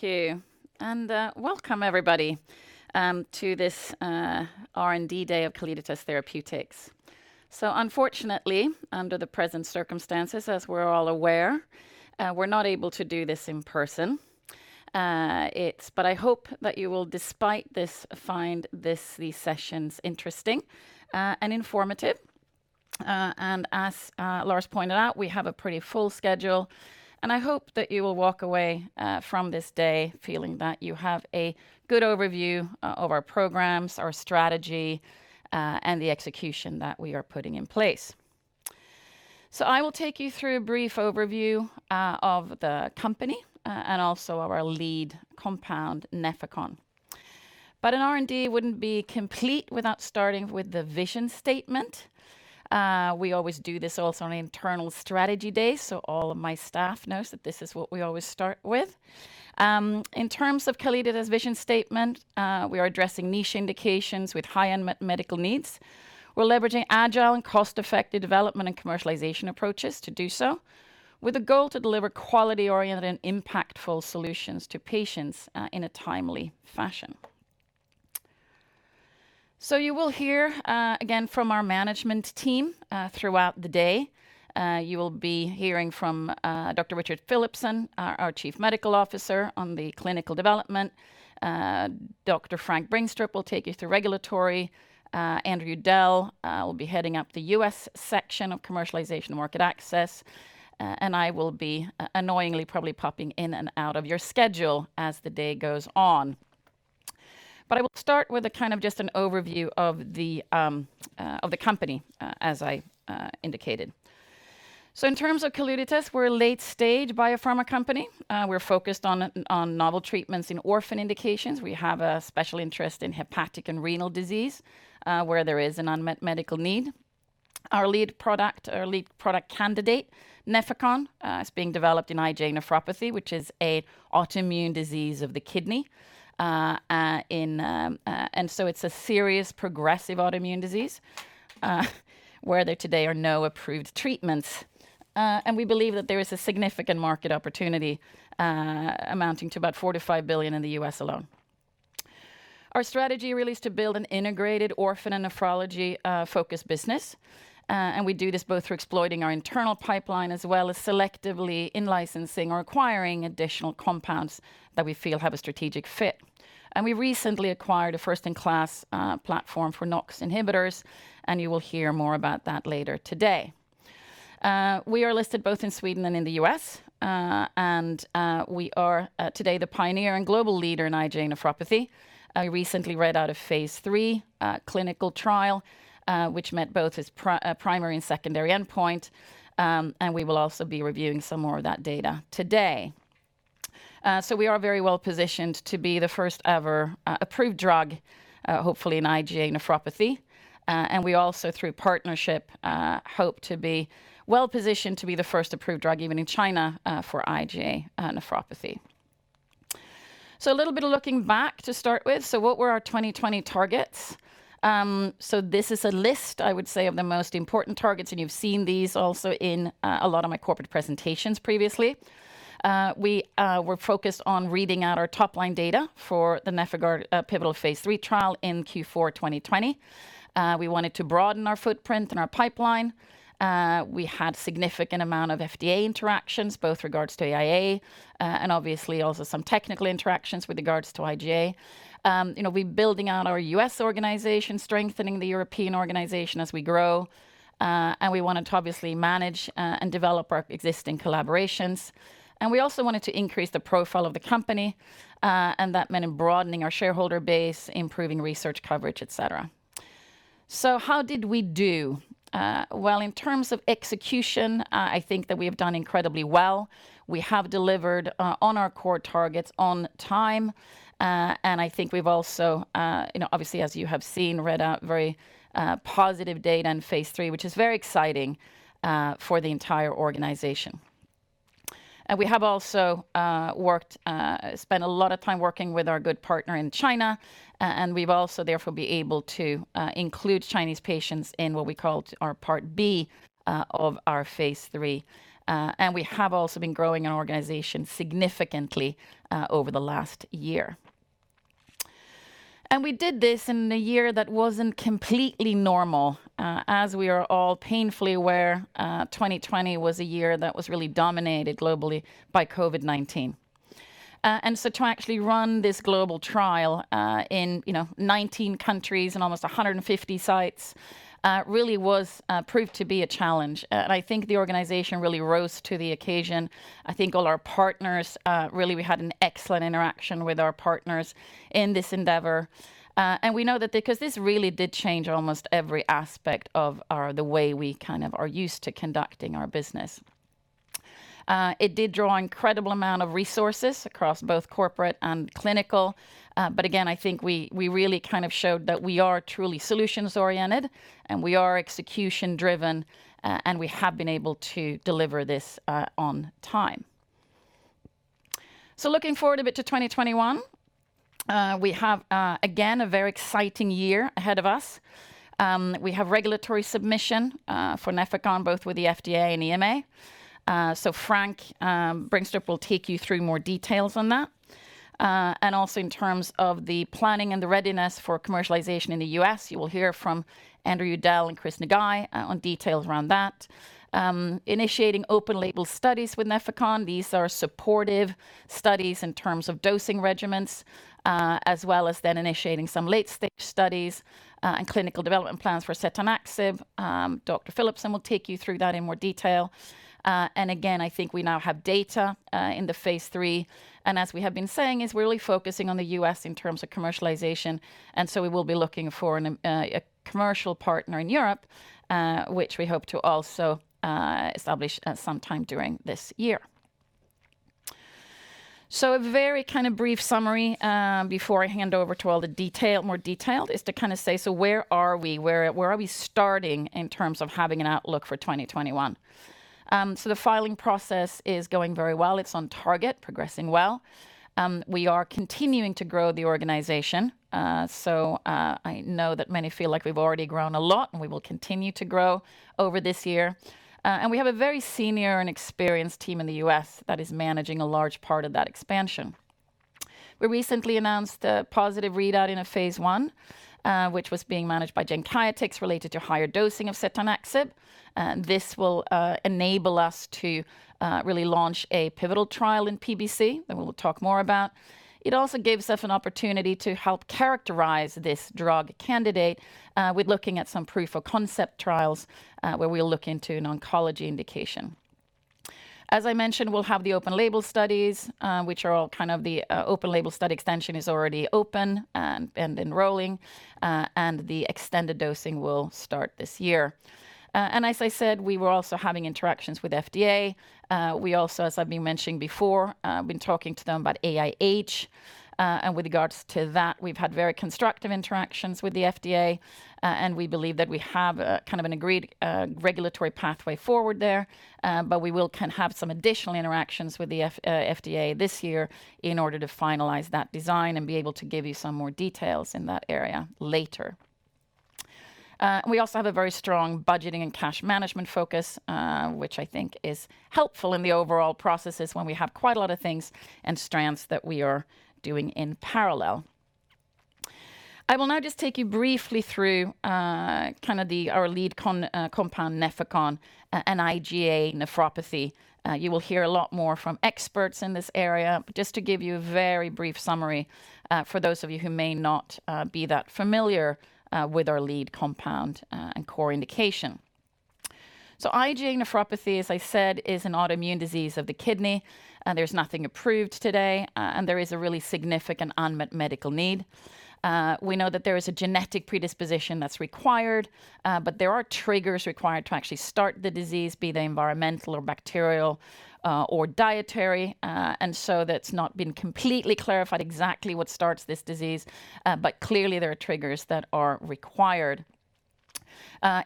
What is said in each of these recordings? Thank you. Welcome, everybody, to this R&D Day of Calliditas Therapeutics. Unfortunately, under the present circumstances, as we're all aware, we're not able to do this in person. I hope that you will, despite this, find these sessions interesting and informative. As Lars pointed out, we have a pretty full schedule, and I hope that you will walk away from this day feeling that you have a good overview of our programs, our strategy, and the execution that we are putting in place. I will take you through a brief overview of the company and also our lead compound, Nefecon. An R&D wouldn't be complete without starting with the vision statement. We always do this also on internal strategy days, so all of my staff knows that this is what we always start with. In terms of Calliditas' vision statement, we are addressing niche indications with high unmet medical needs. We're leveraging agile and cost-effective development and commercialization approaches to do so, with a goal to deliver quality-oriented and impactful solutions to patients in a timely fashion. You will hear again from our management team throughout the day. You will be hearing from Dr. Richard Philipson, our Chief Medical Officer, on the clinical development. Dr. Frank Bringstrup will take you through regulatory. Andrew Udell will be heading up the U.S. section of commercialization and market access. I will be annoyingly probably popping in and out of your schedule as the day goes on. I will start with just an overview of the company, as I indicated. In terms of Calliditas, we're a late-stage biopharma company. We're focused on novel treatments in orphan indications. We have a special interest in hepatic and renal disease, where there is an unmet medical need. Our lead product candidate, Nefecon, is being developed in IgA nephropathy, which is a autoimmune disease of the kidney. It's a serious progressive autoimmune disease where there today are no approved treatments. We believe that there is a significant market opportunity amounting to about $4 billion-$5 billion in the U.S. alone. Our strategy really is to build an integrated orphan and nephrology-focused business. We do this both through exploiting our internal pipeline as well as selectively in-licensing or acquiring additional compounds that we feel have a strategic fit. We recently acquired a first-in-class platform for NOX inhibitors, and you will hear more about that later today. We are listed both in Sweden and in the U.S. We are today the pioneer and global leader in IgA nephropathy. We recently read out a phase III clinical trial which met both its primary and secondary endpoint, and we will also be reviewing some more of that data today. We are very well positioned to be the first-ever approved drug, hopefully in IgA nephropathy. We also, through partnership, hope to be well positioned to be the first approved drug even in China for IgA nephropathy. A little bit of looking back to start with. What were our 2020 targets? This is a list, I would say, of the most important targets, and you've seen these also in a lot of my corporate presentations previously. We were focused on reading out our top-line data for the NefIgArd pivotal phase III trial in Q4 2020. We wanted to broaden our footprint and our pipeline. We had significant amount of FDA interactions, both regards to IgA and obviously also some technical interactions with regards to IgA. We're building out our U.S. organization, strengthening the European organization as we grow. We wanted to obviously manage and develop our existing collaborations. We also wanted to increase the profile of the company, and that meant in broadening our shareholder base, improving research coverage, et cetera. How did we do? Well, in terms of execution, I think that we have done incredibly well. We have delivered on our core targets on time. I think we've also, obviously as you have seen, read out very positive data in phase III, which is very exciting for the entire organization. We have also spent a lot of time working with our good partner in China, we've also therefore been able to include Chinese patients in what we called our Part B of our phase III. We have also been growing our organization significantly over the last year. We did this in a year that wasn't completely normal. As we are all painfully aware, 2020 was a year that was really dominated globally by COVID-19. To actually run this global trial in 19 countries and almost 150 sites really proved to be a challenge. I think the organization really rose to the occasion. I think all our partners, really we had an excellent interaction with our partners in this endeavor. We know that because this really did change almost every aspect of the way we are used to conducting our business. It did draw incredible amount of resources across both corporate and clinical. Again, I think we really showed that we are truly solutions oriented, and we are execution driven, and we have been able to deliver this on time. Looking forward a bit to 2021. We have, again, a very exciting year ahead of us. We have regulatory submission for Nefecon, both with the FDA and EMA. Frank Bringstrup will take you through more details on that. Also in terms of the planning and the readiness for commercialization in the U.S., you will hear from Andrew Udell and Christopher Ngai on details around that. Initiating open label studies with Nefecon. These are supportive studies in terms of dosing regimens, as well as then initiating some late-stage studies, and clinical development plans for setanaxib. Dr. Philipson will take you through that in more detail. Again, I think we now have data in the phase III, and as we have been saying is we're really focusing on the U.S. in terms of commercialization, and so we will be looking for a commercial partner in Europe, which we hope to also establish sometime during this year. A very kind of brief summary before I hand over to all the more detailed, is to kind of say, so where are we? Where are we starting in terms of having an outlook for 2021? The filing process is going very well. It's on target, progressing well. We are continuing to grow the organization. I know that many feel like we've already grown a lot, and we will continue to grow over this year. We have a very senior and experienced team in the U.S. that is managing a large part of that expansion. We recently announced a positive readout in a phase I, which was being managed by Genkyotex, related to higher dosing of setanaxib. This will enable us to really launch a pivotal trial in PBC that we'll talk more about. It also gives us an opportunity to help characterize this drug candidate with looking at some proof of concept trials, where we'll look into an oncology indication. As I mentioned, we'll have the open label studies. The open label study extension is already open and enrolling, and the extended dosing will start this year. As I said, we were also having interactions with FDA. We also, as I've been mentioning before, have been talking to them about AIH. With regards to that, we've had very constructive interactions with the FDA, and we believe that we have kind of an agreed regulatory pathway forward there. We will have some additional interactions with the FDA this year in order to finalize that design and be able to give you some more details in that area later. We also have a very strong budgeting and cash management focus, which I think is helpful in the overall processes when we have quite a lot of things and strands that we are doing in parallel. I will now just take you briefly through our lead compound, Nefecon, and IgA nephropathy. You will hear a lot more from experts in this area. Just to give you a very brief summary, for those of you who may not be that familiar with our lead compound and core indication. IgA nephropathy, as I said, is an autoimmune disease of the kidney. There's nothing approved today, and there is a really significant unmet medical need. We know that there is a genetic predisposition that's required, but there are triggers required to actually start the disease, be they environmental or bacterial, or dietary. That's not been completely clarified exactly what starts this disease. Clearly, there are triggers that are required.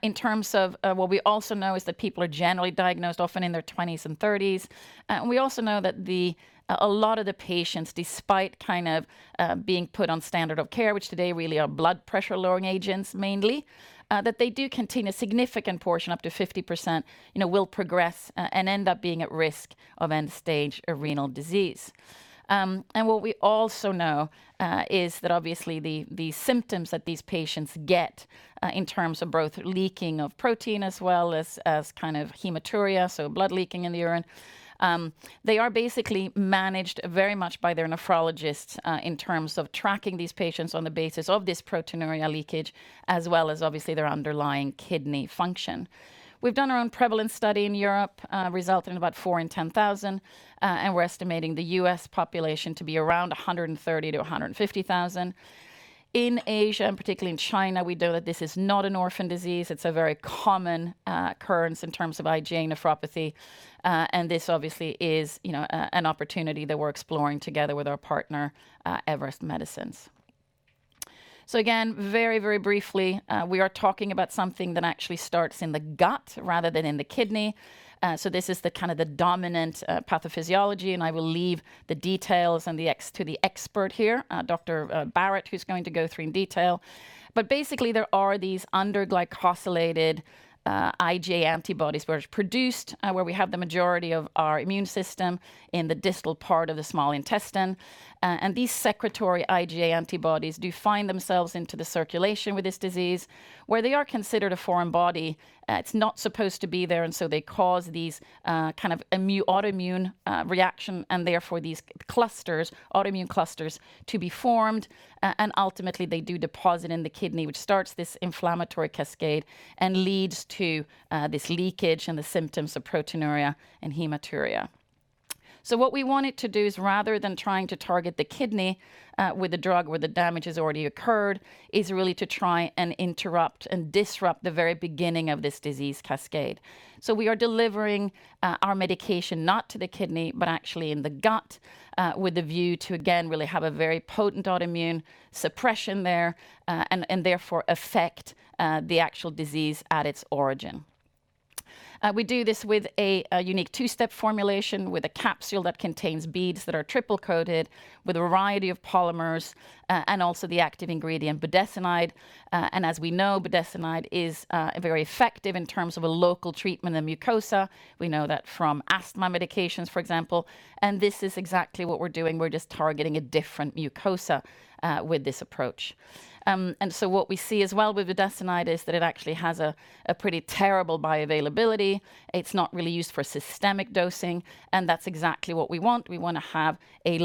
In terms of what we also know is that people are generally diagnosed often in their 20s and 30s. We also know that a lot of the patients, despite kind of being put on standard of care, which today really are blood pressure lowering agents mainly, that they do contain a significant portion, up to 50%, will progress and end up being at risk of end-stage renal disease. What we also know is that obviously the symptoms that these patients get in terms of both leaking of protein as well as hematuria, so blood leaking in the urine. They are basically managed very much by their nephrologists, in terms of tracking these patients on the basis of this proteinuria leakage, as well as obviously their underlying kidney function. We've done our own prevalence study in Europe, resulting in about four in 10,000, and we're estimating the U.S. population to be around 130,000 to 150,000. In Asia, and particularly in China, we know that this is not an orphan disease. It's a very common occurrence in terms of IgA nephropathy. This obviously is an opportunity that we're exploring together with our partner, Everest Medicines. Again, very briefly, we are talking about something that actually starts in the gut rather than in the kidney. This is the kind of the dominant pathophysiology, and I will leave the details to the expert here, Dr. Barratt, who's going to go through in detail. Basically, there are these undergalactosylated IgA antibodies which are produced where we have the majority of our immune system in the distal part of the small intestine. These secretory IgA antibodies do find themselves into the circulation with this disease, where they are considered a foreign body. It's not supposed to be there, and so they cause these kind of autoimmune reaction and therefore these autoimmune clusters to be formed. Ultimately, they do deposit in the kidney, which starts this inflammatory cascade and leads to this leakage and the symptoms of proteinuria and hematuria. What we wanted to do is rather than trying to target the kidney with a drug where the damage has already occurred, is really to try and interrupt and disrupt the very beginning of this disease cascade. We are delivering our medication not to the kidney, but actually in the gut, with the view to, again, really have a very potent autoimmune suppression there, and therefore affect the actual disease at its origin. We do this with a unique two-step formulation with a capsule that contains beads that are triple-coated with a variety of polymers and also the active ingredient budesonide. As we know, budesonide is very effective in terms of a local treatment of mucosa. We know that from asthma medications, for example, and this is exactly what we're doing. We're just targeting a different mucosa with this approach. What we see as well with budesonide is that it actually has a pretty terrible bioavailability. It's not really used for systemic dosing, and that's exactly what we want. We want to have a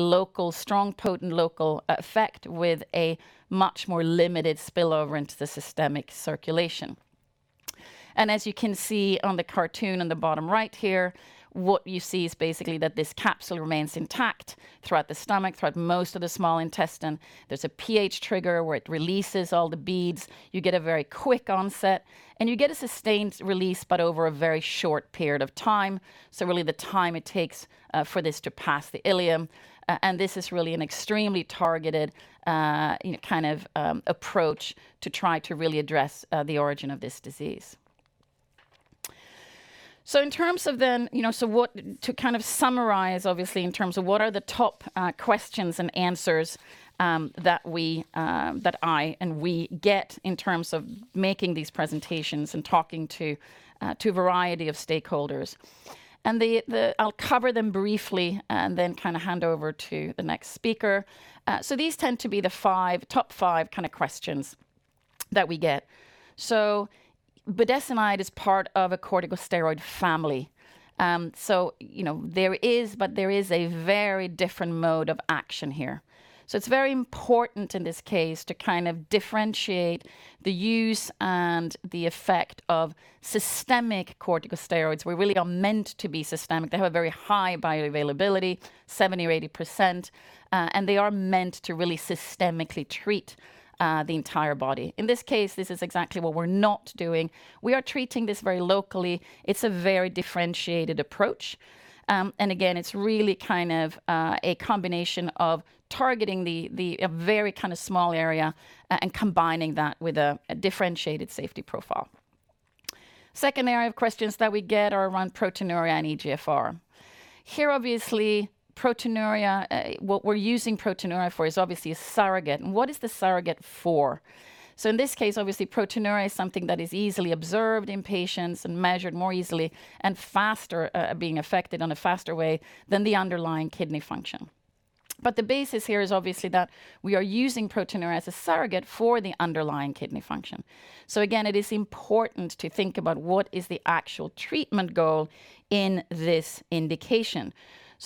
strong, potent local effect with a much more limited spillover into the systemic circulation. As you can see on the cartoon on the bottom right here, what you see is basically that this capsule remains intact throughout the stomach, throughout most of the small intestine. There's a pH trigger where it releases all the beads. You get a very quick onset, and you get a sustained release, but over a very short period of time, so really the time it takes for this to pass the ileum. This is really an extremely targeted approach to try to really address the origin of this disease. To summarize, obviously, in terms of what are the top questions and answers that I and we get in terms of making these presentations and talking to a variety of stakeholders. I'll cover them briefly and then hand over to the next speaker. These tend to be the top five kind of questions that we get. Budesonide is part of a corticosteroid family. There is a very different mode of action here. It's very important in this case to differentiate the use and the effect of systemic corticosteroids, which really are meant to be systemic. They have a very high bioavailability, 70% or 80%, and they are meant to really systemically treat the entire body. In this case, this is exactly what we're not doing. We are treating this very locally. It's a very differentiated approach. Again, it's really a combination of targeting a very small area and combining that with a differentiated safety profile. Second area of questions that we get are around proteinuria and eGFR. Here, obviously, proteinuria, what we're using proteinuria for is obviously a surrogate. What is the surrogate for? In this case, obviously, proteinuria is something that is easily observed in patients and measured more easily and faster, being affected in a faster way than the underlying kidney function. The basis here is obviously that we are using proteinuria as a surrogate for the underlying kidney function. Again, it is important to think about what is the actual treatment goal in this indication.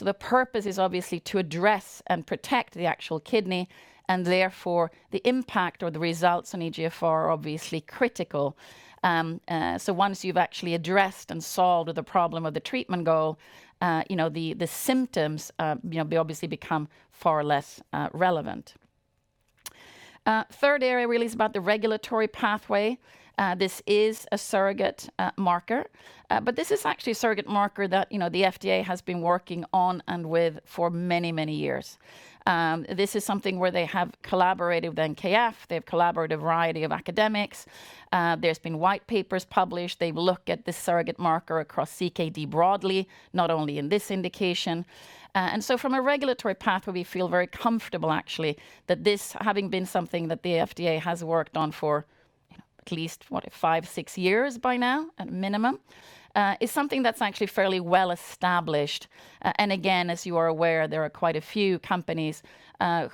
The purpose is obviously to address and protect the actual kidney, and therefore the impact or the results on eGFR are obviously critical. Once you've actually addressed and solved the problem or the treatment goal, the symptoms obviously become far less relevant. Third area really is about the regulatory pathway. This is a surrogate marker, but this is actually a surrogate marker that the FDA has been working on and with for many, many years. This is something where they have collaborated with NKF, they've collaborated with a variety of academics. There's been white papers published. They've looked at this surrogate marker across CKD broadly, not only in this indication. From a regulatory pathway, we feel very comfortable actually that this having been something that the FDA has worked on for at least, what, five, six years by now at minimum, is something that's actually fairly well-established. As you are aware, there are quite a few companies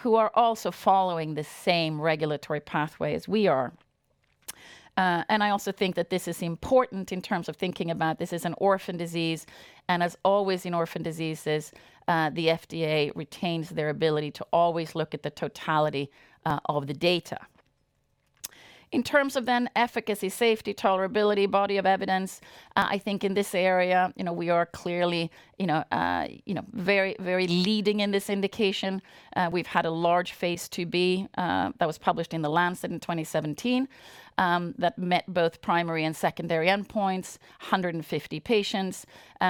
who are also following the same regulatory pathway as we are. I also think that this is important in terms of thinking about this as an orphan disease. As always in orphan diseases, the FDA retains their ability to always look at the totality of the data. In terms of then efficacy, safety, tolerability, body of evidence, I think in this area we are clearly very leading in this indication. We've had a large phase IIb that was published in "The Lancet" in 2017 that met both primary and secondary endpoints, 150 patients.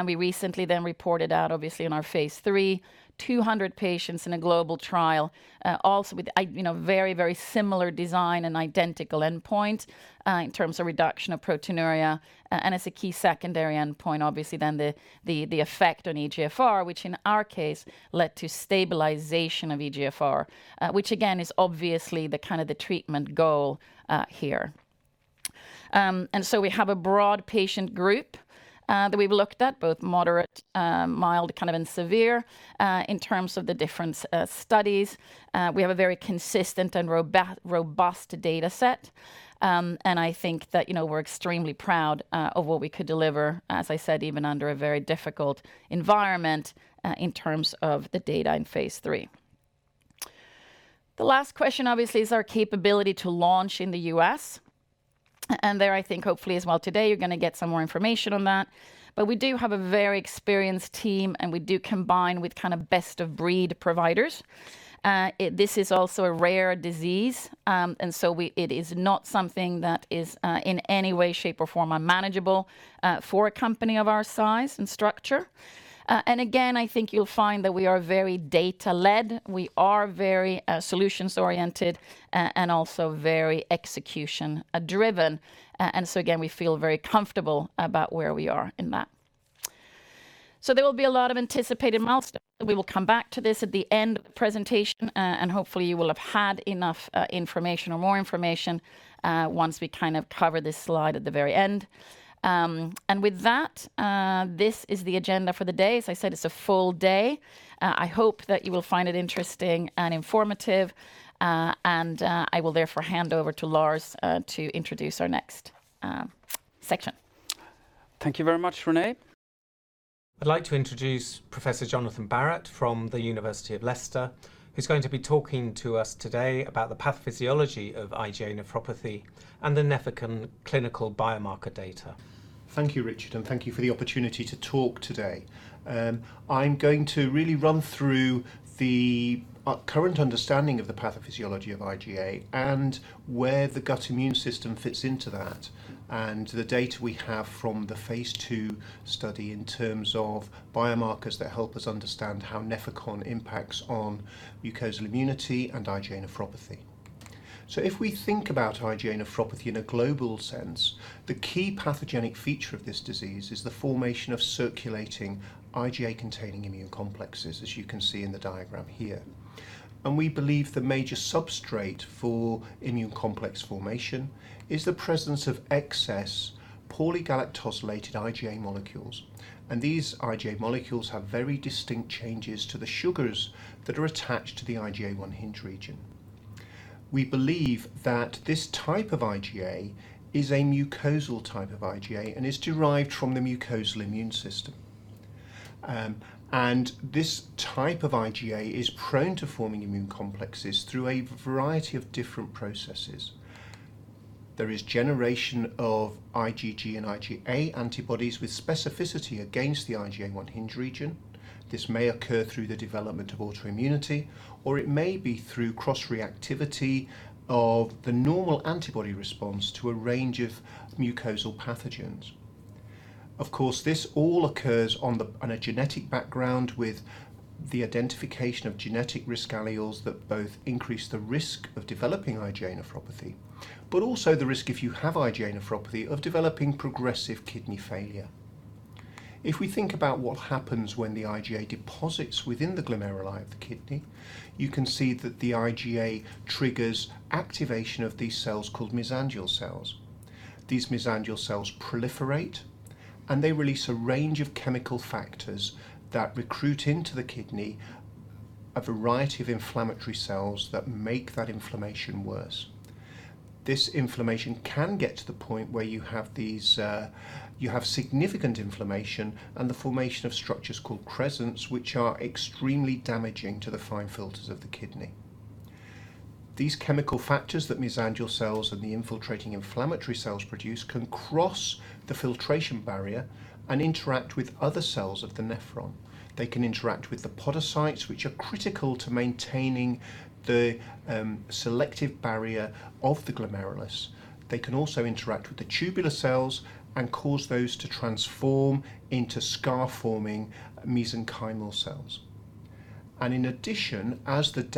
We recently then reported out, obviously in our phase III, 200 patients in a global trial, also with a very similar design and identical endpoint in terms of reduction of proteinuria. As a key secondary endpoint, obviously then the effect on eGFR, which in our case led to stabilization of eGFR, which again, is obviously the treatment goal here. So we have a broad patient group that we've looked at, both moderate, mild, and severe in terms of the different studies. We have a very consistent and robust data set. I think that we're extremely proud of what we could deliver, as I said, even under a very difficult environment in terms of the data in phase III. The last question, obviously, is our capability to launch in the U.S. There, I think hopefully as well today, you're going to get some more information on that. We do have a very experienced team, and we do combine with best-of-breed providers. This is also a rare disease, and so it is not something that is in any way, shape, or form unmanageable for a company of our size and structure. Again, I think you'll find that we are very data-led, we are very solutions-oriented, and also very execution-driven. Again, we feel very comfortable about where we are in that. There will be a lot of anticipated milestones. We will come back to this at the end of the presentation, and hopefully you will have had enough information or more information once we cover this slide at the very end. With that, this is the agenda for the day. As I said, it's a full day. I hope that you will find it interesting and informative, and I will therefore hand over to Lars to introduce our next section. Thank you very much, Renée. I'd like to introduce Professor Jonathan Barratt from the University of Leicester, who's going to be talking to us today about the pathophysiology of IgA nephropathy and the Nefecon clinical biomarker data. Thank you, Richard. Thank you for the opportunity to talk today. I'm going to really run through the current understanding of the pathophysiology of IgA and where the gut immune system fits into that, and the data we have from the phase II study in terms of biomarkers that help us understand how Nefecon impacts on mucosal immunity and IgA nephropathy. If we think about IgA nephropathy in a global sense, the key pathogenic feature of this disease is the formation of circulating IgA-containing immune complexes, as you can see in the diagram here. We believe the major substrate for immune complex formation is the presence of excess undergalactosylated IgA molecules. These IgA molecules have very distinct changes to the sugars that are attached to the IgA1 hinge region. We believe that this type of IgA is a mucosal type of IgA and is derived from the mucosal immune system. This type of IgA is prone to forming immune complexes through a variety of different processes. There is generation of IgG and IgA antibodies with specificity against the IgA1 hinge region. This may occur through the development of autoimmunity, or it may be through cross-reactivity of the normal antibody response to a range of mucosal pathogens. Of course, this all occurs on a genetic background with the identification of genetic risk alleles that both increase the risk of developing IgA nephropathy, but also the risk if you have IgA nephropathy of developing progressive kidney failure. If we think about what happens when the IgA deposits within the glomeruli of the kidney, you can see that the IgA triggers activation of these cells called mesangial cells. These mesangial cells proliferate, and they release a range of chemical factors that recruit into the kidney a variety of inflammatory cells that make that inflammation worse. This inflammation can get to the point where you have significant inflammation and the formation of structures called crescents, which are extremely damaging to the fine filters of the kidney. These chemical factors that mesangial cells and the infiltrating inflammatory cells produce can cross the filtration barrier and interact with other cells of the nephron. They can interact with the podocytes, which are critical to maintaining the selective barrier of the glomerulus. They can also interact with the tubular cells and cause those to transform into scar-forming mesenchymal cells. In addition, as there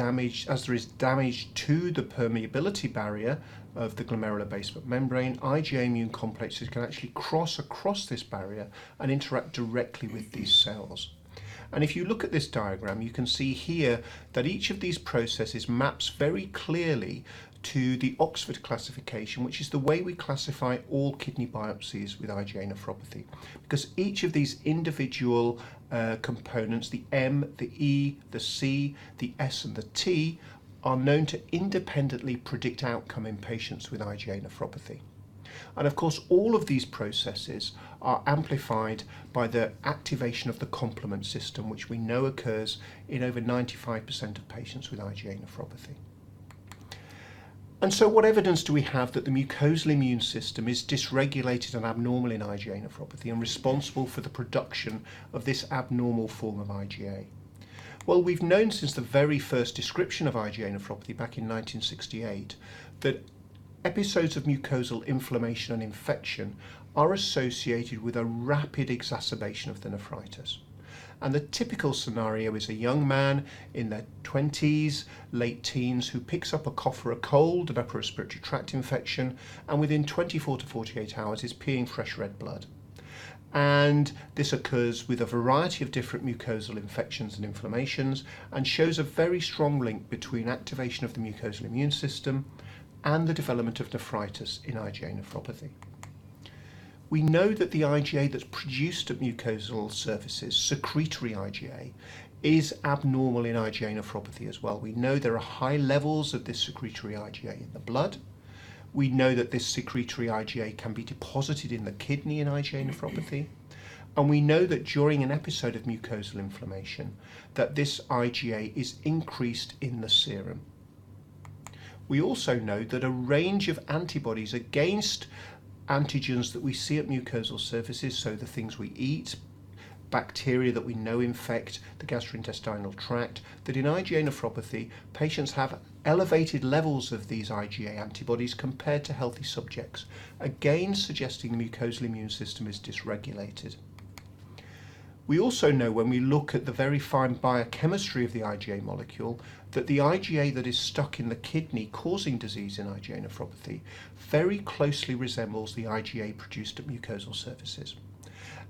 is damage to the permeability barrier of the glomerular basement membrane, IgA immune complexes can actually cross across this barrier and interact directly with these cells. If you look at this diagram, you can see here that each of these processes maps very clearly to the Oxford classification, which is the way we classify all kidney biopsies with IgA nephropathy. Because each of these individual components, the M, the E, the C, the S, and the T, are known to independently predict outcome in patients with IgA nephropathy. Of course, all of these processes are amplified by the activation of the complement system, which we know occurs in over 95% of patients with IgA nephropathy. What evidence do we have that the mucosal immune system is dysregulated and abnormal in IgA nephropathy and responsible for the production of this abnormal form of IgA? We've known since the very first description of IgA nephropathy back in 1968 that episodes of mucosal inflammation and infection are associated with a rapid exacerbation of the nephritis. The typical scenario is a young man in their 20s, late teens, who picks up a cough or a cold, an upper respiratory tract infection, and within 24 to 48 hours is peeing fresh red blood. This occurs with a variety of different mucosal infections and inflammations and shows a very strong link between activation of the mucosal immune system and the development of nephritis in IgA nephropathy. We know that the IgA that's produced at mucosal surfaces, secretory IgA, is abnormal in IgA nephropathy as well. We know there are high levels of this secretory IgA in the blood. We know that this secretory IgA can be deposited in the kidney in IgA nephropathy. We know that during an episode of mucosal inflammation that this IgA is increased in the serum. We also know that a range of antibodies against antigens that we see at mucosal surfaces, so the things we eat, bacteria that we know infect the gastrointestinal tract, that in IgA nephropathy, patients have elevated levels of these IgA antibodies compared to healthy subjects, again suggesting the mucosal immune system is dysregulated. We also know when we look at the very fine biochemistry of the IgA molecule, that the IgA that is stuck in the kidney causing disease in IgA nephropathy very closely resembles the IgA produced at mucosal surfaces.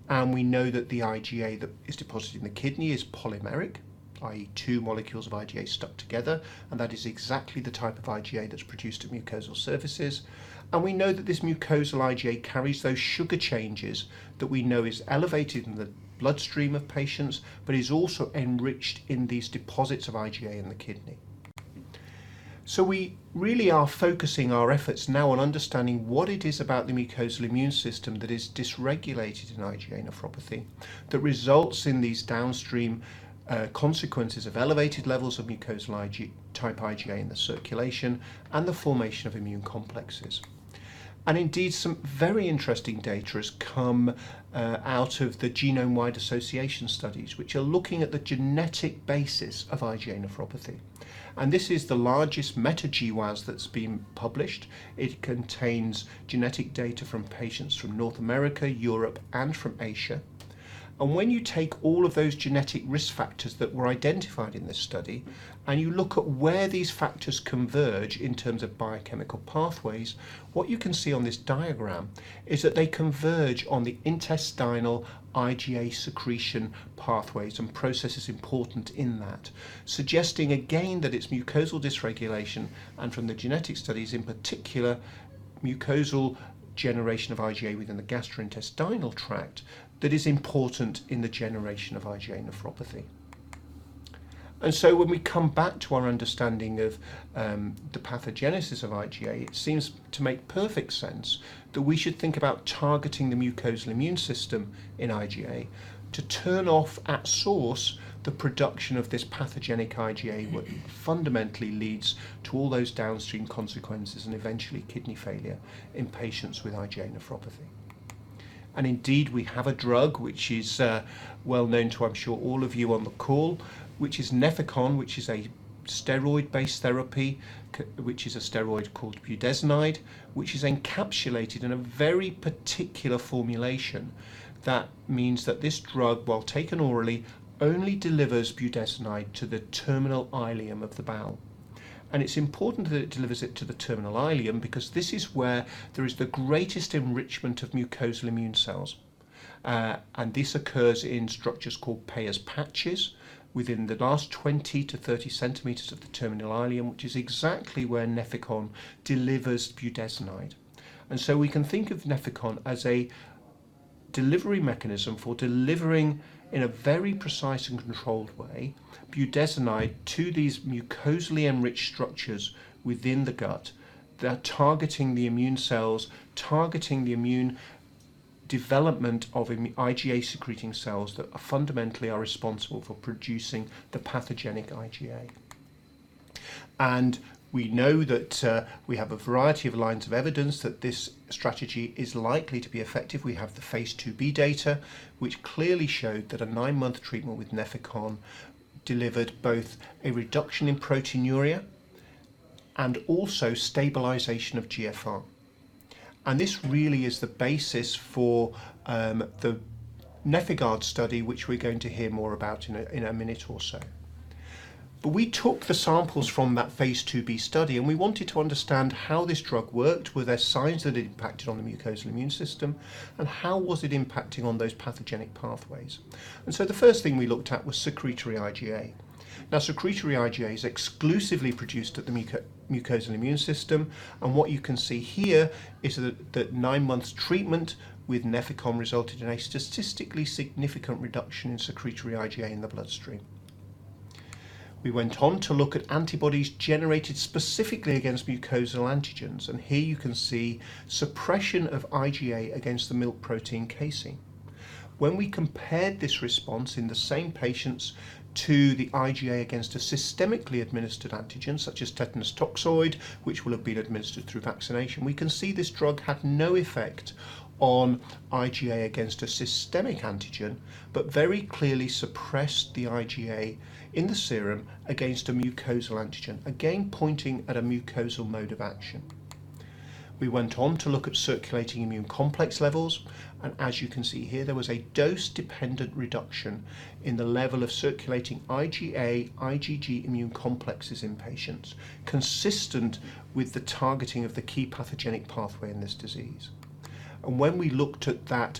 We know that the IgA that is deposited in the kidney is polymeric, i.e., two molecules of IgA stuck together, and that is exactly the type of IgA that's produced at mucosal surfaces. We know that this mucosal IgA carries those sugar changes that we know is elevated in the bloodstream of patients, but is also enriched in these deposits of IgA in the kidney. We really are focusing our efforts now on understanding what it is about the mucosal immune system that is dysregulated in IgA nephropathy that results in these downstream consequences of elevated levels of mucosal type IgA in the circulation and the formation of immune complexes. Indeed, some very interesting data has come out of the genome-wide association studies, which are looking at the genetic basis of IgA nephropathy. This is the largest meta GWAS that's been published. It contains genetic data from patients from North America, Europe, and from Asia. When you take all of those genetic risk factors that were identified in this study, and you look at where these factors converge in terms of biochemical pathways, what you can see on this diagram is that they converge on the intestinal IgA secretion pathways and processes important in that, suggesting again that it's mucosal dysregulation, and from the genetic studies in particular, mucosal generation of IgA within the gastrointestinal tract that is important in the generation of IgA nephropathy. When we come back to our understanding of the pathogenesis of IgA, it seems to make perfect sense that we should think about targeting the mucosal immune system in IgA to turn off at source the production of this pathogenic IgA, what fundamentally leads to all those downstream consequences and eventually kidney failure in patients with IgA nephropathy. Indeed, we have a drug which is well known to, I'm sure, all of you on the call, which is Nefecon, which is a steroid-based therapy, which is a steroid called budesonide, which is encapsulated in a very particular formulation. That means that this drug, while taken orally, only delivers budesonide to the terminal ileum of the bowel. It's important that it delivers it to the terminal ileum because this is where there is the greatest enrichment of mucosal immune cells. This occurs in structures called Peyer's patches within the last 20 cm to 30 cm of the terminal ileum, which is exactly where Nefecon delivers budesonide. We can think of Nefecon as a delivery mechanism for delivering, in a very precise and controlled way, budesonide to these mucosally enriched structures within the gut that are targeting the immune cells, targeting the immune development of IgA-secreting cells that fundamentally are responsible for producing the pathogenic IgA. We know that we have a variety of lines of evidence that this strategy is likely to be effective. We have the phase IIb data, which clearly showed that a nine-month treatment with Nefecon delivered both a reduction in proteinuria and also stabilization of GFR. This really is the basis for the NefIgArd study, which we're going to hear more about in a minute or so. We took the samples from that phase IIb study, and we wanted to understand how this drug worked. Were there signs that it impacted on the mucosal immune system, and how was it impacting on those pathogenic pathways? The first thing we looked at was secretory IgA. Now, secretory IgA is exclusively produced at the mucosal immune system, and what you can see here is that nine months treatment with Nefecon resulted in a statistically significant reduction in secretory IgA in the bloodstream. We went on to look at antibodies generated specifically against mucosal antigens, and here you can see suppression of IgA against the milk protein casein. When we compared this response in the same patients to the IgA against a systemically administered antigen, such as tetanus toxoid, which will have been administered through vaccination, we can see this drug had no effect on IgA against a systemic antigen, but very clearly suppressed the IgA in the serum against a mucosal antigen, again, pointing at a mucosal mode of action. We went home to look at circulating immune complex. As you can see here, there was a dose-dependent reduction in the level of circulating IgA, IgG immune complexes in patients, consistent with the targeting of the key pathogenic pathway in this disease. When we looked at that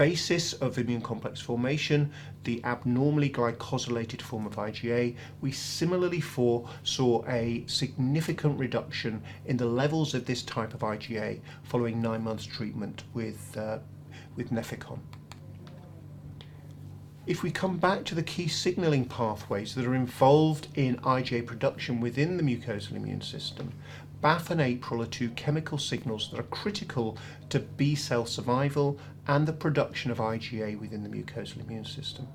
basis of immune complex formation, the abnormally glycosylated form of IgA, we similarly saw a significant reduction in the levels of this type of IgA following nine months treatment with Nefecon. If we come back to the key signaling pathways that are involved in IgA production within the mucosal immune system, BAFF and APRIL are two chemical signals that are critical to B-cell survival and the production of IgA within the mucosal immune system.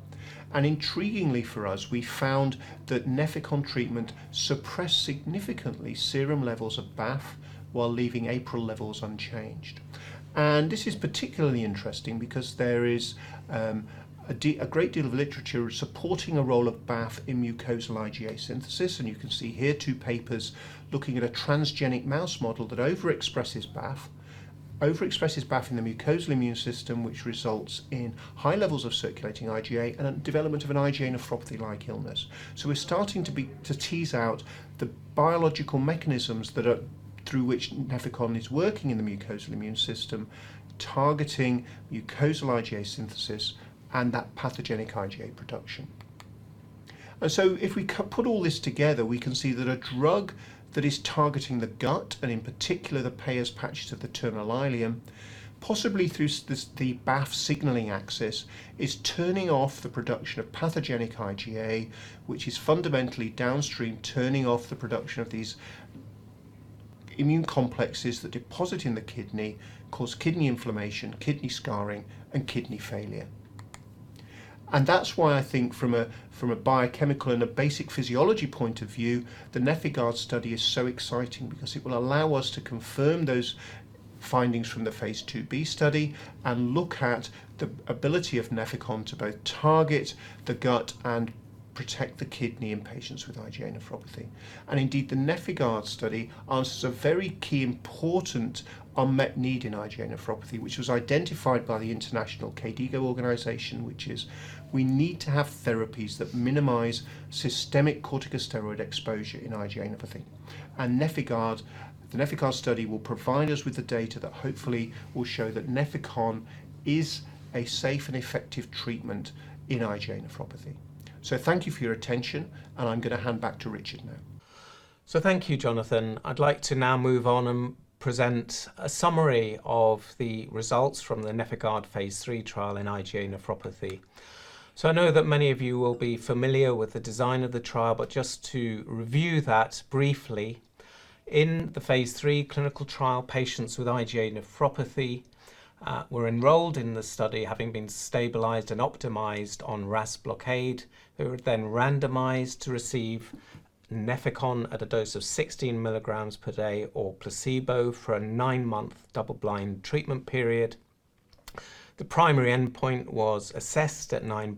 Intriguingly for us, we found that Nefecon treatment suppressed significantly serum levels of BAFF while leaving APRIL levels unchanged. This is particularly interesting because there is a great deal of literature supporting a role of BAFF in mucosal IgA synthesis, and you can see here two papers looking at a transgenic mouse model that overexpresses BAFF in the mucosal immune system, which results in high levels of circulating IgA and development of an IgA nephropathy-like illness. We're starting to tease out the biological mechanisms that are through which Nefecon is working in the mucosal immune system, targeting mucosal IgA synthesis and that pathogenic IgA production. If we put all this together, we can see that a drug that is targeting the gut, and in particular the Peyer's patches of the terminal ileum, possibly through the BAFF signaling axis, is turning off the production of pathogenic IgA, which is fundamentally downstream, turning off the production of these immune complexes that deposit in the kidney, cause kidney inflammation, kidney scarring, and kidney failure. That's why I think from a biochemical and a basic physiology point of view, the NefIgArd study is so exciting because it will allow us to confirm those findings from the phase IIb study and look at the ability of Nefecon to both target the gut and protect the kidney in patients with IgA nephropathy. Indeed, the NefIgArd study answers a very key important unmet need in IgA nephropathy, which was identified by the International KDIGO organization, which is we need to have therapies that minimize systemic corticosteroid exposure in IgA nephropathy. The NefIgArd study will provide us with the data that hopefully will show that Nefecon is a safe and effective treatment in IgA nephropathy. Thank you for your attention, I'm going to hand back to Richard now. Thank you, Jonathan. I'd like to now move on and present a summary of the results from the NefIgArd phase III trial in IgA nephropathy. I know that many of you will be familiar with the design of the trial, but just to review that briefly, in the phase III clinical trial, patients with IgA nephropathy were enrolled in the study having been stabilized and optimized on RAS blockade, who were then randomized to receive Nefecon at a dose of 16 mg per day or placebo for a nine-month double-blind treatment period. The primary endpoint was assessed at nine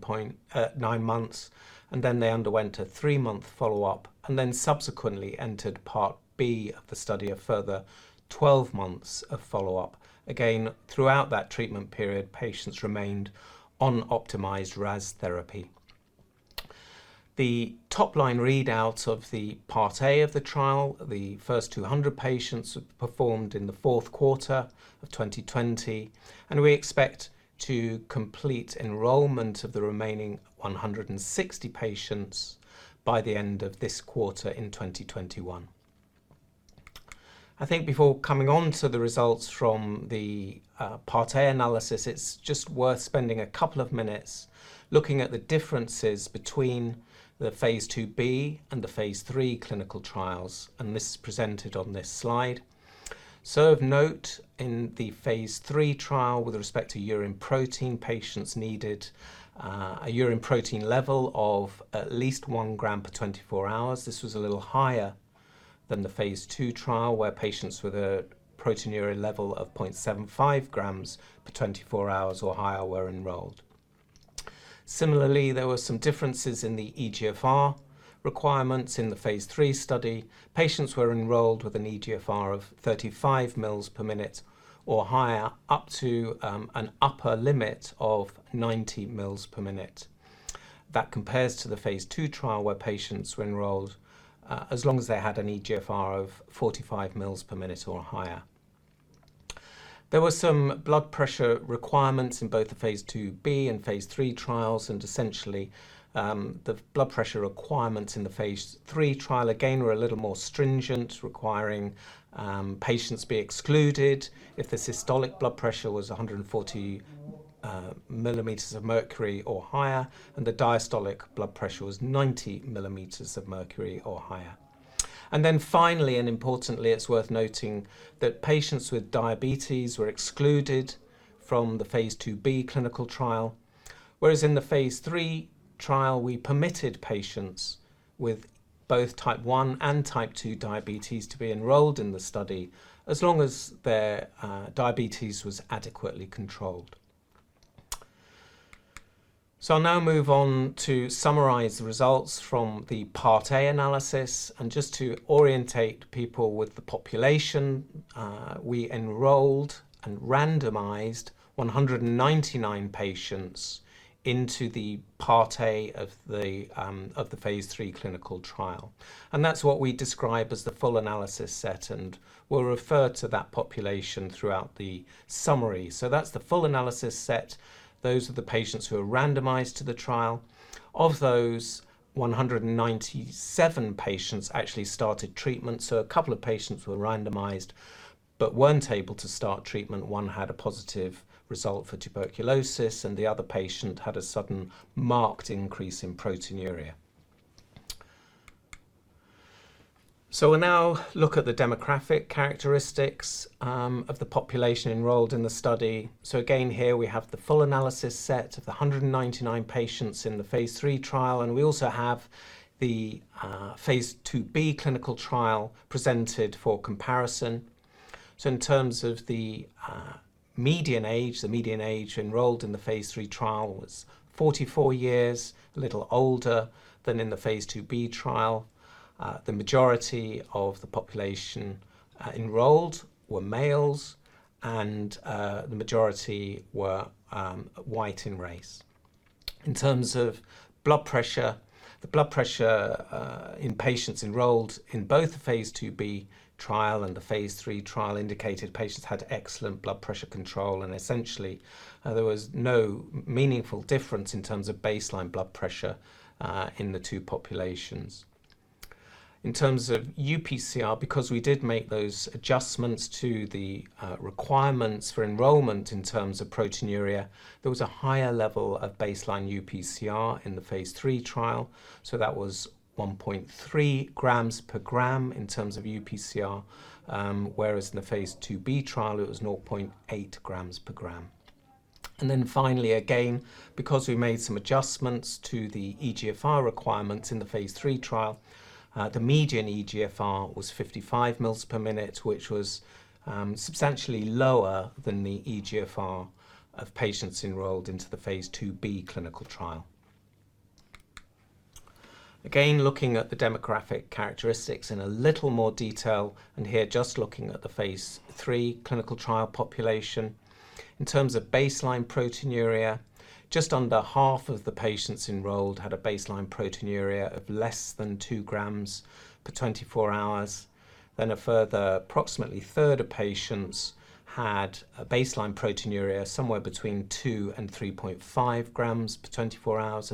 months, and then they underwent a three-month follow-up, and then subsequently entered Part B of the study, a further 12 months of follow-up. Again, throughout that treatment period, patients remained on optimized RAS therapy. The top-line readout of the Part A of the trial, the first 200 patients performed in the fourth quarter of 2020, and we expect to complete enrollment of the remaining 160 patients by the end of this quarter in 2021. Before coming on to the results from the Part A analysis, it's just worth spending a couple of minutes looking at the differences between the phase IIb and the phase III clinical trials, and this is presented on this slide. Of note, in the phase III trial, with respect to urine protein, patients needed a urine protein level of at least 1 g per 24 hours. This was a little higher than the phase II trial, where patients with a proteinuria level of 0.75 g per 24 hours or higher were enrolled. Similarly, there were some differences in the eGFR requirements in the phase III study. Patients were enrolled with an eGFR of 35 mL per minute or higher, up to an upper limit of 90 mL per minute. That compares to the phase II trial, where patients were enrolled as long as they had an eGFR of 45 mL per minute or higher. There were some blood pressure requirements in both the phase IIb and phase III trials, and essentially, the blood pressure requirements in the phase III trial, again, were a little more stringent, requiring patients be excluded if the systolic blood pressure was 140 mm of mercury or higher and the diastolic blood pressure was 90 mm of mercury or higher. Then finally, and importantly, it's worth noting that patients with diabetes were excluded from the phase IIb clinical trial, whereas in the phase III trial, we permitted patients with both type one and type two diabetes to be enrolled in the study as long as their diabetes was adequately controlled. I'll now move on to summarize the results from the Part A analysis, and just to orientate people with the population, we enrolled and randomized 199 patients into the Part A of the phase III clinical trial. That's what we describe as the full analysis set, and we'll refer to that population throughout the summary. That's the full analysis set. Those are the patients who are randomized to the trial. Of those, 197 patients actually started treatment, so a couple of patients were randomized but weren't able to start treatment. One had a positive result for tuberculosis, and the other patient had a sudden marked increase in proteinuria. We'll now look at the demographic characteristics of the population enrolled in the study. Again, here we have the full analysis set of the 199 patients in the phase III trial, and we also have the phase IIb clinical trial presented for comparison. In terms of the median age, the median age enrolled in the phase III trial was 44 years, a little older than in the phase IIb trial. The majority of the population enrolled were males, and the majority were white in race. In terms of blood pressure, the blood pressure in patients enrolled in both the phase IIb trial and the phase III trial indicated patients had excellent blood pressure control, and essentially, there was no meaningful difference in terms of baseline blood pressure in the two populations. In terms of UPCR, because we did make those adjustments to the requirements for enrollment in terms of proteinuria, there was a higher level of baseline UPCR in the phase III trial. That was 1.3 g/g in terms of UPCR, whereas in the phase IIb trial, it was 0.8 g/g. Finally, again, because we made some adjustments to the eGFR requirements in the phase III trial, the median eGFR was 55 mLs per minute, which was substantially lower than the eGFR of patients enrolled into the phase IIb clinical trial. Looking at the demographic characteristics in a little more detail, and here just looking at the phase III clinical trial population. In terms of baseline proteinuria, just under half of the patients enrolled had a baseline proteinuria of less than 2 g per 24 hours. A further approximately a third of patients had a baseline proteinuria somewhere between 2 g and 3.5 g per 24 hours.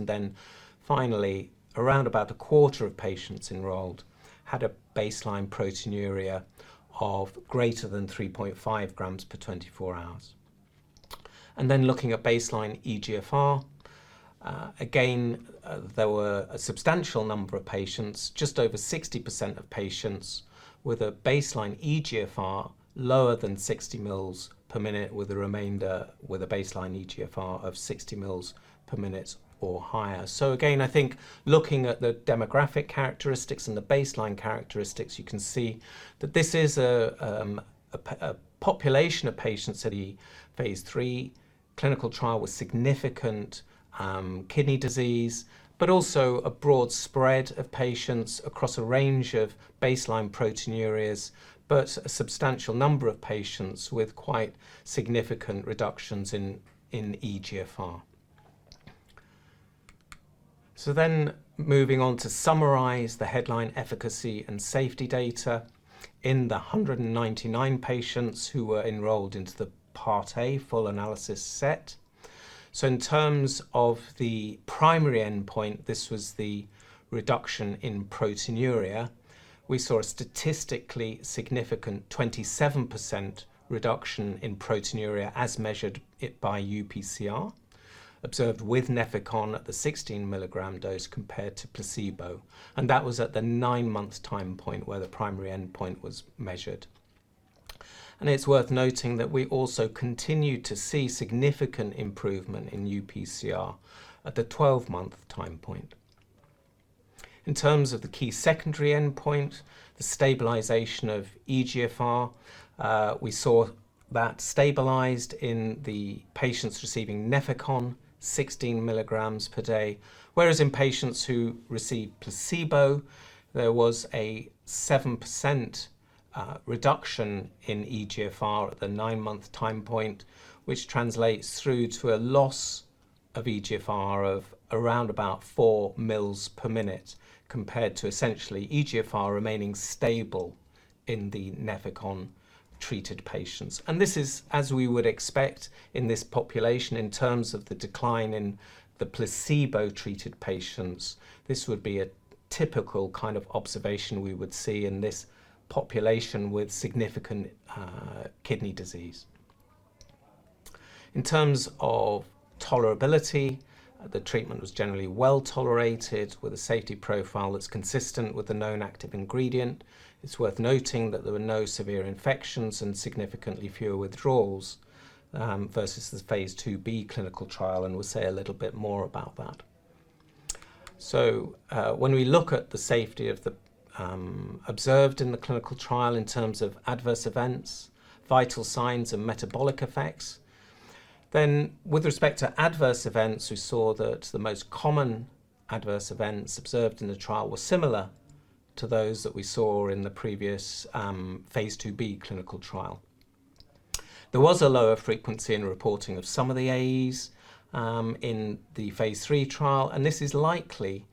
Finally, around about a quarter of patients enrolled had a baseline proteinuria of greater than 3.5 g per 24 hours. Looking at baseline eGFR, again, there were a substantial number of patients, just over 60% of patients, with a baseline eGFR lower than 60 mL per minute, with the remainder with a baseline eGFR of 60 mL per minute or higher. Again, I think looking at the demographic characteristics and the baseline characteristics, you can see that this is a population of patients at the phase III clinical trial with significant kidney disease, but also a broad spread of patients across a range of baseline proteinuria, but a substantial number of patients with quite significant reductions in eGFR. Moving on to summarize the headline efficacy and safety data in the 199 patients who were enrolled into the Part A full analysis set. In terms of the primary endpoint, this was the reduction in proteinuria. We saw a statistically significant 27% reduction in proteinuria as measured by UPCR, observed with Nefecon at the 16 mg dose compared to placebo. That was at the nine-month time point where the primary endpoint was measured. It's worth noting that we also continued to see significant improvement in UPCR at the 12-month time point. In terms of the key secondary endpoint, the stabilization of eGFR, we saw that stabilized in the patients receiving Nefecon 16 mg per day, whereas in patients who received placebo, there was a 7% reduction in eGFR at the nine-month time point, which translates through to a loss of eGFR of around about 4 mg per minute, compared to essentially eGFR remaining stable in the Nefecon-treated patients. This is as we would expect in this population in terms of the decline in the placebo-treated patients. This would be a typical kind of observation we would see in this population with significant kidney disease. In terms of tolerability, the treatment was generally well-tolerated with a safety profile that's consistent with the known active ingredient. It's worth noting that there were no severe infections and significantly fewer withdrawals versus the phase IIb clinical trial, and we'll say a little bit more about that. When we look at the safety observed in the clinical trial in terms of adverse events, vital signs, and metabolic effects, then with respect to adverse events, we saw that the most common adverse events observed in the trial were similar to those that we saw in the previous phase IIb clinical trial. There was a lower frequency in reporting of some of the AEs in the phase III trial. This is likely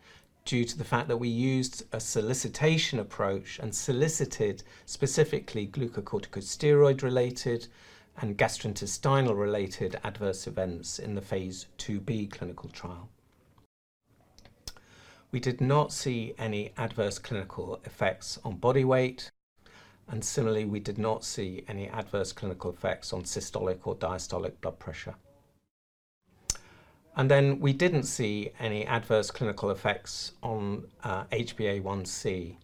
due to the fact that we used a solicitation approach and solicited specifically glucocorticosteroid-related and gastrointestinal-related adverse events in the phase IIb clinical trial. We did not see any adverse clinical effects on body weight. Similarly, we did not see any adverse clinical effects on systolic or diastolic blood pressure. We didn't see any adverse clinical effects on HbA1c.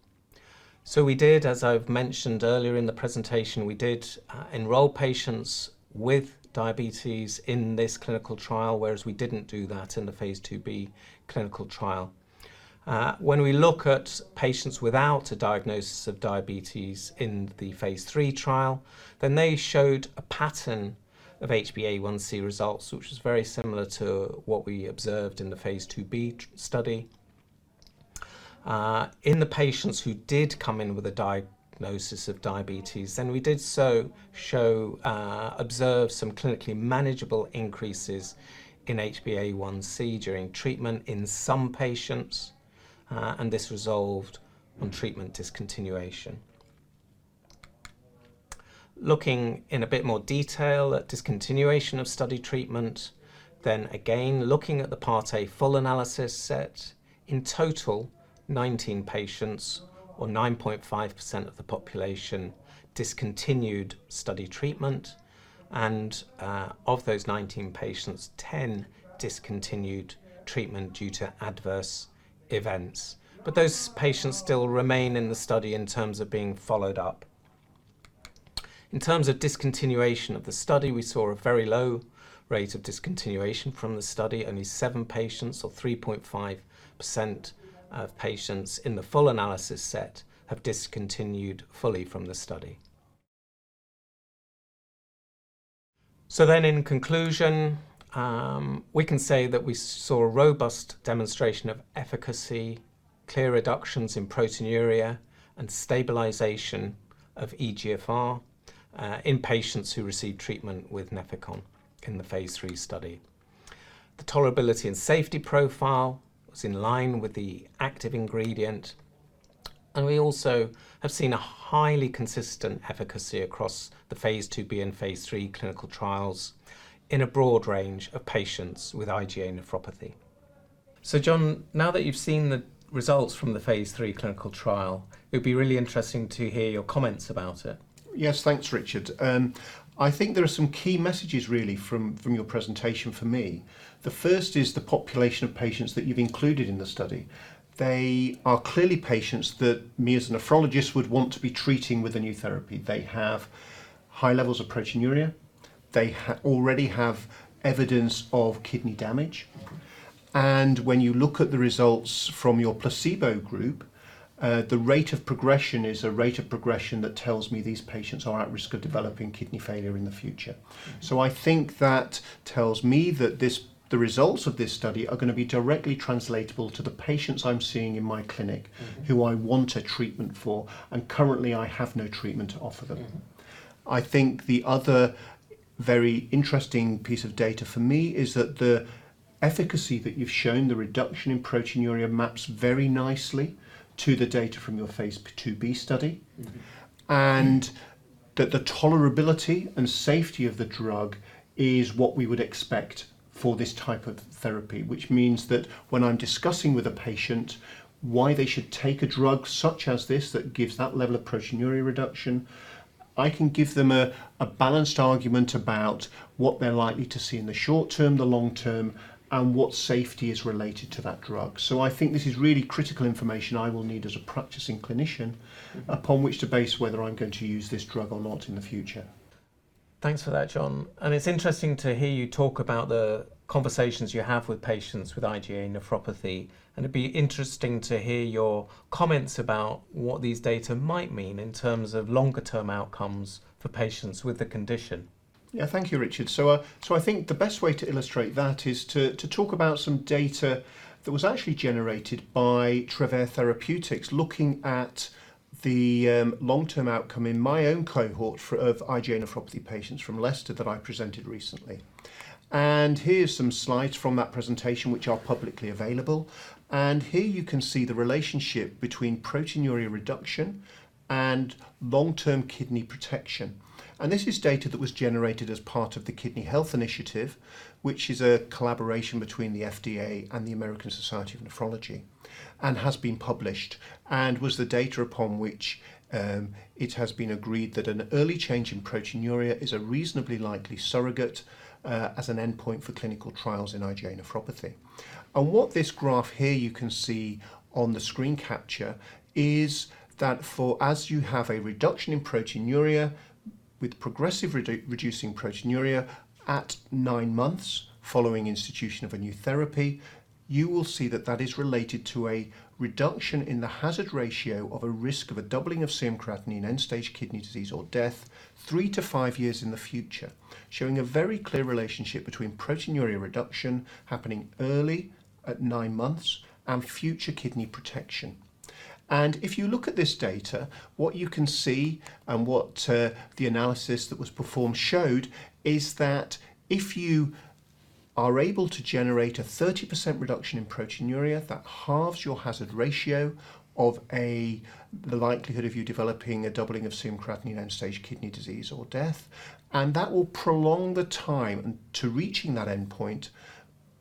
We did, as I've mentioned earlier in the presentation, we did enroll patients with diabetes in this clinical trial, whereas we didn't do that in the phase IIb clinical trial. When we look at patients without a diagnosis of diabetes in the phase III trial, they showed a pattern of HbA1c results, which was very similar to what we observed in the phase IIb study. In the patients who did come in with a diagnosis of diabetes, we did observe some clinically manageable increases in HbA1c during treatment in some patients, and this resolved on treatment discontinuation. Looking in a bit more detail at discontinuation of study treatment, again, looking at the Part A full analysis set, in total, 19 patients or 9.5% of the population discontinued study treatment, and of those 19 patients, 10 discontinued treatment due to adverse events. Those patients still remain in the study in terms of being followed up. In terms of discontinuation of the study, we saw a very low rate of discontinuation from the study. Only seven patients, or 3.5% of patients in the full analysis set, have discontinued fully from the study. In conclusion, we can say that we saw a robust demonstration of efficacy, clear reductions in proteinuria, and stabilization of eGFR in patients who received treatment with Nefecon in the phase III study. The tolerability and safety profile was in line with the active ingredient, and we also have seen a highly consistent efficacy across the phase IIb and phase III clinical trials in a broad range of patients with IgA nephropathy. Jonathan Barratt, now that you've seen the results from the phase III clinical trial, it would be really interesting to hear your comments about it. Yes. Thanks, Richard. I think there are some key messages really from your presentation for me. The first is the population of patients that you've included in the study. They are clearly patients that me, as a nephrologist, would want to be treating with a new therapy. They have high levels of proteinuria. They already have evidence of kidney damage, and when you look at the results from your placebo group, the rate of progression is a rate of progression that tells me these patients are at risk of developing kidney failure in the future. I think that tells me that the results of this study are going to be directly translatable to the patients I'm seeing in my clinic who I want a treatment for, and currently I have no treatment to offer them. I think the other very interesting piece of data for me is that the efficacy that you've shown, the reduction in proteinuria, maps very nicely to the data from your phase IIb study. That the tolerability and safety of the drug is what we would expect for this type of therapy, which means that when I'm discussing with a patient why they should take a drug such as this that gives that level of proteinuria reduction, I can give them a balanced argument about what they're likely to see in the short term, the long term, and what safety is related to that drug. I think this is really critical information I will need as a practicing clinician upon which to base whether I'm going to use this drug or not in the future. Thanks for that, Jonathan Barratt. It's interesting to hear you talk about the conversations you have with patients with IgA nephropathy, and it'd be interesting to hear your comments about what these data might mean in terms of longer-term outcomes for patients with the condition. Thank you, Richard. I think the best way to illustrate that is to talk about some data that was actually generated by Travere Therapeutics looking at the long-term outcome in my own cohort of IgA nephropathy patients from Leicester that I presented recently. Here are some slides from that presentation which are publicly available, and here you can see the relationship between proteinuria reduction and long-term kidney protection. This is data that was generated as part of the Kidney Health Initiative, which is a collaboration between the FDA and the American Society of Nephrology, and has been published and was the data upon which it has been agreed that an early change in proteinuria is a reasonably likely surrogate as an endpoint for clinical trials in IgA nephropathy. What this graph here you can see on the screen capture is that for as you have a reduction in proteinuria with progressive reducing proteinuria at nine months following institution of a new therapy, you will see that that is related to a reduction in the hazard ratio of a risk of a doubling of serum creatinine, end-stage kidney disease, or death three to five years in the future, showing a very clear relationship between proteinuria reduction happening early at nine months and future kidney protection. If you look at this data, what you can see and what the analysis that was performed showed is that if you are able to generate a 30% reduction in proteinuria, that halves your hazard ratio of the likelihood of you developing a doubling of serum creatinine, end-stage kidney disease, or death, and that will prolong the time to reaching that endpoint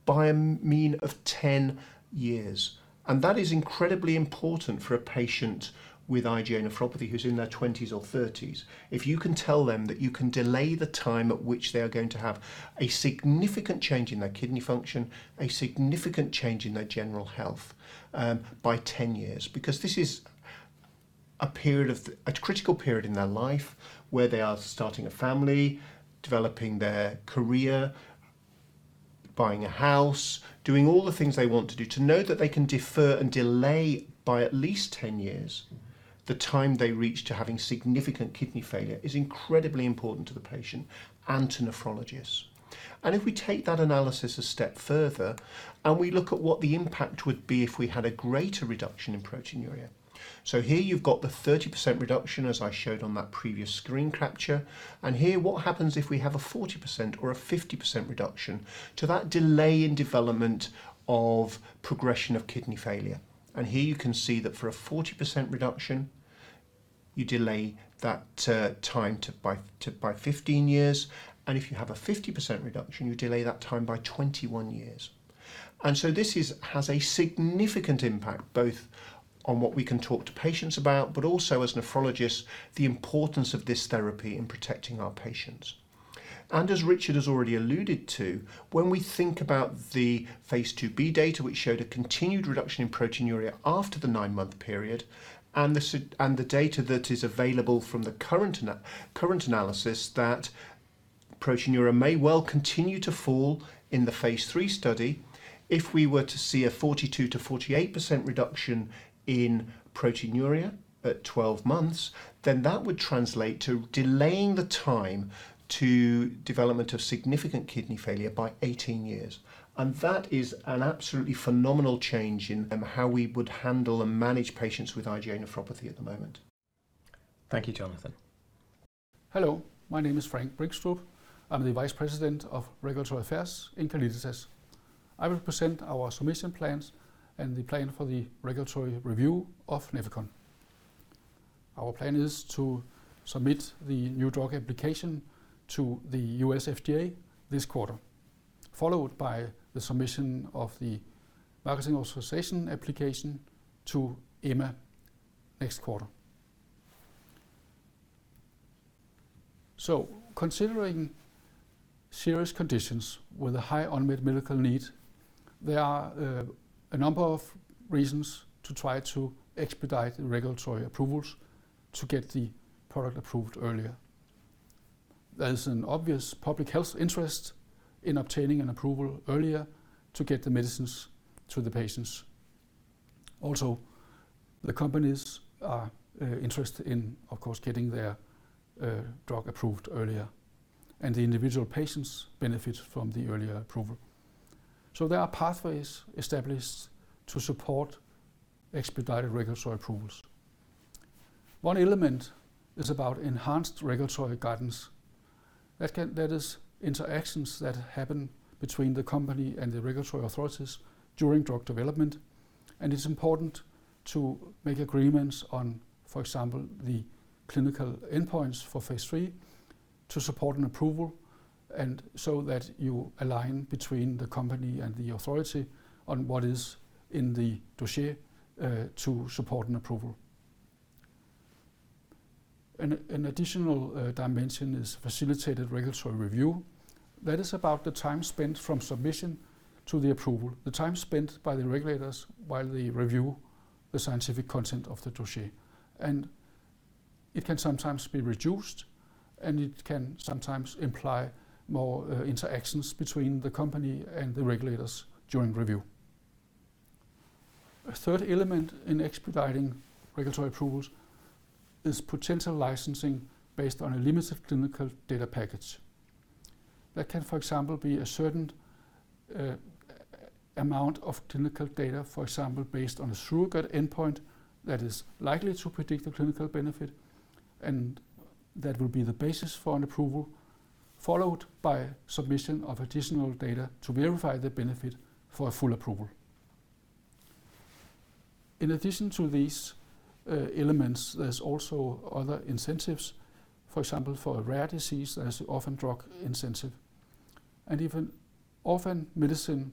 by a mean of 10 years. That is incredibly important for a patient with IgA nephropathy who's in their 20s or 30s. If you can tell them that you can delay the time at which they are going to have a significant change in their kidney function, a significant change in their general health by 10 years, because this is a critical period in their life where they are starting a family, developing their career, buying a house, doing all the things they want to do, to know that they can defer and delay by at least 10 years. The time they reach to having significant kidney failure is incredibly important to the patient and to nephrologists. If we take that analysis a step further, we look at what the impact would be if we had a greater reduction in proteinuria. Here you've got the 30% reduction, as I showed on that previous screen capture. Here, what happens if we have a 40% or a 50% reduction to that delay in development of progression of kidney failure? Here you can see that for a 40% reduction, you delay that time by 15 years. If you have a 50% reduction, you delay that time by 21 years. This has a significant impact, both on what we can talk to patients about, but also as nephrologists, the importance of this therapy in protecting our patients. As Richard has already alluded to, when we think about the phase IIb data, which showed a continued reduction in proteinuria after the nine-month period, and the data that is available from the current analysis that proteinuria may well continue to fall in the phase III study. If we were to see a 42%-48% reduction in proteinuria at 12 months, then that would translate to delaying the time to development of significant kidney failure by 18 years. That is an absolutely phenomenal change in how we would handle and manage patients with IgA nephropathy at the moment. Thank you, Jonathan. Hello, my name is Frank Bringstrup. I'm the Vice President Regulatory Affairs in Calliditas. I will present our submission plans and the plan for the regulatory review of Nefecon. Our plan is to submit the new drug application to the U.S. FDA this quarter, followed by the submission of the marketing authorization application to EMA next quarter. Considering serious conditions with a high unmet medical need, there are a number of reasons to try to expedite the regulatory approvals to get the product approved earlier. There is an obvious public health interest in obtaining an approval earlier to get the medicines to the patients. The companies are interested in, of course, getting their drug approved earlier, and the individual patients benefit from the earlier approval. There are pathways established to support expedited regulatory approvals. One element is about enhanced regulatory guidance. That is interactions that happen between the company and the regulatory authorities during drug development, and it's important to make agreements on, for example, the clinical endpoints for phase III to support an approval, and so that you align between the company and the authority on what is in the dossier to support an approval. An additional dimension is facilitated regulatory review. That is about the time spent from submission to the approval, the time spent by the regulators while they review the scientific content of the dossier. It can sometimes be reduced, and it can sometimes imply more interactions between the company and the regulators during review. A third element in expediting regulatory approvals is potential licensing based on a limited clinical data package. That can, for example, be a certain amount of clinical data, for example, based on a surrogate endpoint that is likely to predict a clinical benefit, and that will be the basis for an approval, followed by submission of additional data to verify the benefit for a full approval. In addition to these elements, there's also other incentives. For example, for a rare disease, there's the orphan drug incentive. If an orphan medicine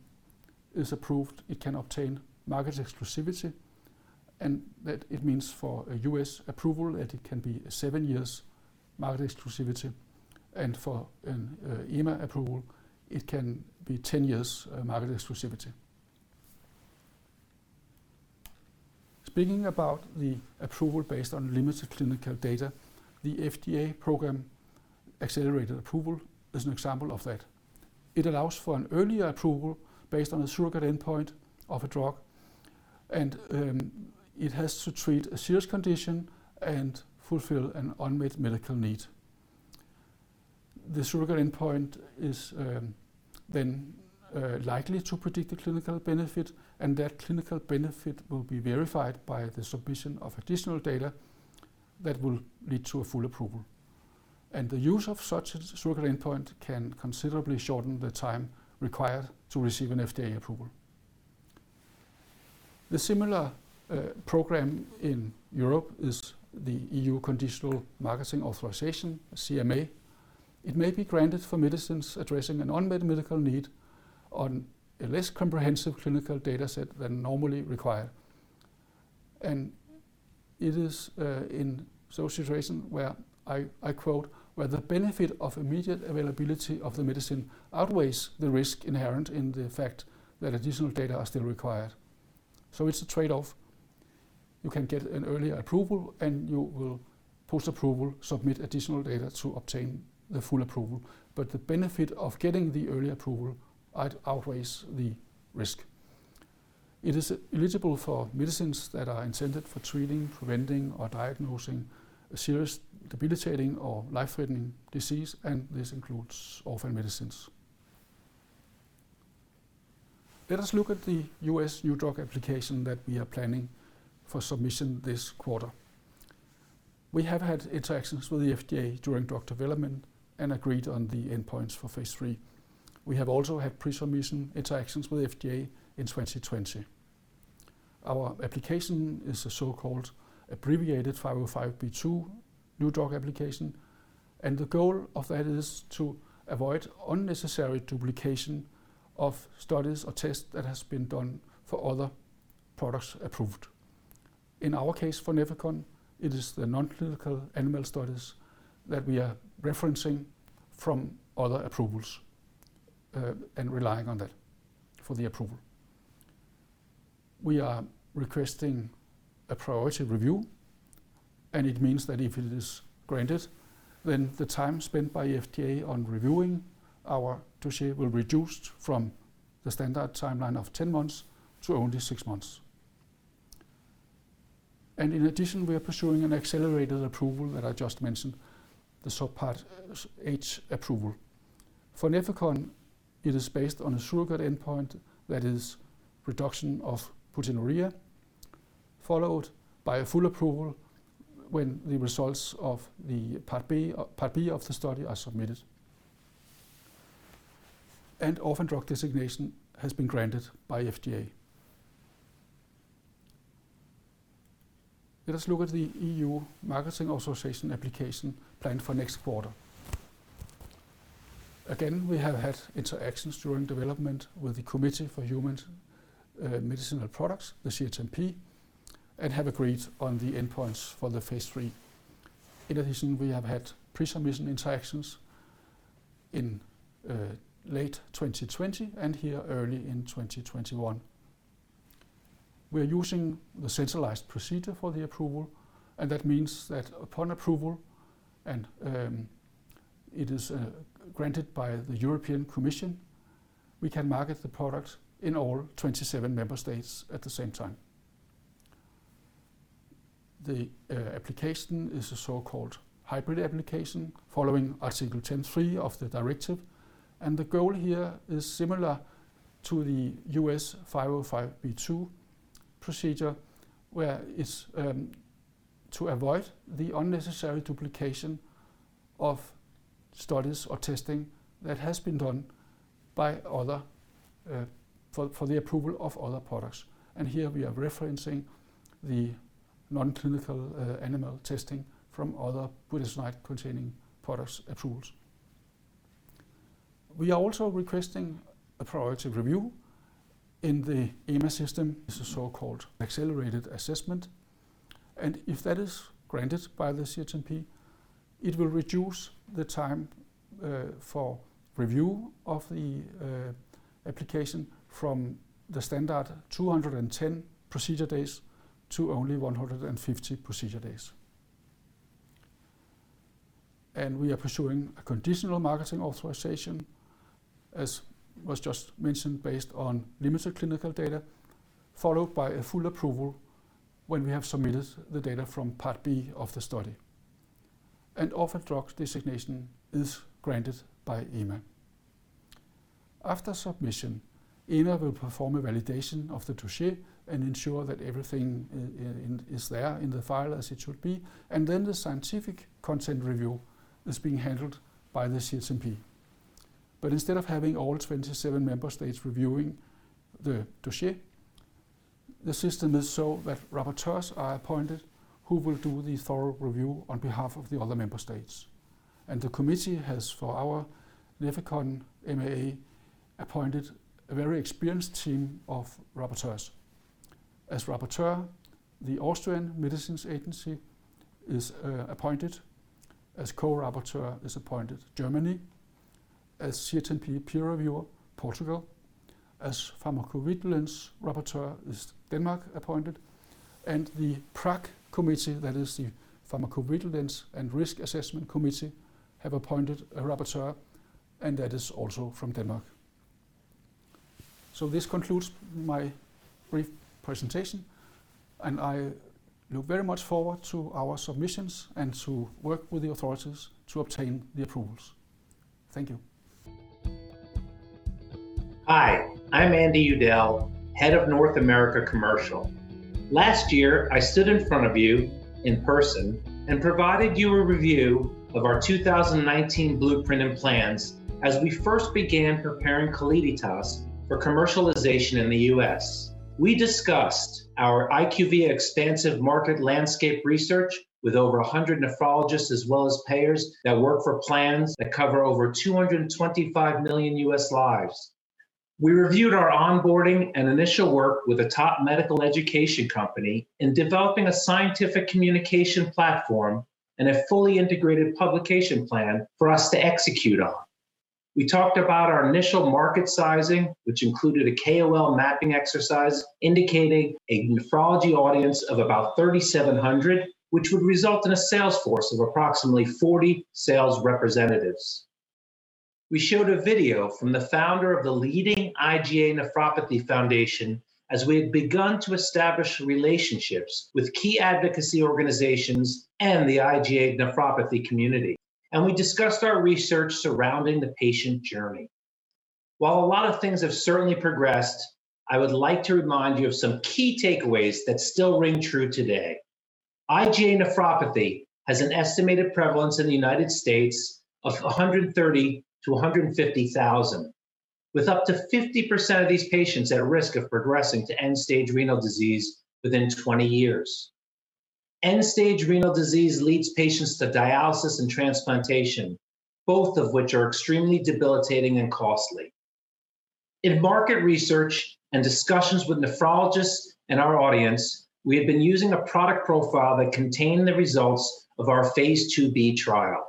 is approved, it can obtain market exclusivity, and that it means for a U.S. approval that it can be seven years market exclusivity, and for an EMA approval, it can be 10 years market exclusivity. Speaking about the approval based on limited clinical data, the FDA accelerated approval is an example of that. It allows for an earlier approval based on a surrogate endpoint of a drug. It has to treat a serious condition and fulfill an unmet medical need. The surrogate endpoint is then likely to predict a clinical benefit. That clinical benefit will be verified by the submission of additional data that will lead to a full approval. The use of such a surrogate endpoint can considerably shorten the time required to receive an FDA approval. The similar program in Europe is the EU Conditional Marketing Authorization, CMA. It may be granted for medicines addressing an unmet medical need on a less comprehensive clinical data set than normally required. It is in such a situation where, I quote, "Where the benefit of immediate availability of the medicine outweighs the risk inherent in the fact that additional data are still required." It's a trade-off. You can get an earlier approval, and you will, post-approval, submit additional data to obtain the full approval. The benefit of getting the early approval outweighs the risk. It is eligible for medicines that are intended for treating, preventing, or diagnosing a serious debilitating or life-threatening disease, and this includes orphan medicines. Let us look at the U.S. new drug application that we are planning for submission this quarter. We have had interactions with the FDA during drug development and agreed on the endpoints for phase III. We have also had pre-submission interactions with FDA in 2020. Our application is a so-called abbreviated 505(b)(2) new drug application, and the goal of that is to avoid unnecessary duplication of studies or tests that has been done for other products approved. In our case for Nefecon, it is the non-clinical animal studies that we are referencing from other approvals, relying on that for the approval. We are requesting a priority review, it means that if it is granted, the time spent by FDA on reviewing our dossier will reduce from the standard timeline of 10 months to only six months. In addition, we are pursuing an accelerated approval that I just mentioned, the Subpart H approval. For Nefecon, it is based on a surrogate endpoint that is reduction of proteinuria, followed by a full approval when the results of the Part B of the study are submitted. Orphan drug designation has been granted by FDA. Let us look at the EU marketing authorization application planned for next quarter. We have had interactions during development with the Committee for Human Medicinal Products, the CHMP, and have agreed on the endpoints for the phase III. We have had pre-submission interactions in late 2020 and here early in 2021. We are using the centralized procedure for the approval. That means that upon approval, and it is granted by the European Commission, we can market the product in all 27 member states at the same time. The application is a so-called hybrid application following Article 10(3) of the directive. The goal here is similar to the U.S. 505(b)(2) procedure, where it is to avoid the unnecessary duplication of studies or testing that has been done for the approval of other products. Here we are referencing the non-clinical animal testing from other budesonide-containing products approvals. We are also requesting a priority review in the EMA system. It's a so-called accelerated assessment. If that is granted by the CHMP, it will reduce the time for review of the application from the standard 210 procedure days to only 150 procedure days. We are pursuing a conditional marketing authorization, as was just mentioned, based on limited clinical data, followed by a full approval when we have submitted the data from Part B of the study. An orphan drug designation is granted by EMA. After submission, EMA will perform a validation of the dossier and ensure that everything is there in the file as it should be, and then the scientific content review is being handled by the CHMP. Instead of having all 27 member states reviewing the dossier, the system is so that rapporteurs are appointed who will do the thorough review on behalf of the other member states. The committee has, for our Nefecon MAA, appointed a very experienced team of rapporteurs. As rapporteur, the Austrian Medicines Agency is appointed. As co-rapporteur is appointed Germany. As CHMP peer reviewer, Portugal. As pharmacovigilance rapporteur is Denmark appointed, and the PRAC committee, that is the Pharmacovigilance and Risk Assessment Committee, have appointed a rapporteur, and that is also from Denmark. This concludes my brief presentation, and I look very much forward to our submissions and to work with the authorities to obtain the approvals. Thank you. Hi, I'm Andrew Udell, head of North America Commercial. Last year, I stood in front of you in person and provided you a review of our 2019 blueprint and plans as we first began preparing Calliditas for commercialization in the U.S. We discussed our IQVIA expansive market landscape research with over 100 nephrologists as well as payers that work for plans that cover over 225 million U.S. lives. We reviewed our onboarding and initial work with a top medical education company in developing a scientific communication platform and a fully integrated publication plan for us to execute on. We talked about our initial market sizing, which included a KOL mapping exercise indicating a nephrology audience of about 3,700, which would result in a sales force of approximately 40 sales representatives. We showed a video from the founder of the leading IgA Nephropathy Foundation as we had begun to establish relationships with key advocacy organizations and the IgA nephropathy community, and we discussed our research surrounding the patient journey. While a lot of things have certainly progressed, I would like to remind you of some key takeaways that still ring true today. IgA nephropathy has an estimated prevalence in the United States of 130,000 to 150,000, with up to 50% of these patients at risk of progressing to end-stage renal disease within 20 years. End-stage renal disease leads patients to dialysis and transplantation, both of which are extremely debilitating and costly. In market research and discussions with nephrologists and our audience, we have been using a product profile that contained the results of our phase IIb trial.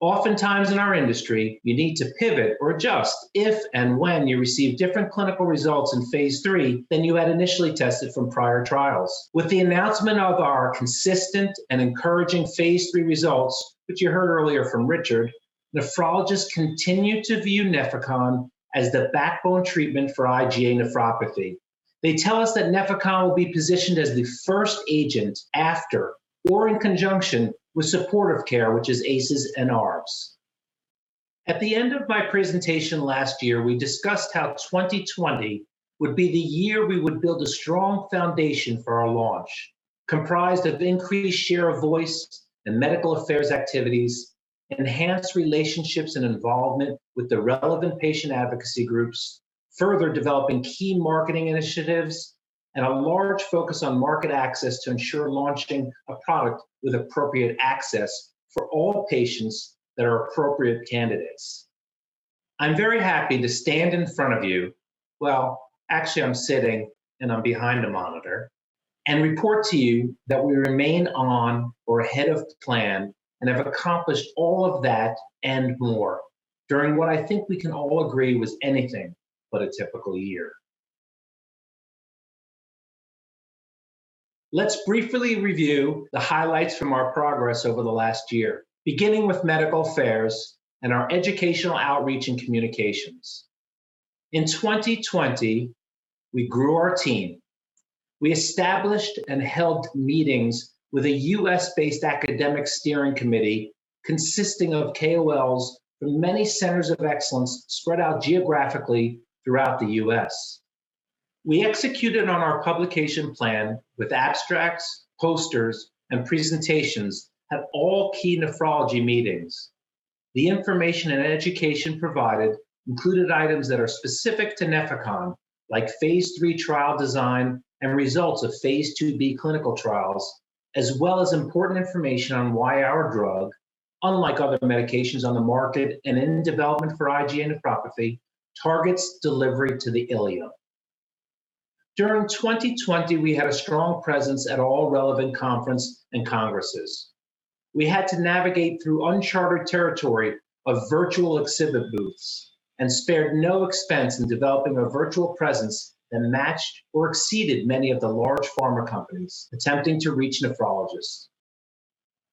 Oftentimes in our industry, you need to pivot or adjust if and when you receive different clinical results in phase III than you had initially tested from prior trials. With the announcement of our consistent and encouraging phase III results, which you heard earlier from Richard, nephrologists continue to view Nefecon as the backbone treatment for IgA nephropathy. They tell us that Nefecon will be positioned as the first agent after or in conjunction with supportive care, which is ACEIs and ARBs. At the end of my presentation last year, we discussed how 2020 would be the year we would build a strong foundation for our launch, comprised of increased share of voice and medical affairs activities, enhanced relationships and involvement with the relevant patient advocacy groups, further developing key marketing initiatives, and a large focus on market access to ensure launching a product with appropriate access for all patients that are appropriate candidates. I'm very happy to stand in front of you, well, actually I'm sitting and I'm behind a monitor, and report to you that we remain on or ahead of plan and have accomplished all of that and more during what I think we can all agree was anything but a typical year. Let's briefly review the highlights from our progress over the last year, beginning with medical affairs and our educational outreach and communications. In 2020, we grew our team. We established and held meetings with a U.S.-based academic steering committee consisting of KOLs from many centers of excellence spread out geographically throughout the U.S. We executed on our publication plan with abstracts, posters, and presentations at all key nephrology meetings. The information and education provided included items that are specific to Nefecon, like phase III trial design and results of phase IIb clinical trials, as well as important information on why our drug, unlike other medications on the market and in development for IgA nephropathy, targets delivery to the ileum. During 2020, we had a strong presence at all relevant conference and congresses. We had to navigate through uncharted territory of virtual exhibit booths and spared no expense in developing a virtual presence that matched or exceeded many of the large pharma companies attempting to reach nephrologists.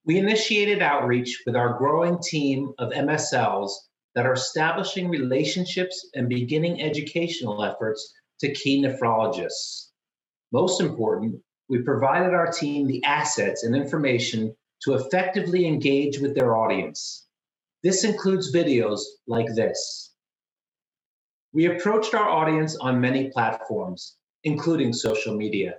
We initiated outreach with our growing team of MSLs that are establishing relationships and beginning educational efforts to key nephrologists. Most important, we provided our team the assets and information to effectively engage with their audience. This includes videos like this. We approached our audience on many platforms, including social media.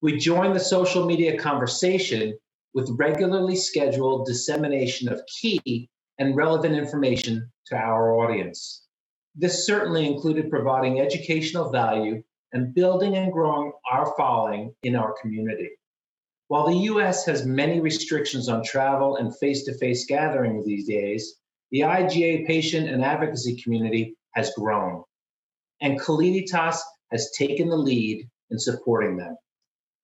We joined the social media conversation with regularly scheduled dissemination of key and relevant information to our audience. This certainly included providing educational value and building and growing our following in our community. While the U.S. has many restrictions on travel and face-to-face gathering these days, the IgA patient and advocacy community has grown, and Calliditas has taken the lead in supporting them.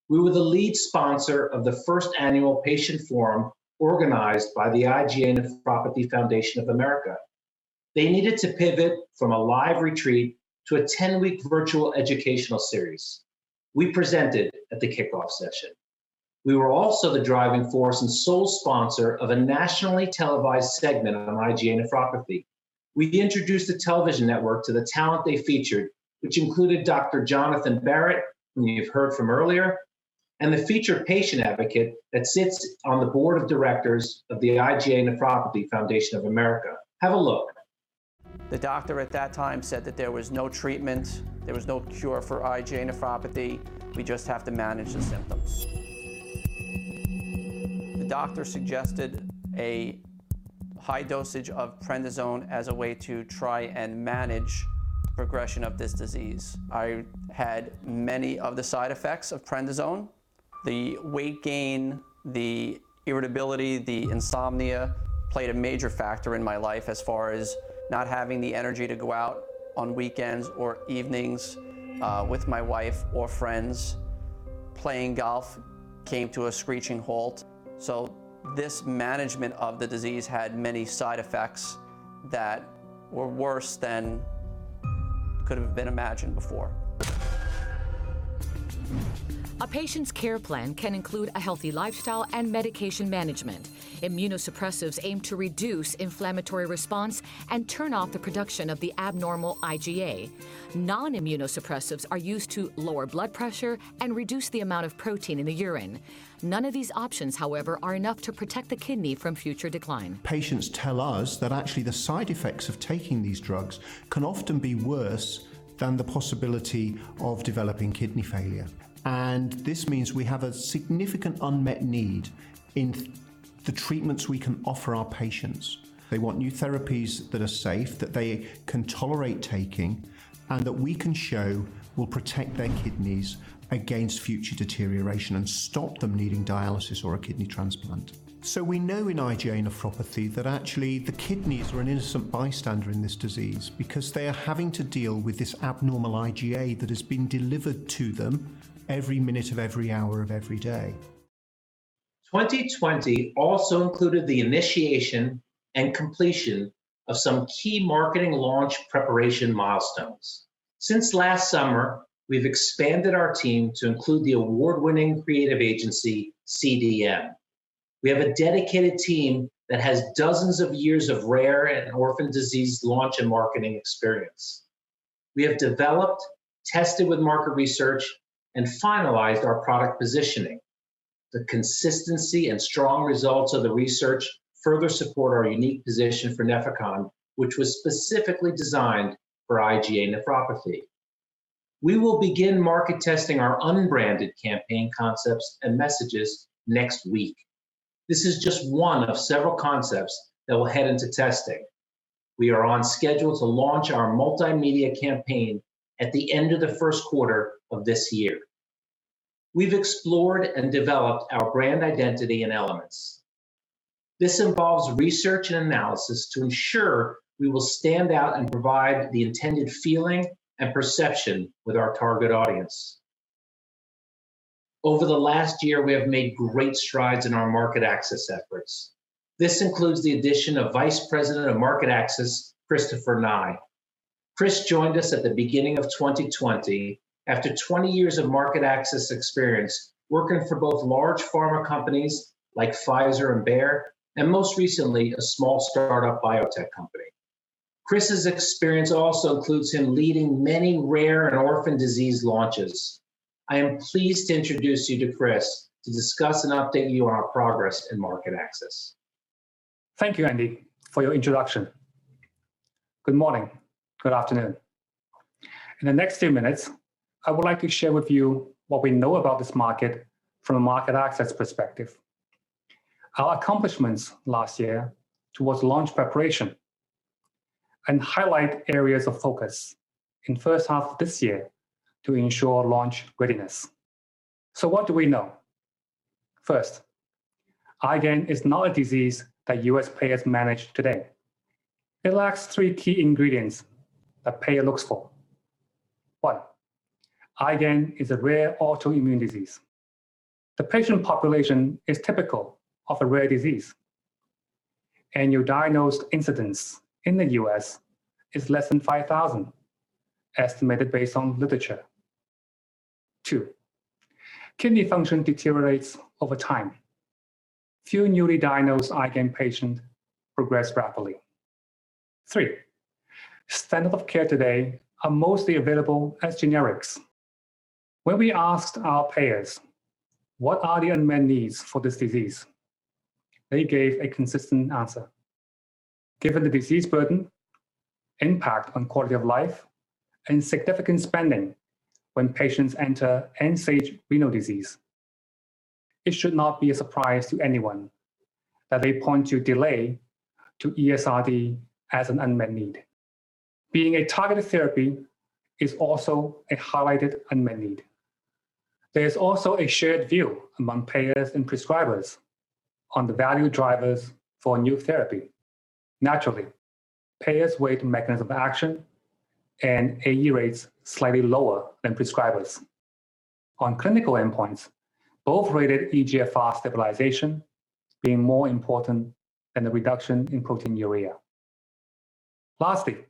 We were the lead sponsor of the first annual patient forum organized by the IgA Nephropathy Foundation of America. They needed to pivot from a live retreat to a 10-week virtual educational series. We presented at the kickoff session. We were also the driving force and sole sponsor of a nationally televised segment on IgA nephropathy. We introduced a television network to the talent they featured, which included Dr. Jonathan Barratt, whom you've heard from earlier, and the featured patient advocate that sits on the board of directors of the IgA Nephropathy Foundation of America. Have a look. The doctor at that time said that there was no treatment, there was no cure for IgA nephropathy. We just have to manage the symptoms. The doctor suggested a high dosage of prednisone as a way to try and manage progression of this disease. I had many of the side effects of prednisone. The weight gain, the irritability, the insomnia played a major factor in my life as far as not having the energy to go out on weekends or evenings with my wife or friends. Playing golf came to a screeching halt. This management of the disease had many side effects that were worse than could've been imagined before. A patient's care plan can include a healthy lifestyle and medication management. Immunosuppressives aim to reduce inflammatory response and turn off the production of the abnormal IgA. Non-immunosuppressives are used to lower blood pressure and reduce the amount of protein in the urine. None of these options, however, are enough to protect the kidney from future decline. Patients tell us that actually the side effects of taking these drugs can often be worse than the possibility of developing kidney failure. This means we have a significant unmet need in the treatments we can offer our patients. They want new therapies that are safe, that they can tolerate taking, and that we can show will protect their kidneys against future deterioration and stop them needing dialysis or a kidney transplant. We know in IgA nephropathy that actually the kidneys are an innocent bystander in this disease because they are having to deal with this abnormal IgA that is being delivered to them every minute of every hour of every day. 2020 also included the initiation and completion of some key marketing launch preparation milestones. Since last summer, we've expanded our team to include the award-winning creative agency, CDM. We have a dedicated team that has dozens of years of rare and orphan disease launch and marketing experience. We have developed, tested with market research, and finalized our product positioning. The consistency and strong results of the research further support our unique position for Nefecon, which was specifically designed for IgA nephropathy. We will begin market testing our unbranded campaign concepts and messages next week. This is just one of several concepts that will head into testing. We are on schedule to launch our multimedia campaign at the end of the first quarter of this year. We've explored and developed our brand identity and elements. This involves research and analysis to ensure we will stand out and provide the intended feeling and perception with our target audience. Over the last year, we have made great strides in our market access efforts. This includes the addition of Vice President of Market Access, Christopher Ngai. Christopher Ngai joined us at the beginning of 2020 after 20 years of market access experience working for both large pharma companies like Pfizer and Bayer, and most recently, a small startup biotech company. Chris' experience also includes him leading many rare and orphan disease launches. I am pleased to introduce you to Christopher Ngai to discuss and update you on our progress in market access. Thank you, Andrew Udell, for your introduction. Good morning. Good afternoon. In the next few minutes, I would like to share with you what we know about this market from a market access perspective, our accomplishments last year towards launch preparation, and highlight areas of focus in first half of this year to ensure launch readiness. What do we know? First, IgAN is not a disease that U.S. payers manage today. It lacks three key ingredients that payer looks for. One, IgAN is a rare autoimmune disease. The patient population is typical of a rare disease, and yearly diagnosed incidence in the U.S. is less than 5,000, estimated based on literature. Two, kidney function deteriorates over time. Few newly diagnosed IgAN patient progress rapidly. Three, standard of care today are mostly available as generics. When we asked our payers what are the unmet needs for this disease, they gave a consistent answer. Given the disease burden, impact on quality of life, and significant spending when patients enter end-stage renal disease, it should not be a surprise to anyone that they point to delay to ESRD as an unmet need. Being a targeted therapy is also a highlighted unmet need. There is also a shared view among payers and prescribers on the value drivers for new therapy. Naturally, payers weight mechanism of action and AE rates slightly lower than prescribers. On clinical endpoints, both rated eGFR stabilization being more important than the reduction in proteinuria. Lastly,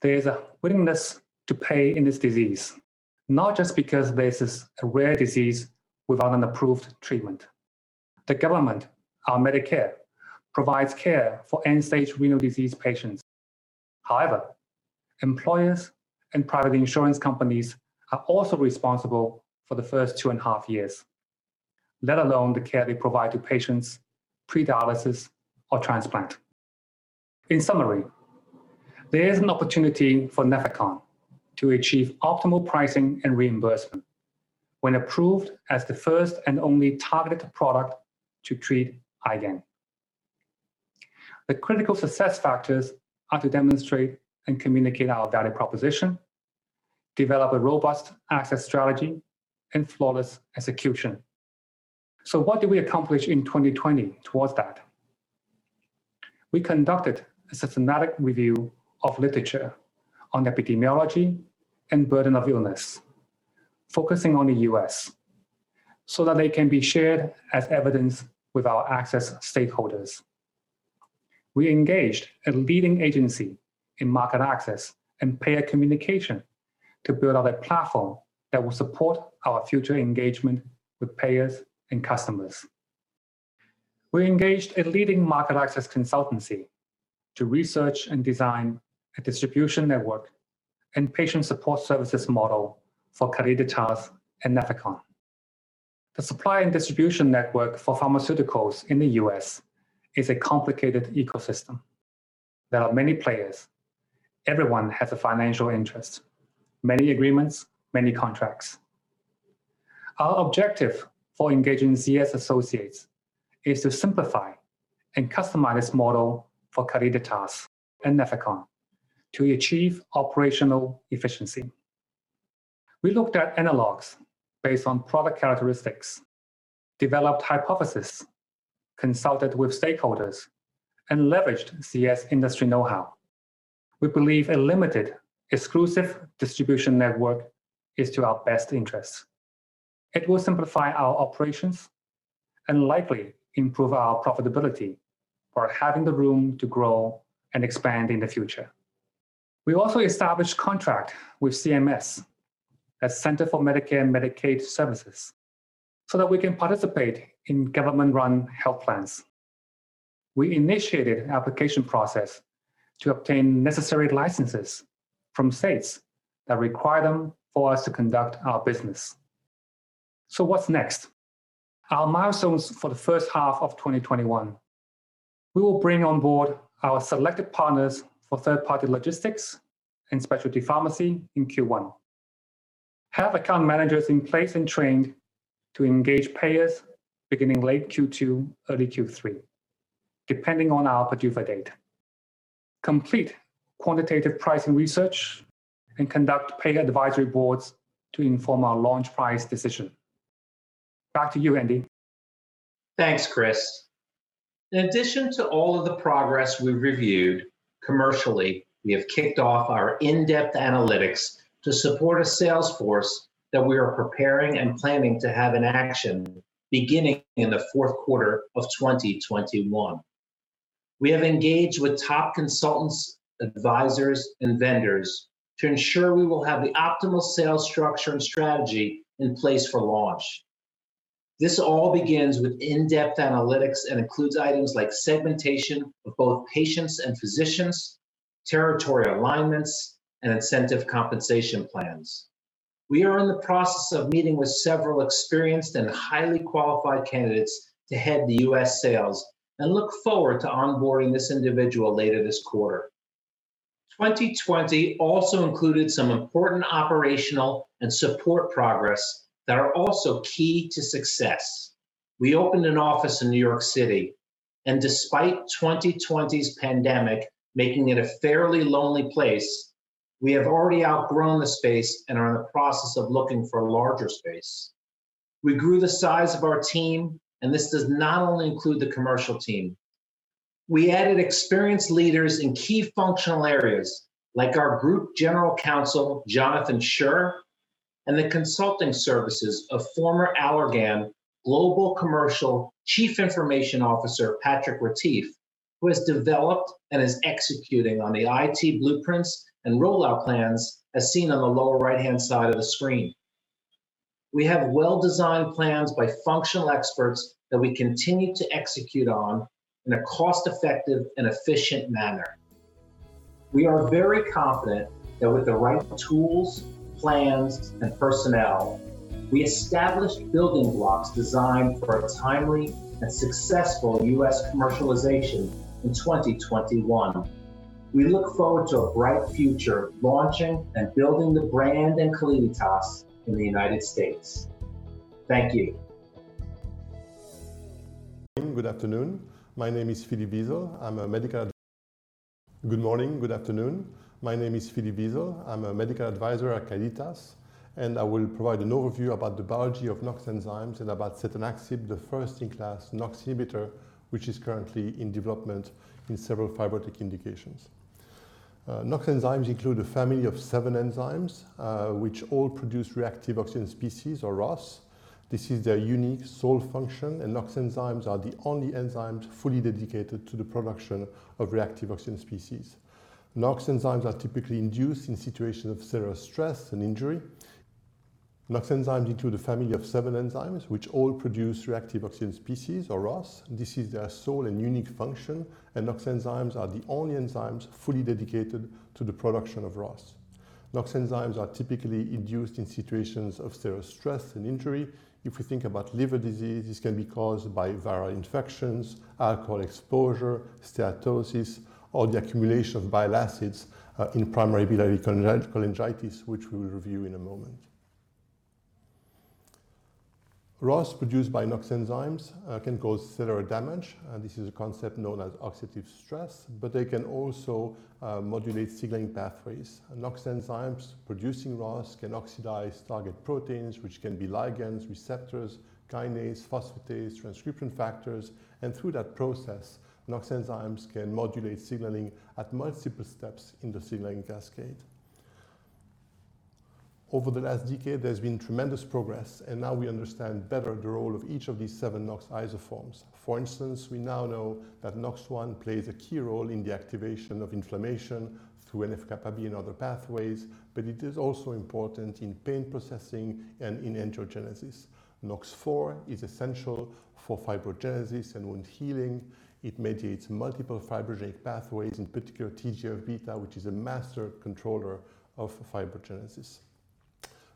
there is a willingness to pay in this disease, not just because this is a rare disease without an approved treatment. The government, our Medicare, provides care for end-stage renal disease patients. However, employers and private insurance companies are also responsible for the first two and a half years, let alone the care they provide to patients pre-dialysis or transplant. In summary, there is an opportunity for Nefecon to achieve optimal pricing and reimbursement when approved as the first and only targeted product to treat IgAN. The critical success factors are to demonstrate and communicate our value proposition, develop a robust access strategy, and flawless execution. What did we accomplish in 2020 towards that? We conducted a systematic review of literature on epidemiology and burden of illness, focusing on the U.S., so that they can be shared as evidence with our access stakeholders. We engaged a leading agency in market access and payer communication to build out a platform that will support our future engagement with payers and customers. We engaged a leading market access consultancy to research and design a distribution network and patient support services model for Calliditas and Nefecon. The supply and distribution network for pharmaceuticals in the U.S. is a complicated ecosystem. There are many players. Everyone has a financial interest, many agreements, many contracts. Our objective for engaging ZS Associates is to simplify and customize this model for Calliditas and Nefecon to achieve operational efficiency. We looked at analogs based on product characteristics, developed hypothesis, consulted with stakeholders, and leveraged ZS industry know-how. We believe a limited exclusive distribution network is to our best interest. It will simplify our operations and likely improve our profitability while having the room to grow and expand in the future. We also established contract with CMS, a Centers for Medicare and Medicaid Services, so that we can participate in government-run health plans. We initiated application process to obtain necessary licenses from states that require them for us to conduct our business. What's next? Our milestones for the first half of 2021. We will bring on board our selected partners for third-party logistics and specialty pharmacy in Q1. Have account managers in place and trained to engage payers beginning late Q2, early Q3, depending on our PDUFA date. Complete quantitative pricing research and conduct payer advisory boards to inform our launch price decision. Back to you, Andrew Udell. Thanks, Christopher Ngai. In addition to all of the progress we've reviewed commercially, we have kicked off our in-depth analytics to support a sales force that we are preparing and planning to have in action beginning in the fourth quarter of 2021. We have engaged with top consultants, advisors, and vendors to ensure we will have the optimal sales structure and strategy in place for launch. This all begins with in-depth analytics and includes items like segmentation of both patients and physicians, territory alignments, and incentive compensation plans. We are in the process of meeting with several experienced and highly qualified candidates to head the U.S. sales and look forward to onboarding this individual later this quarter. 2020 also included some important operational and support progress that are also key to success. We opened an office in New York City. Despite 2020's pandemic making it a fairly lonely place, we have already outgrown the space and are in the process of looking for a larger space. We grew the size of our team. This does not only include the commercial team. We added experienced leaders in key functional areas, like our group general counsel, Jonathan Schur, and the consulting services of former Allergan Global Commercial chief information officer, Patrick Ratliff, who has developed and is executing on the IT blueprints and rollout plans as seen on the lower right-hand side of the screen. We have well-designed plans by functional experts that we continue to execute on in a cost-effective and efficient manner. We are very confident that with the right tools, plans, and personnel, we established building blocks designed for a timely and successful U.S. commercialization in 2021. We look forward to a bright future launching and building the brand and Calliditas in the U.S. Thank you. Good morning, good afternoon. My name is Philippe Bielz. I'm a medical advisor at Calliditas. I will provide an overview about the biology of NOX enzymes and about setanaxib, the first-in-class NOX inhibitor, which is currently in development in several fibrotic indications. NOX enzymes include a family of seven enzymes, which all produce reactive oxygen species, or ROS. This is their unique sole function. NOX enzymes are the only enzymes fully dedicated to the production of reactive oxygen species. NOX enzymes are typically induced in situations of cellular stress and injury. NOX enzymes include a family of seven enzymes, which all produce reactive oxygen species, or ROS. This is their sole and unique function. NOX enzymes are the only enzymes fully dedicated to the production of ROS. NOX enzymes are typically induced in situations of cellular stress and injury. If we think about liver disease, this can be caused by viral infections, alcohol exposure, steatosis, or the accumulation of bile acids in primary biliary cholangitis, which we will review in a moment. ROS produced by NOX enzymes can cause cellular damage. This is a concept known as oxidative stress. They can also modulate signaling pathways. NOX enzymes producing ROS can oxidize target proteins, which can be ligands, receptors, kinase, phosphatase, transcription factors, and through that process, NOX enzymes can modulate signaling at multiple steps in the signaling cascade. Over the last decade, there has been tremendous progress, and now we understand better the role of each of these seven NOX isoforms. For instance, we now know that NOX1 plays a key role in the activation of inflammation through NF-κB and other pathways, but it is also important in pain processing and in angiogenesis. NOX4 is essential for fibrogenesis and wound healing. It mediates multiple fibrogenic pathways, in particular TGF-β, which is a master controller of fibrogenesis.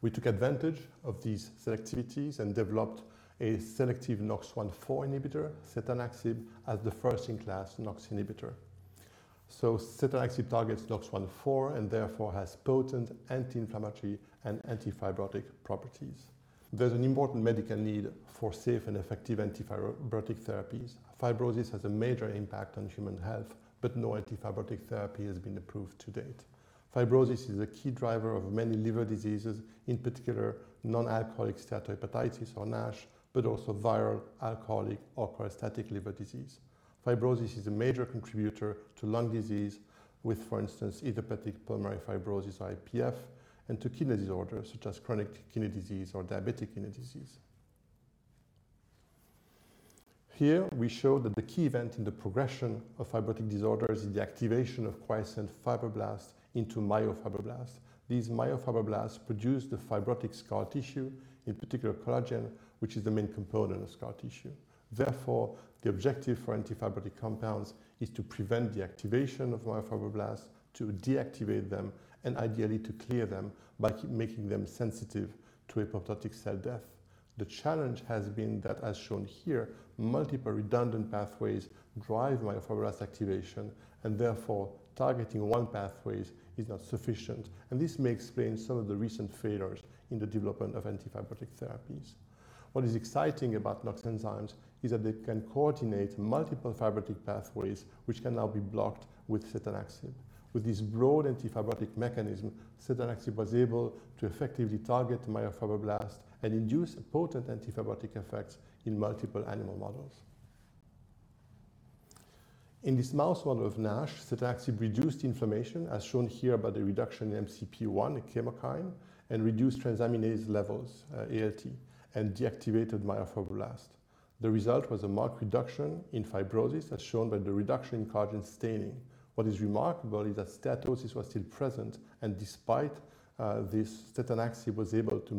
We took advantage of these selectivities and developed a selective NOX1/4 inhibitor, setanaxib, as the first-in-class NOX inhibitor. Setanaxib targets NOX1/4 and therefore has potent anti-inflammatory and anti-fibrotic properties. There's an important medical need for safe and effective anti-fibrotic therapies. Fibrosis has a major impact on human health, but no anti-fibrotic therapy has been approved to date. Fibrosis is a key driver of many liver diseases, in particular non-alcoholic steatohepatitis or NASH, but also viral, alcoholic, or cholestatic liver disease. Fibrosis is a major contributor to lung disease with, for instance, idiopathic pulmonary fibrosis or IPF, and to kidney disorders such as chronic kidney disease or diabetic kidney disease. Here we show that the key event in the progression of fibrotic disorders is the activation of quiescent fibroblasts into myofibroblasts. These myofibroblasts produce the fibrotic scar tissue, in particular collagen, which is the main component of scar tissue. Therefore, the objective for anti-fibrotic compounds is to prevent the activation of myofibroblasts, to deactivate them, and ideally to clear them by making them sensitive to apoptotic cell death. The challenge has been that, as shown here, multiple redundant pathways drive myofibroblast activation, and therefore targeting one pathway is not sufficient. This may explain some of the recent failures in the development of anti-fibrotic therapies. What is exciting about NOX enzymes is that they can coordinate multiple fibrotic pathways which can now be blocked with setanaxib. With this broad anti-fibrotic mechanism, setanaxib was able to effectively target myofibroblasts and induce potent anti-fibrotic effects in multiple animal models. In this mouse model of NASH, setanaxib reduced inflammation, as shown here by the reduction in MCP-1, a chemokine, and reduced transaminase levels, ALT, and deactivated myofibroblasts. The result was a marked reduction in fibrosis, as shown by the reduction in collagen staining. What is remarkable is that steatosis was still present, and despite this, setanaxib was able to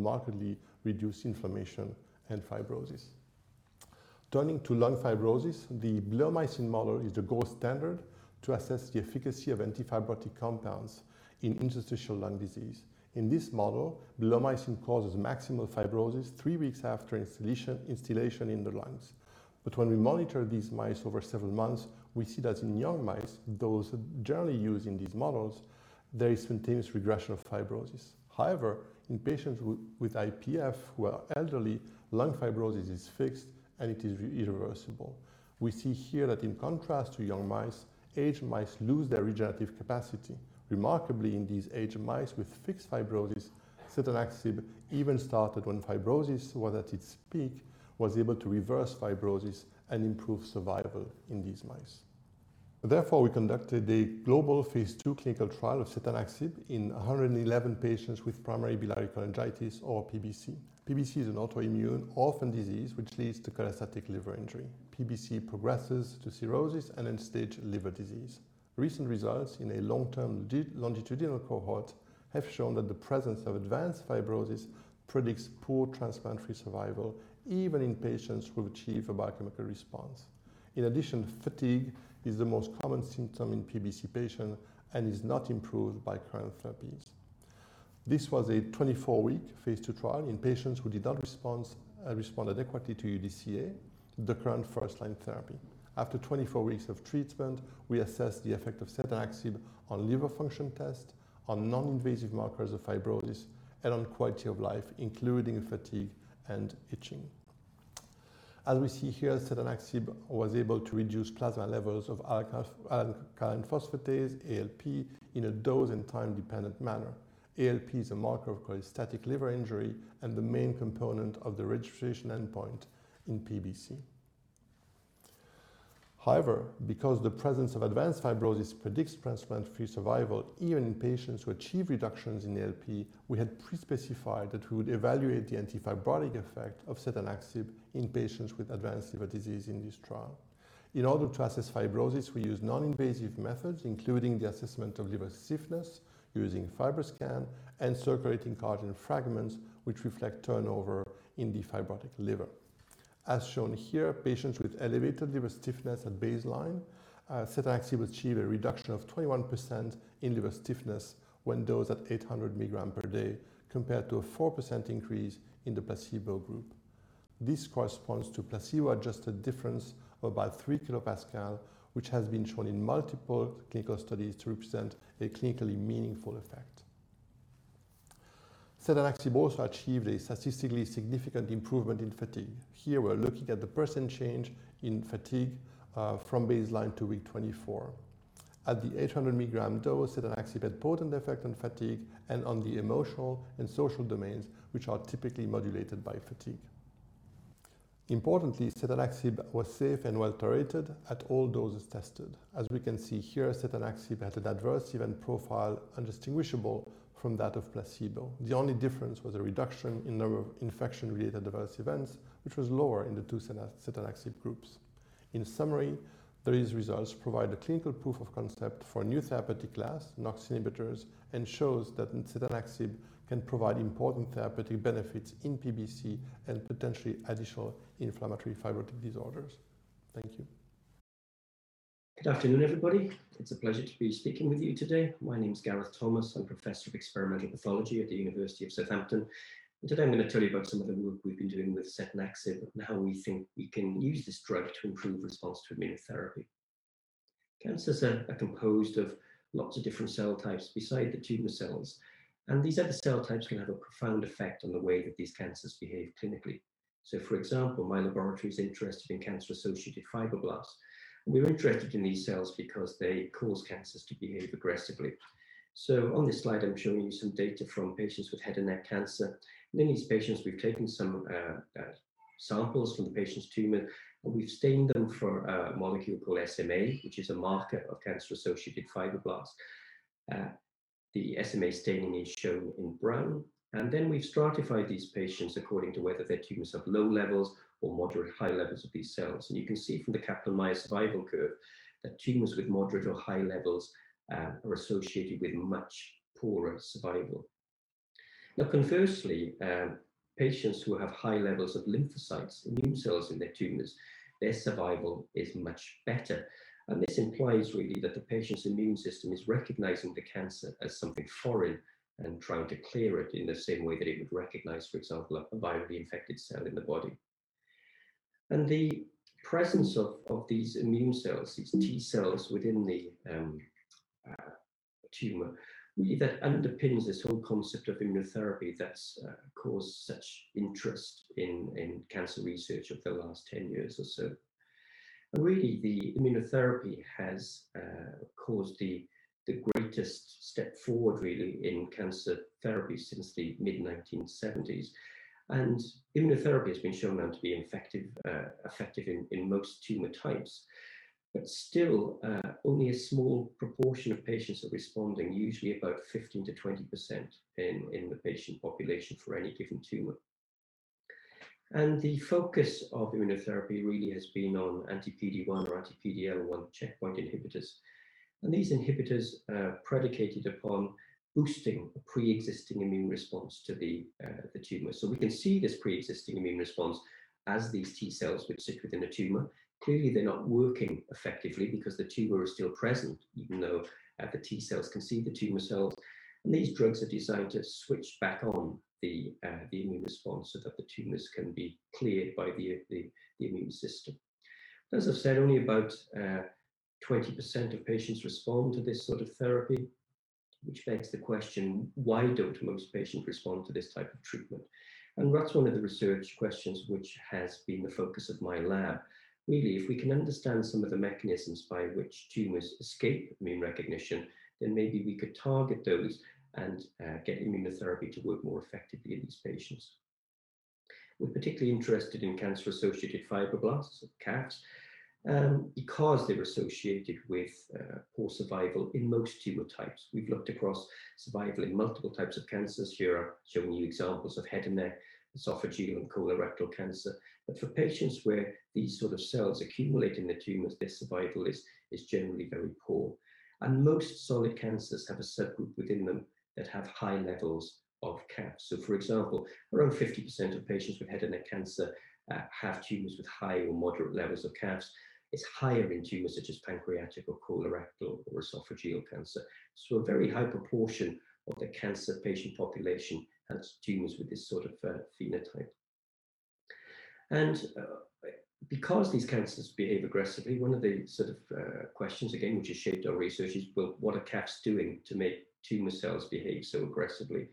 markedly reduce inflammation and fibrosis. Turning to lung fibrosis, the bleomycin model is the gold standard to assess the efficacy of anti-fibrotic compounds in interstitial lung disease. In this model, bleomycin causes maximal fibrosis three weeks after instillation in the lungs. When we monitor these mice over several months, we see that in young mice, those generally used in these models, there is spontaneous regression of fibrosis. However, in patients with IPF who are elderly, lung fibrosis is fixed, and it is irreversible. We see here that in contrast to young mice, aged mice lose their regenerative capacity. Remarkably, in these aged mice with fixed fibrosis, setanaxib, even started when fibrosis was at its peak, was able to reverse fibrosis and improve survival in these mice. We conducted a global phase II clinical trial of setanaxib in 111 patients with primary biliary cholangitis or PBC. PBC is an autoimmune orphan disease which leads to cholestatic liver injury. PBC progresses to cirrhosis and end-stage liver disease. Recent results in a long-term longitudinal cohort have shown that the presence of advanced fibrosis predicts poor transplant-free survival, even in patients who achieve a biochemical response. In addition, fatigue is the most common symptom in PBC patients and is not improved by current therapies. This was a 24-week phase II trial in patients who did not respond adequately to UDCA, the current first-line therapy. After 24 weeks of treatment, we assessed the effect of setanaxib on liver function tests, on non-invasive markers of fibrosis, and on quality of life, including fatigue and itching. As we see here, setanaxib was able to reduce plasma levels of alkaline phosphatase, ALP, in a dose and time-dependent manner. ALP is a marker of cholestatic liver injury and the main component of the registration endpoint in PBC. However, because the presence of advanced fibrosis predicts transplant-free survival even in patients who achieve reductions in the ALP, we had pre-specified that we would evaluate the anti-fibrotic effect of setanaxib in patients with advanced liver disease in this trial. In order to assess fibrosis, we used non-invasive methods, including the assessment of liver stiffness using FibroScan and circulating collagen fragments which reflect turnover in the fibrotic liver. As shown here, patients with elevated liver stiffness at baseline, setanaxib achieved a reduction of 21% in liver stiffness when dosed at 800 mg per day, compared to a 4% increase in the placebo group. This corresponds to placebo-adjusted difference of about 3 kPa, which has been shown in multiple clinical studies to represent a clinically meaningful effect. Setanaxib also achieved a statistically significant improvement in fatigue. Here we're looking at the percent change in fatigue from baseline to week 24. At the 800 mg dose, setanaxib had potent effect on fatigue and on the emotional and social domains, which are typically modulated by fatigue. Importantly, setanaxib was safe and well-tolerated at all doses tested. As we can see here, setanaxib had an adverse event profile indistinguishable from that of placebo. The only difference was a reduction in the number of infection-related adverse events, which was lower in the two setanaxib groups. In summary, these results provide a clinical proof of concept for a new therapeutic class, NOX inhibitors, and shows that setanaxib can provide important therapeutic benefits in PBC and potentially additional inflammatory fibrotic disorders. Thank you. Good afternoon, everybody. It's a pleasure to be speaking with you today. My name's Gareth Thomas. I'm Professor of Experimental Pathology at the University of Southampton. Today I'm going to tell you about some of the work we've been doing with setanaxib, and how we think we can use this drug to improve response to immunotherapy. Cancers are composed of lots of different cell types beside the tumor cells. These other cell types can have a profound effect on the way that these cancers behave clinically. For example, my laboratory is interested in cancer-associated fibroblasts. We're interested in these cells because they cause cancers to behave aggressively. On this slide, I'm showing you some data from patients with head and neck cancer. In these patients, we've taken some samples from the patient's tumor, and we've stained them for a molecule called SMA, which is a marker of cancer-associated fibroblasts. The SMA staining is shown in brown, and then we've stratified these patients according to whether their tumors have low levels or moderate/high levels of these cells. You can see from the capitalized survival curve that tumors with moderate or high levels are associated with much poorer survival. Now conversely, patients who have high levels of lymphocytes, immune cells in their tumors, their survival is much better, and this implies really that the patient's immune system is recognizing the cancer as something foreign and trying to clear it in the same way that it would recognize, for example, a virally infected cell in the body. The presence of these immune cells, these T cells within the tumor, really that underpins this whole concept of immunotherapy that's caused such interest in cancer research over the last 10 years or so. Really, the immunotherapy has caused the greatest step forward, really, in cancer therapy since the mid-1970s, and immunotherapy has been shown now to be effective in most tumor types. Still, only a small proportion of patients are responding, usually about 15%-20% in the patient population for any given tumor. The focus of immunotherapy really has been on anti-PD-1 or anti-PD-L1 checkpoint inhibitors. These inhibitors are predicated upon boosting a preexisting immune response to the tumor. We can see this preexisting immune response as these T cells which sit within a tumor. Clearly, they're not working effectively because the tumor is still present even though the T cells can see the tumor cells. These drugs are designed to switch back on the immune response so that the tumors can be cleared by the immune system. As I've said, only about 20% of patients respond to this sort of therapy, which begs the question, why don't most patients respond to this type of treatment? That's one of the research questions which has been the focus of my lab. Really, if we can understand some of the mechanisms by which tumors escape immune recognition, then maybe we could target those and get immunotherapy to work more effectively in these patients. We're particularly interested in cancer-associated fibroblasts, or CAFs, because they're associated with poor survival in most tumor types. We've looked across survival in multiple types of cancers. Here, I've shown you examples of head and neck, esophageal, and colorectal cancer. For patients where these sort of cells accumulate in the tumors, their survival is generally very poor. Most solid cancers have a subgroup within them that have high levels of CAFs. For example, around 50% of patients with head and neck cancer have tumors with high or moderate levels of CAFs. It's higher in tumors such as pancreatic or colorectal or esophageal cancer. A very high proportion of the cancer patient population has tumors with this sort of phenotype. Because these cancers behave aggressively, one of the sort of questions, again, which has shaped our research is, well, what are CAFs doing to make tumor cells behave so aggressively?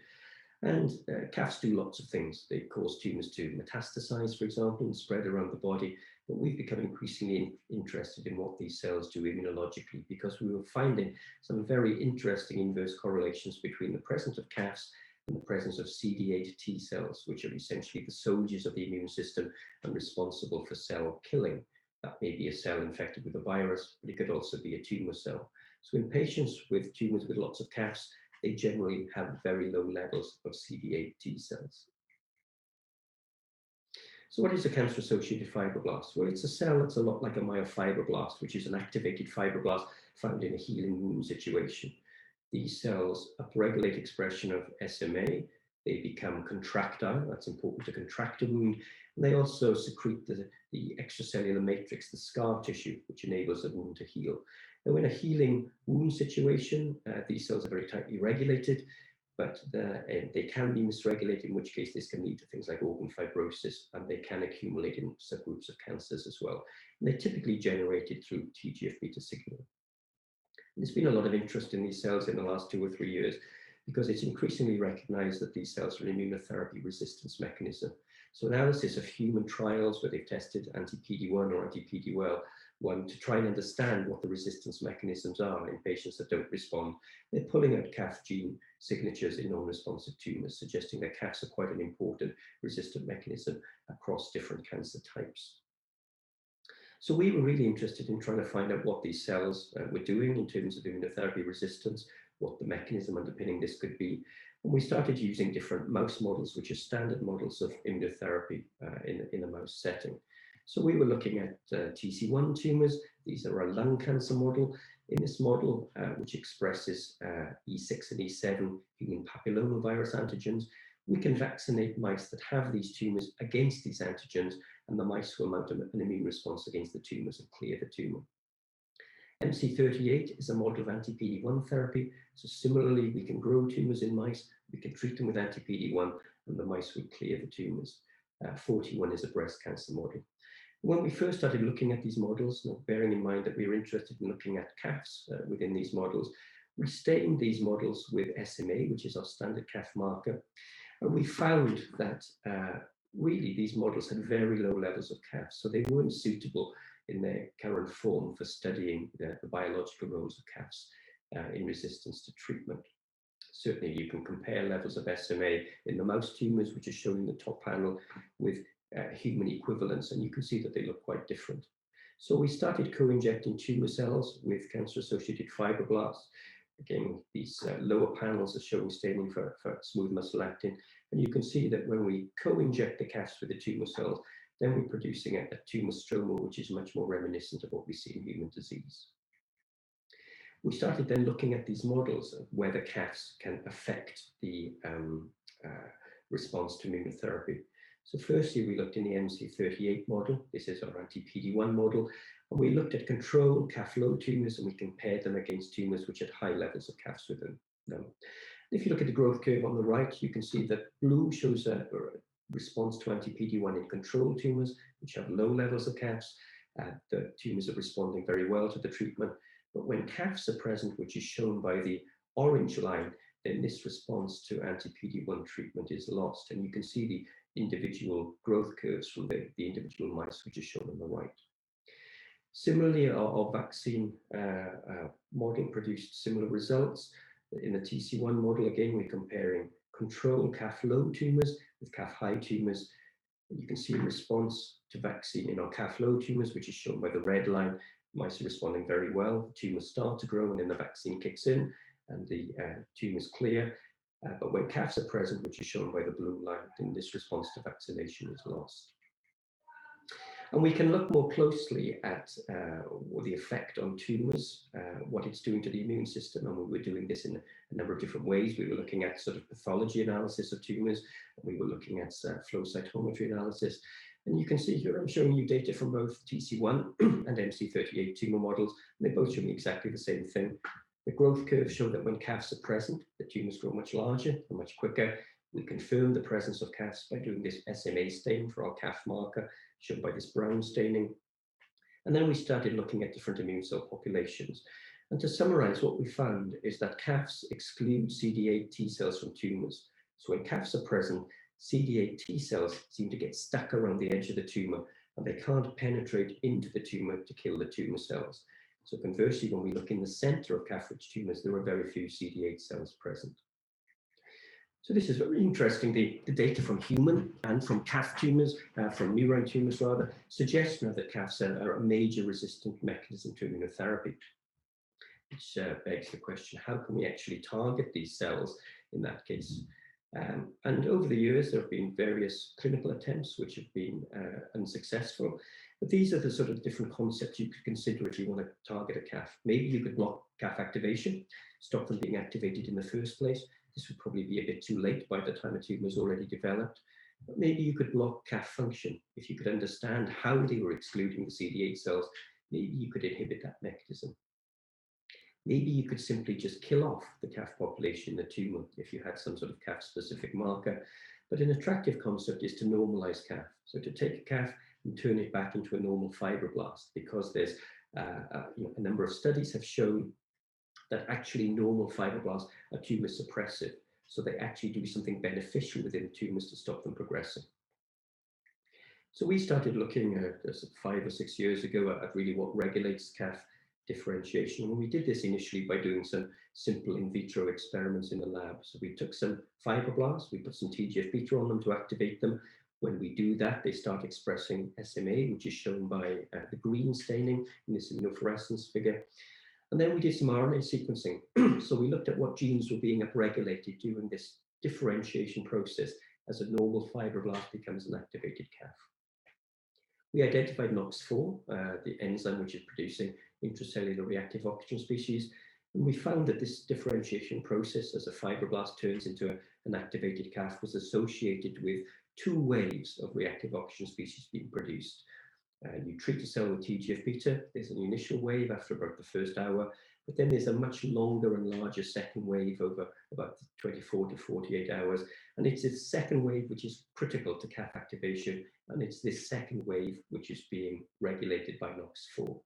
CAFs do lots of things. They cause tumors to metastasize, for example, and spread around the body. We've become increasingly interested in what these cells do immunologically because we were finding some very interesting inverse correlations between the presence of CAFs and the presence of CD8 T cells, which are essentially the soldiers of the immune system and responsible for cell killing. That may be a cell infected with a virus, but it could also be a tumor cell. In patients with tumors with lots of CAFs, they generally have very low levels of CD8 T cells. What is a cancer-associated fibroblast? It's a cell that's a lot like a myofibroblast, which is an activated fibroblast found in a healing wound situation. These cells upregulate expression of SMA. They become contractile. That's important to contract a wound. They also secrete the extracellular matrix, the scar tissue, which enables a wound to heal. In a healing wound situation, these cells are very tightly regulated, but they can be dysregulated, in which case this can lead to things like organ fibrosis, and they can accumulate in subgroups of cancers as well. They're typically generated through TGF-β signaling. There's been a lot of interest in these cells in the last two or three years because it's increasingly recognized that these cells are an immunotherapy resistance mechanism. Analysis of human trials where they've tested anti-PD-1 or anti-PD-L1 to try and understand what the resistance mechanisms are in patients that don't respond. They're pulling out CAF gene signatures in non-responsive tumors, suggesting that CAFs are quite an important resistant mechanism across different cancer types. We were really interested in trying to find out what these cells were doing in terms of immunotherapy resistance, what the mechanism underpinning this could be. We started using different mouse models, which are standard models of immunotherapy in a mouse setting. We were looking at TC-1 tumors. These are our lung cancer model. In this model, which expresses E6 and E7 human papillomavirus antigens, we can vaccinate mice that have these tumors against these antigens, and the mice will mount an immune response against the tumors and clear the tumor. MC38 is a model of anti-PD-1 therapy. Similarly, we can grow tumors in mice, we can treat them with anti-PD-1, and the mice will clear the tumors. 4T1 is a breast cancer model. When we first started looking at these models, bearing in mind that we were interested in looking at CAFs within these models, we stained these models with SMA, which is our standard CAF marker. We found that really these models had very low levels of CAFs, so they weren't suitable in their current form for studying the biological roles of CAFs in resistance to treatment. Certainly, you can compare levels of SMA in the mouse tumors, which is shown in the top panel, with human equivalents, and you can see that they look quite different. We started co-injecting tumor cells with cancer-associated fibroblasts. Again, these lower panels are showing staining for smooth muscle actin. You can see that when we co-inject the CAFs with the tumor cells, then we're producing a tumor stroma which is much more reminiscent of what we see in human disease. We started then looking at these models of whether CAFs can affect the response to immunotherapy. Firstly, we looked in the MC38 model. This is our anti-PD-1 model. We looked at control CAF low tumors, and we compared them against tumors which had high levels of CAFs within them. If you look at the growth curve on the right, you can see that blue shows a response to anti-PD-1 in control tumors which have low levels of CAFs. When CAFs are present, which is shown by the orange line, then this response to anti-PD-1 treatment is lost. You can see the individual growth curves from the individual mice, which are shown on the right. Similarly, our vaccine modeling produced similar results. In the TC-1 model, again, we're comparing control CAF low tumors with CAF high tumors. You can see the response to vaccine in our CAF low tumors, which is shown by the red line. Mice are responding very well. Tumors start to grow, the vaccine kicks in, the tumor is clear. When CAFs are present, which is shown by the blue line, this response to vaccination is lost. We can look more closely at the effect on tumors, what it's doing to the immune system, we were doing this in a number of different ways. We were looking at pathology analysis of tumors, we were looking at flow cytometry analysis. You can see here, I'm showing you data from both TC-1 and MC38 tumor models, they both show me exactly the same thing. The growth curves show that when CAFs are present, the tumors grow much larger and much quicker. We confirm the presence of CAFs by doing this SMA stain for our CAF marker, shown by this brown staining. Then we started looking at different immune cell populations. To summarize, what we found is that CAFs exclude CD8 T cells from tumors. When CAFs are present, CD8 T cells seem to get stuck around the edge of the tumor, and they can't penetrate into the tumor to kill the tumor cells. Conversely, when we look in the center of CAF-rich tumors, there are very few CD8 cells present. This is very interesting. The data from human and from neuro tumors rather, suggestion that CAFs are a major resistant mechanism to immunotherapy. Which begs the question: how can we actually target these cells in that case? Over the years, there have been various clinical attempts which have been unsuccessful. These are the sort of different concepts you could consider if you want to target a CAF. Maybe you could block CAF activation, stop them being activated in the first place. This would probably be a bit too late by the time a tumor's already developed. Maybe you could block CAF function. If you could understand how they were excluding the CD8 cells, maybe you could inhibit that mechanism. Maybe you could simply just kill off the CAF population in the tumor if you had some sort of CAF-specific marker. But an attractive concept is to normalize CAF. To take a CAF and turn it back into a normal fibroblast because a number of studies have shown that actually normal fibroblasts are tumor suppressive. They actually do something beneficial within tumors to stop them progressing. We started looking at, five or six years ago, at really what regulates CAF differentiation. We did this initially by doing some simple in vitro experiments in the lab. We took some fibroblasts, we put some TGF-β on them to activate them. When we do that, they start expressing SMA, which is shown by the green staining in this immunofluorescence figure. Then we did some RNA sequencing. We looked at what genes were being upregulated during this differentiation process as a normal fibroblast becomes an activated CAF. We identified NOX4, the enzyme which is producing intracellular reactive oxygen species. We found that this differentiation process as a fibroblast turns into an activated CAF was associated with two waves of reactive oxygen species being produced. You treat a cell with TGF-β, there's an initial wave after about the first hour, but then there's a much longer and larger second wave over about 24-48 hours. It's this second wave which is critical to CAF activation, and it's this second wave which is being regulated by NOX4.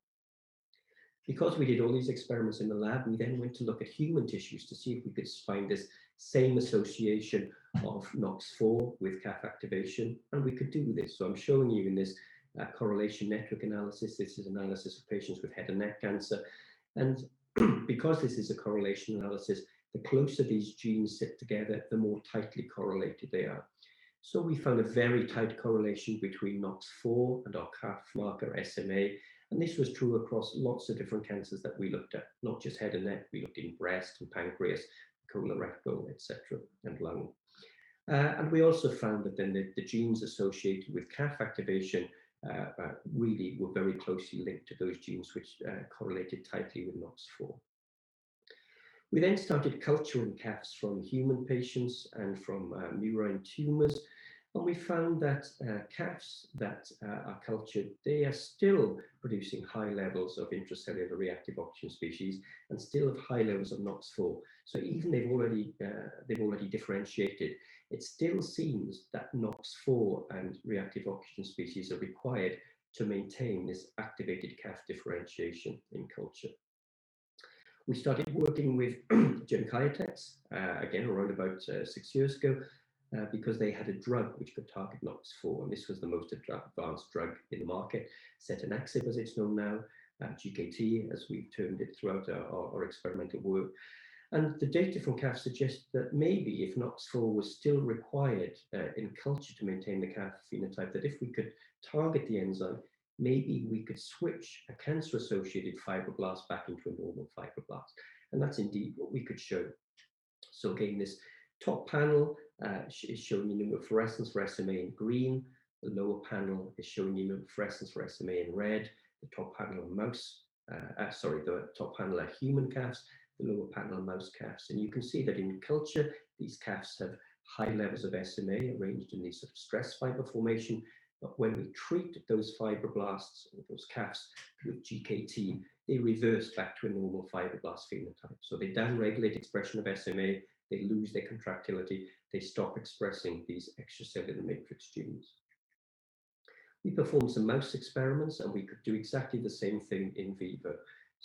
We did all these experiments in the lab, we then went to look at human tissues to see if we could find this same association of NOX4 with CAF activation, and we could do this. I'm showing you in this correlation network analysis. This is analysis of patients with head and neck cancer. Because this is a correlation analysis, the closer these genes sit together, the more tightly correlated they are. We found a very tight correlation between NOX4 and our CAF marker SMA, and this was true across lots of different cancers that we looked at, not just head and neck. We looked in breast, pancreas, colorectal, et cetera, and lung. We also found that the genes associated with CAF activation really were very closely linked to those genes which correlated tightly with NOX4. We started culturing CAFs from human patients and from murine tumors. We found that CAFs that are cultured, they are still producing high levels of intracellular reactive oxygen species and still have high levels of NOX4. Even they've already differentiated, it still seems that NOX4 and reactive oxygen species are required to maintain this activated CAF differentiation in culture. We started working with Genkyotex, again, around about six years ago because they had a drug which could target NOX4. This was the most advanced drug in the market, setanaxib as it's known now, GKT as we've termed it throughout our experimental work. The data from CAFs suggests that maybe if NOX4 was still required in culture to maintain the CAF phenotype, that if we could target the enzyme, maybe we could switch a cancer-associated fibroblast back into a normal fibroblast. That's indeed what we could show. Again, this top panel is showing immunofluorescence for SMA in green. The lower panel is showing immunofluorescence for SMA in red. The top panel are human CAFs, the lower panel are mouse CAFs. You can see that in culture, these CAFs have high levels of SMA arranged in these sort of stress fiber formation, but when we treat those fibroblasts or those CAFs with GKT, they reverse back to a normal fibroblast phenotype. They downregulate expression of SMA, they lose their contractility, they stop expressing these extracellular matrix genes. We performed some mouse experiments, and we could do exactly the same thing in vivo.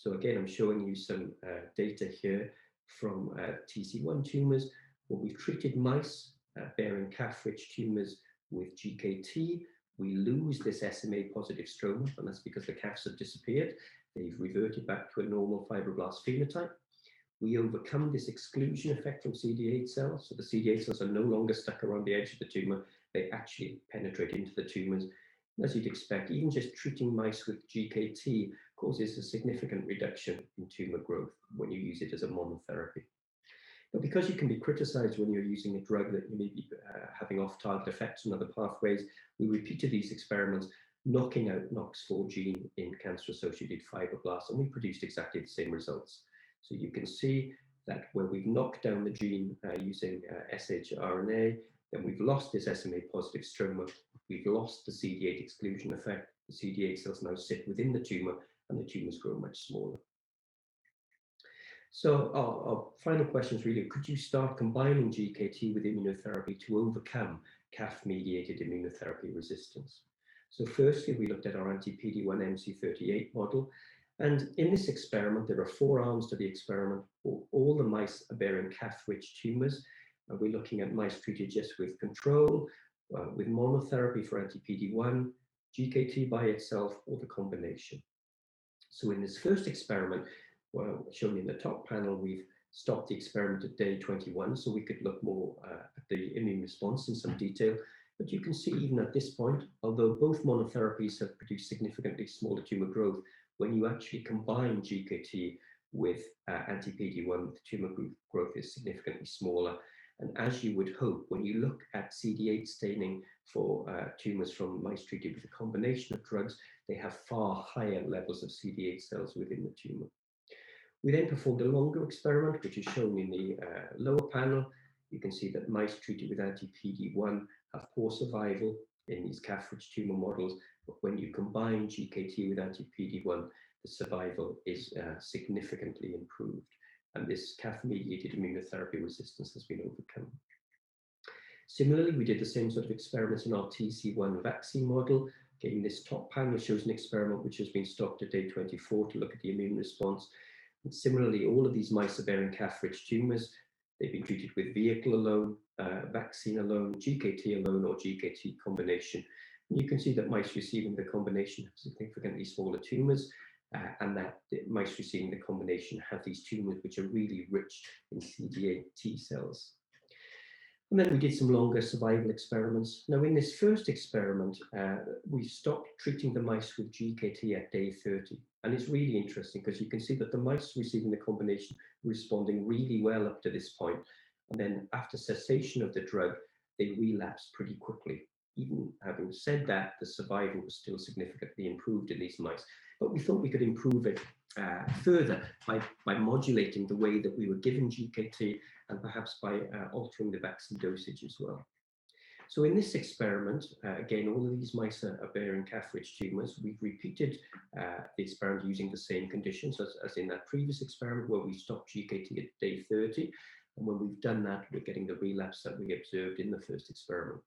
Again, I'm showing you some data here from TC-1 tumors where we've treated mice bearing CAF-rich tumors with GKT. We lose this SMA-positive stroma, and that's because the CAFs have disappeared. They've reverted back to a normal fibroblast phenotype. We overcome this exclusion effect from CD8 cells, so the CD8 cells are no longer stuck around the edge of the tumor. They actually penetrate into the tumors. As you'd expect, even just treating mice with GKT causes a significant reduction in tumor growth when you use it as a monotherapy. Because you can be criticized when you're using a drug that you may be having off-target effects on other pathways, we repeated these experiments knocking out NOX4 gene in cancer-associated fibroblasts, and we produced exactly the same results. You can see that where we've knocked down the gene using shRNA, we've lost this SMA-positive stroma. We've lost the CD8 exclusion effect. The CD8 cells now sit within the tumor, and the tumors grow much smaller. Our final question is really, could you start combining GKT with immunotherapy to overcome CAF-mediated immunotherapy resistance? Firstly, we looked at our Anti-PD-1 MC38 model, and in this experiment, there are four arms to the experiment. All the mice are bearing CAF-rich tumors, and we're looking at mice treated just with control, with monotherapy for Anti-PD-1, GKT by itself, or the combination. In this first experiment shown in the top panel, we've stopped the experiment at day 21, so we could look more at the immune response in some detail. You can see even at this point, although both monotherapies have produced significantly smaller tumor growth, when you actually combine GKT with Anti-PD-1, the tumor growth is significantly smaller. As you would hope, when you look at CD8 staining for tumors from mice treated with a combination of drugs, they have far higher levels of CD8 cells within the tumor. We then performed a longer experiment, which is shown in the lower panel. You can see that mice treated with Anti-PD-1 have poor survival in these CAF-rich tumor models. When you combine GKT with Anti-PD-1, the survival is significantly improved, and this CAF-mediated immunotherapy resistance has been overcome. Similarly, we did the same sort of experiments in our TC-1 vaccine model. Again, this top panel shows an experiment which has been stopped at day 24 to look at the immune response. Similarly, all of these mice are bearing CAF-rich tumors. They've been treated with vehicle alone, vaccine alone, GKT alone, or GKT combination. You can see that mice receiving the combination have significantly smaller tumors, and that the mice receiving the combination have these tumors which are really rich in CD8 T cells. We did some longer survival experiments. Now, in this first experiment, we stopped treating the mice with GKT at day 30. It's really interesting because you can see that the mice receiving the combination were responding really well up to this point. After cessation of the drug, they relapsed pretty quickly. Even having said that, the survival was still significantly improved in these mice. We thought we could improve it further by modulating the way that we were giving GKT and perhaps by altering the vaccine dosage as well. In this experiment, again, all of these mice are bearing CAF-rich tumors. We've repeated the experiment using the same conditions as in that previous experiment where we stopped GKT at day 30. When we've done that, we're getting the relapse that we observed in the first experiment.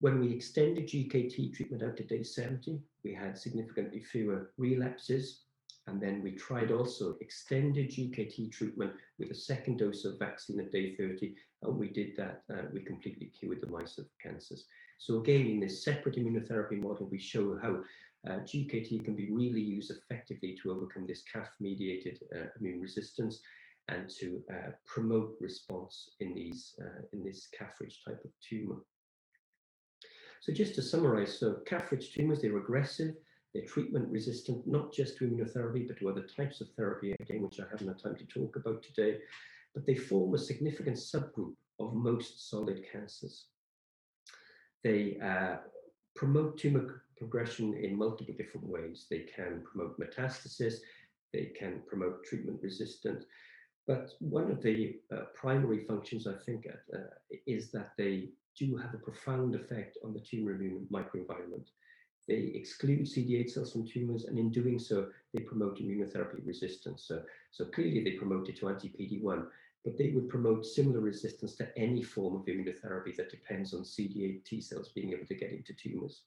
When we extended GKT treatment out to day 70, we had significantly fewer relapses, and then we tried also extended GKT treatment with a second dose of vaccine at day 30, and we did that, and we completely cured the mice of cancers. Again, in this separate immunotherapy model, we show how GKT can be really used effectively to overcome this CAF-mediated immune resistance and to promote response in this CAF-rich type of tumor. Just to summarize, CAFs tumors, they're aggressive, they're treatment-resistant, not just to immunotherapy, but to other types of therapy, again, which I haven't had time to talk about today. They form a significant subgroup of most solid cancers. They promote tumor progression in multiple different ways. They can promote metastasis, they can promote treatment resistance. One of the primary functions I think is that they do have a profound effect on the tumor immune microenvironment. They exclude CD8 cells from tumors, and in doing so, they promote immunotherapy resistance. Clearly they promote it to anti-PD-1, but they would promote similar resistance to any form of immunotherapy that depends on CD8 T cells being able to get into tumors.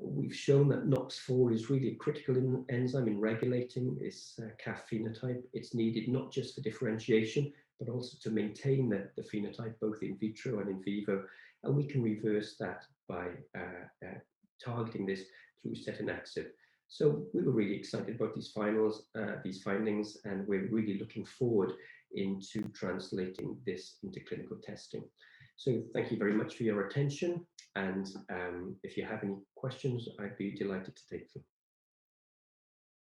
We've shown that NOX4 is really a critical enzyme in regulating this CAF phenotype. It's needed not just for differentiation, but also to maintain the phenotype both in vitro and in vivo. We can reverse that by targeting this through setanaxib. We were really excited about these findings, and we're really looking forward into translating this into clinical testing. Thank you very much for your attention, and if you have any questions, I'd be delighted to take them.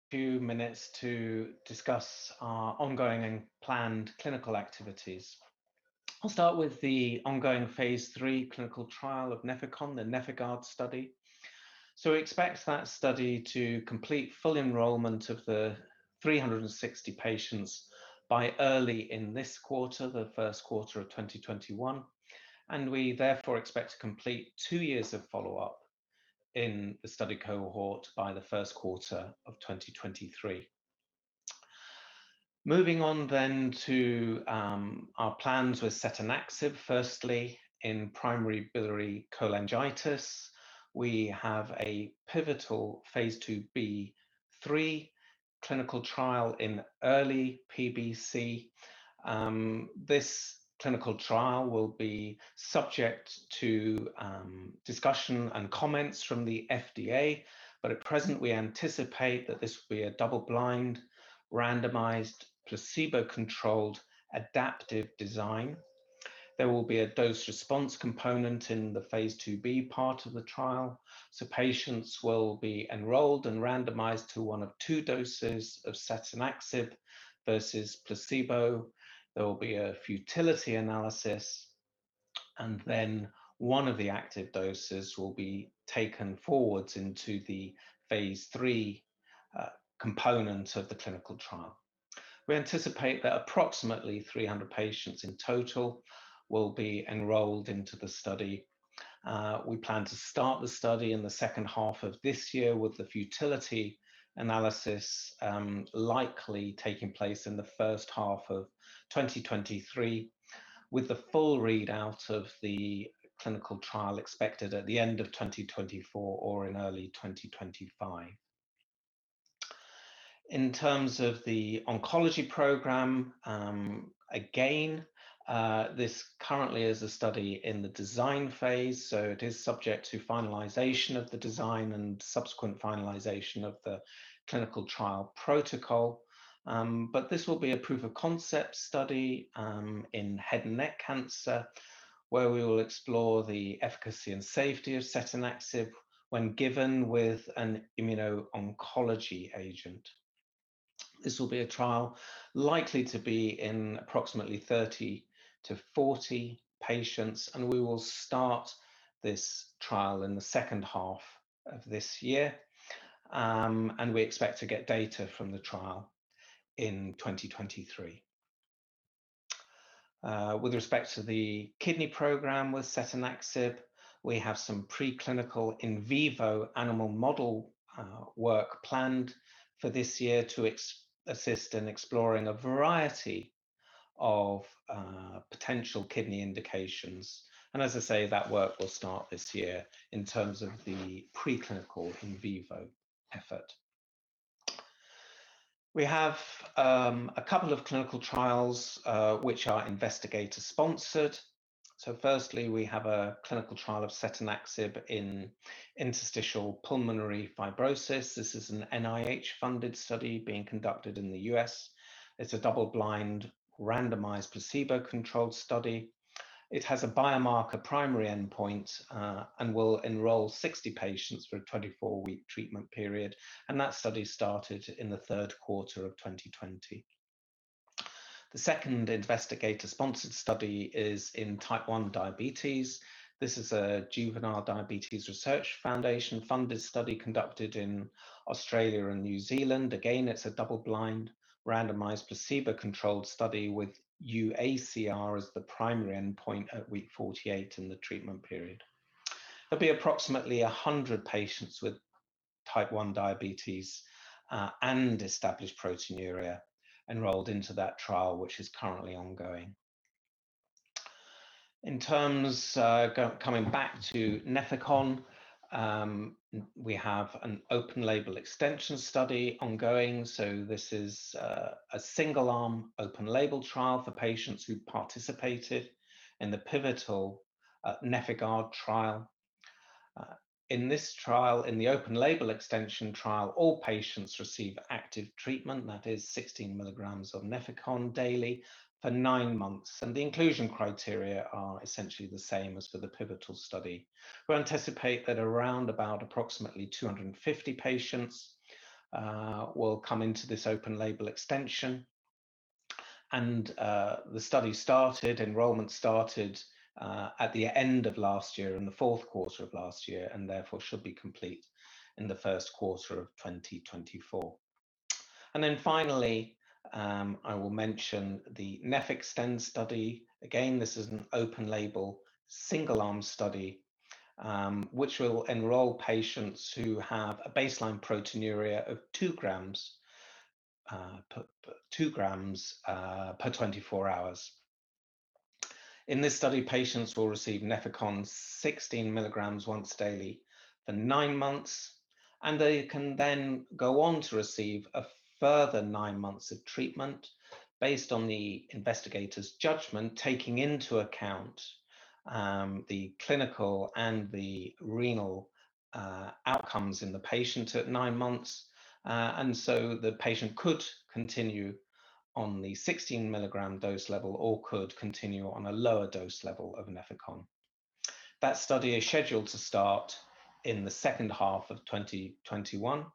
Few minutes to discuss our ongoing and planned clinical activities. I'll start with the ongoing phase III clinical trial of Nefecon, the NefIgArd study. We expect that study to complete full enrollment of the 360 patients by early in this quarter, the first quarter of 2021, and we therefore expect to complete two years of follow-up in the study cohort by the first quarter of 2020. Moving on to our plans with setanaxib. Firstly, in primary biliary cholangitis, we have a pivotal phase IIb/III clinical trial in early PBC. This clinical trial will be subject to discussion and comments from the FDA, but at present, we anticipate that this will be a double-blind, randomized, placebo-controlled adaptive design. There will be a dose response component in the phase IIb part of the trial. Patients will be enrolled and randomized to one of two doses of setanaxib versus placebo. There will be a futility analysis, and then one of the active doses will be taken forwards into the phase III component of the clinical trial. We anticipate that approximately 300 patients in total will be enrolled into the study. We plan to start the study in the second half of this year, with the futility analysis likely taking place in the first half of 2020, with the full readout of the clinical trial expected at the end of 2021 or in early 2025. In terms of the oncology program, again, this currently is a study in the design phase, so it is subject to finalization of the design and subsequent finalization of the clinical trial protocol. This will be a proof of concept study in head and neck cancer, where we will explore the efficacy and safety of setanaxib when given with an immuno-oncology agent. This will be a trial likely to be in approximately 30 to 40 patients. We will start this trial in the second half of this year. We expect to get data from the trial in 2020. With respect to the kidney program with setanaxib, we have some preclinical in vivo animal model work planned for this year to assist in exploring a variety of potential kidney indications. As I say, that work will start this year in terms of the preclinical in vivo effort. We have a couple of clinical trials which are investigator-sponsored. Firstly, we have a clinical trial of setanaxib in interstitial pulmonary fibrosis. This is an NIH-funded study being conducted in the U.S. It's a double-blind, randomized, placebo-controlled study. It has a biomarker primary endpoint and will enroll 60 patients for a 24-week treatment period. That study started in the third quarter of 2020. The second investigator-sponsored study is in type one diabetes. This is a Juvenile Diabetes Research Foundation-funded study conducted in Australia and New Zealand. It's a double-blind, randomized, placebo-controlled study with uACR as the primary endpoint at week 48 in the treatment period. There'll be approximately 100 patients with type one diabetes and established proteinuria enrolled into that trial, which is currently ongoing. Coming back to Nefecon, we have an open label extension study ongoing. This is a single arm open label trial for patients who participated in the pivotal NefIgArd trial. In this trial, in the open label extension trial, all patients receive active treatment, that is 16 mg of Nefecon daily for nine months. The inclusion criteria are essentially the same as for the pivotal study. We anticipate that approximately 250 patients will come into this open label extension. Enrollment started at the end of 2020, in the fourth quarter of 2020, therefore should be complete in the first quarter of 2021. Finally, I will mention the NefExtend study. Again, this is an open label single arm study, which will enroll patients who have a baseline proteinuria of 2 g per 24 hours. In this study, patients will receive Nefecon 16 mg once daily for nine months. They can then go on to receive a further nine months of treatment based on the investigator's judgment, taking into account the clinical and the renal outcomes in the patient at nine months. The patient could continue on the 16 mg dose level or could continue on a lower dose level of Nefecon. That study is scheduled to start in the second half of 2021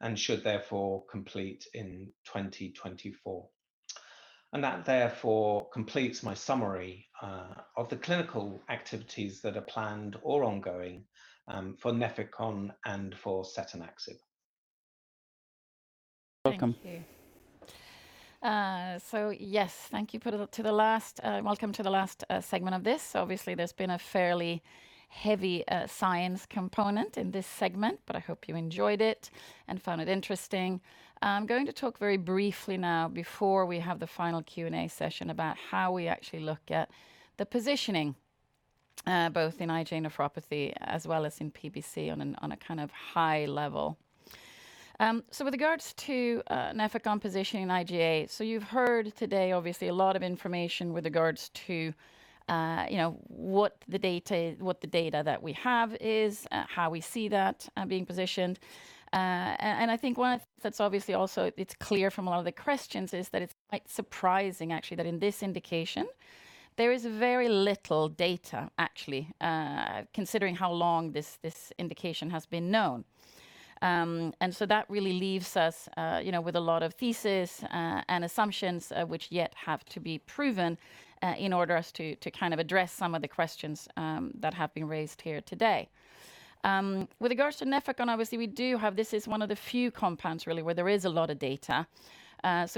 and should therefore complete in 2021. That therefore completes my summary of the clinical activities that are planned or ongoing for Nefecon and for setanaxib. Welcome. Thank you. Yes, thank you. Welcome to the last segment of this. Obviously, there's been a fairly heavy science component in this segment, but I hope you enjoyed it and found it interesting. I'm going to talk very briefly now before we have the final Q&A session about how we actually look at the positioning, both in IgA nephropathy as well as in PBC on a kind of high level. With regards to Nefecon positioning in IgA, you've heard today, obviously, a lot of information with regards to what the data that we have is, how we see that being positioned. I think one of the things that's obviously also, it's clear from a lot of the questions, is that it's quite surprising actually, that in this indication, there is very little data actually, considering how long this indication has been known. That really leaves us with a lot of thesis and assumptions which yet have to be proven in order for us to kind of address some of the questions that have been raised here today. With regards to Nefecon, obviously we do have, this is one of the few compounds really where there is a lot of data.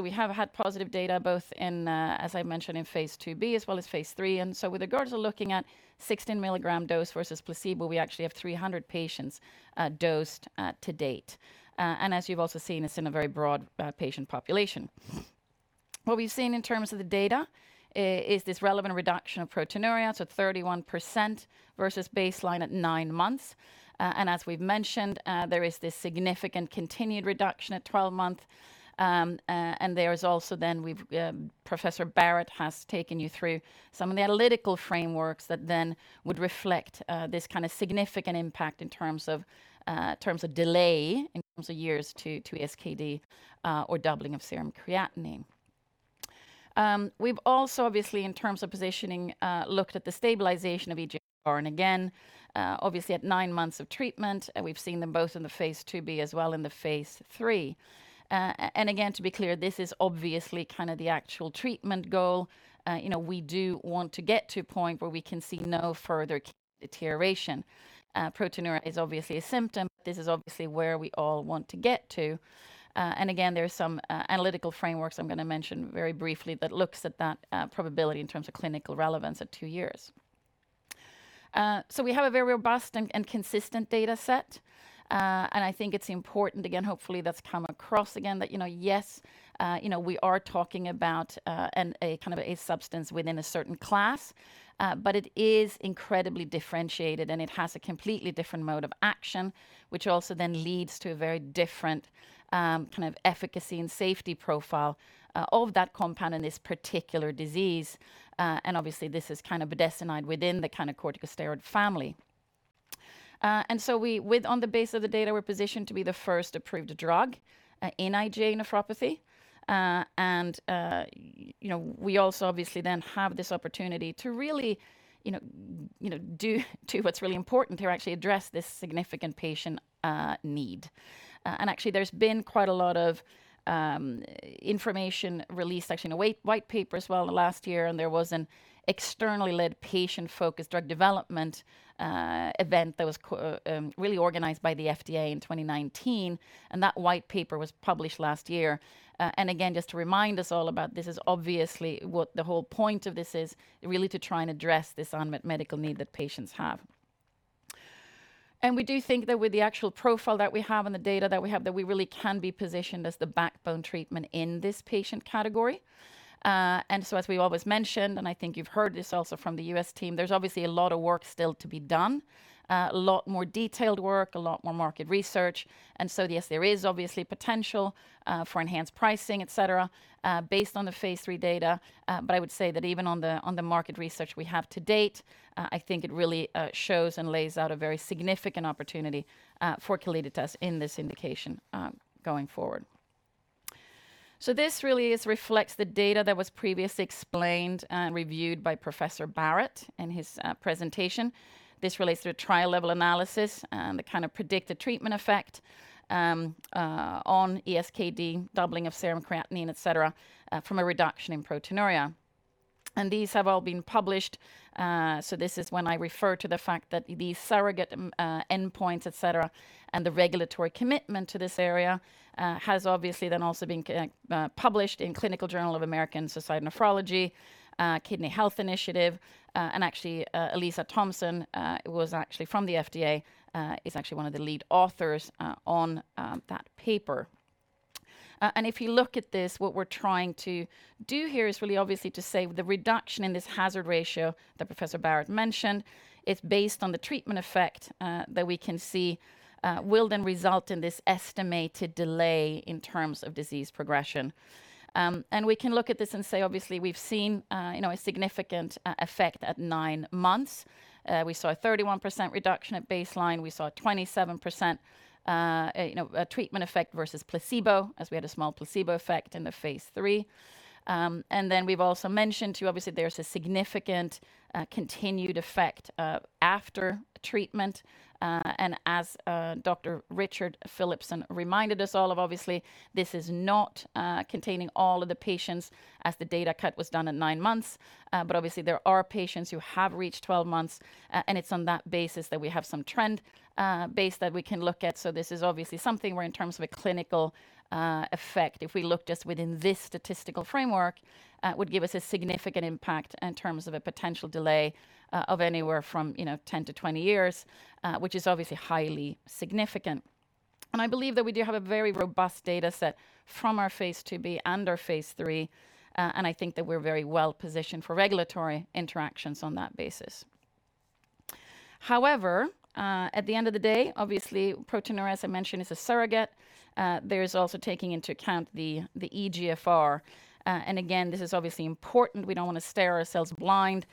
We have had positive data both in, as I mentioned, in phase IIb as well as phase III. With regards to looking at 16 mg dose versus placebo, we actually have 300 patients dosed to date. As you've also seen, it's in a very broad patient population. What we've seen in terms of the data is this relevant reduction of proteinuria, so 31% versus baseline at nine months. As we've mentioned, there is this significant continued reduction at 12 months. There is also then, Professor Barratt has taken you through some of the analytical frameworks that then would reflect this kind of significant impact in terms of delay, in terms of years to ESKD or doubling of serum creatinine. We've also, obviously, in terms of positioning, looked at the stabilization of eGFR. Again, obviously at nine months of treatment, we've seen them both in the phase IIb as well in the phase III. Again, to be clear, this is obviously kind of the actual treatment goal. We do want to get to a point where we can see no further deterioration. Proteinuria is obviously a symptom. This is obviously where we all want to get to. Again, there are some analytical frameworks I'm going to mention very briefly that looks at that probability in terms of clinical relevance at two years. We have a very robust and consistent data set. I think it's important, again, hopefully that's come across again, that yes, we are talking about a substance within a certain class. It is incredibly differentiated, and it has a completely different mode of action, which also then leads to a very different kind of efficacy and safety profile of that compound in this particular disease. Obviously this is budesonide within the corticosteroid family. On the base of the data, we're positioned to be the first approved drug in IgA nephropathy. We also obviously then have this opportunity to really do what's really important here, actually address this significant patient need. Actually there's been quite a lot of information released, actually in a white paper as well last year, there was an externally led patient-focused drug development event that was really organized by the FDA in 2019. That white paper was published last year. Again, just to remind us all about this is obviously what the whole point of this is, really to try and address this unmet medical need that patients have. We do think that with the actual profile that we have and the data that we have, that we really can be positioned as the backbone treatment in this patient category. As we've always mentioned, I think you've heard this also from the U.S. team, there's obviously a lot of work still to be done. A lot more detailed work, a lot more market research. Yes, there is obviously potential for enhanced pricing, et cetera, based on the phase III data. I would say that even on the market research we have to date, I think it really shows and lays out a very significant opportunity for Calliditas in this indication going forward. This really reflects the data that was previously explained and reviewed by Professor Barratt in his presentation. This relates to a trial-level analysis and the kind of predicted treatment effect on ESKD, doubling of serum creatinine, et cetera, from a reduction in proteinuria. These have all been published, this is when I refer to the fact that the surrogate endpoints, et cetera, and the regulatory commitment to this area has obviously then also been published in Clinical Journal of the American Society of Nephrology, Kidney Health Initiative, and actually, Aliza Thompson, who was actually from the FDA, is actually one of the lead authors on that paper. If you look at this, what we're trying to do here is really obviously to say the reduction in this hazard ratio that Professor Barratt mentioned, it's based on the treatment effect that we can see will then result in this estimated delay in terms of disease progression. We can look at this and say, obviously, we've seen a significant effect at nine months. We saw a 31% reduction at baseline. We saw 27% treatment effect versus placebo, as we had a small placebo effect in the phase III. We've also mentioned too, obviously, there's a significant continued effect after treatment. As Dr. Richard Philipson reminded us all of, obviously, this is not containing all of the patients as the data cut was done at nine months. Obviously, there are patients who have reached 12 months, and it's on that basis that we have some trend base that we can look at. This is obviously something where in terms of a clinical effect, if we look just within this statistical framework, would give us a significant impact in terms of a potential delay of anywhere from 10-20 years, which is obviously highly significant. I believe that we do have a very robust data set from our phase IIb and our phase III, and I think that we're very well-positioned for regulatory interactions on that basis. However, at the end of the day, obviously, proteinuria, as I mentioned, is a surrogate. There is also taking into account the eGFR. Again, this is obviously important. We don't want to stare ourselves blind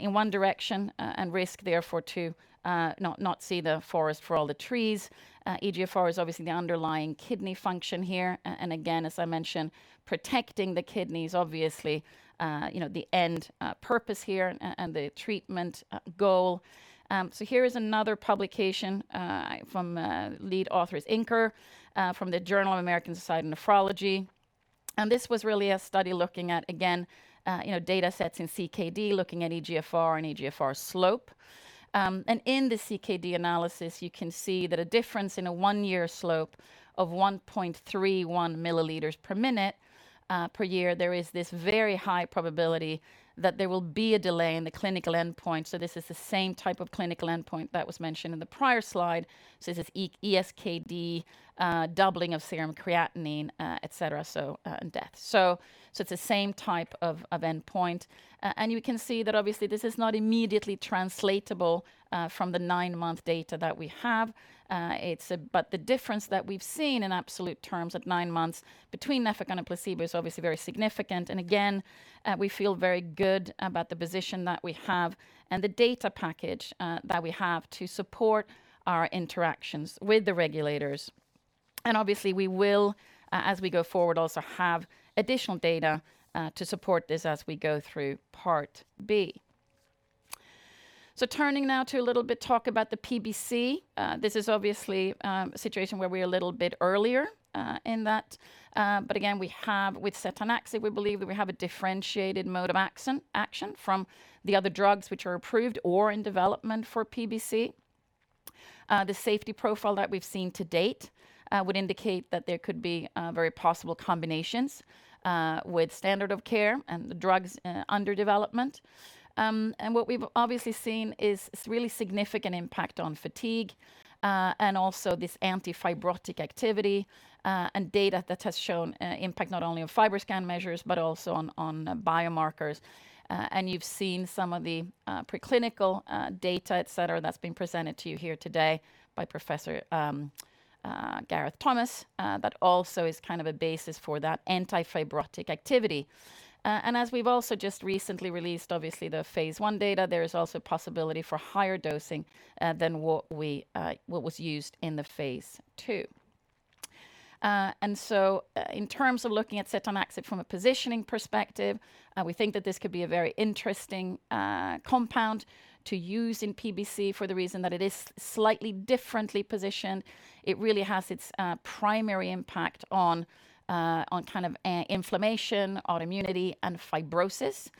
in one direction and risk therefore to not see the forest for all the trees. eGFR is obviously the underlying kidney function here. Again, as I mentioned, protecting the kidney is obviously the end purpose here and the treatment goal. Here is another publication from lead author Inker from the Journal of the American Society of Nephrology. This was really a study looking at, again, data sets in CKD, looking at eGFR and eGFR slope. In the CKD analysis, you can see that a difference in a one-year slope of 1.31 mL per minute per year, there is this very high probability that there will be a delay in the clinical endpoint. This is the same type of clinical endpoint that was mentioned in the prior slide. This is ESKD, doubling of serum creatinine, et cetera, and death. It's the same type of endpoint. You can see that obviously this is not immediately translatable from the nine-month data that we have. The difference that we've seen in absolute terms at nine months between Nefecon and placebo is obviously very significant. Again, we feel very good about the position that we have and the data package that we have to support our interactions with the regulators. Obviously, we will, as we go forward, also have additional data to support this as we go through Part B. Turning now to a little bit talk about the PBC. This is obviously a situation where we're a little bit earlier in that. Again, with setanaxib, we believe that we have a differentiated mode of action from the other drugs which are approved or in development for PBC. The safety profile that we've seen to date would indicate that there could be very possible combinations with standard of care and the drugs under development. What we've obviously seen is really significant impact on fatigue and also this anti-fibrotic activity and data that has shown impact not only on FibroScan measures but also on biomarkers. You've seen some of the preclinical data, et cetera, that's been presented to you here today by Professor Gareth Thomas. That also is a basis for that anti-fibrotic activity. As we've also just recently released, obviously, the phase I data, there is also possibility for higher dosing than what was used in the phase II. In terms of looking at setanaxib from a positioning perspective, we think that this could be a very interesting compound to use in PBC for the reason that it is slightly differently positioned. It really has its primary impact on inflammation, autoimmunity, and fibrosis.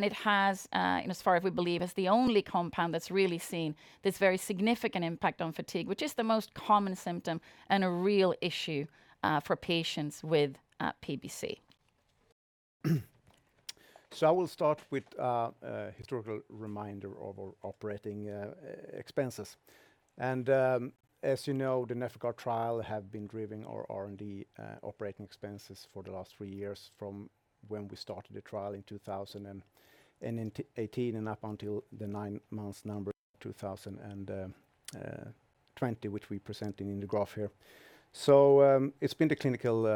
It has, as far as we believe, is the only compound that's really seen this very significant impact on fatigue, which is the most common symptom and a real issue for patients with PBC. I will start with a historical reminder of our operating expenses. As you know, the NefIgArd trial have been driving our R&D operating expenses for the last three years from when we started the trial in 2018 and up until the nine months numbers of 2020, which we're presenting in the graph here. It's been the clinical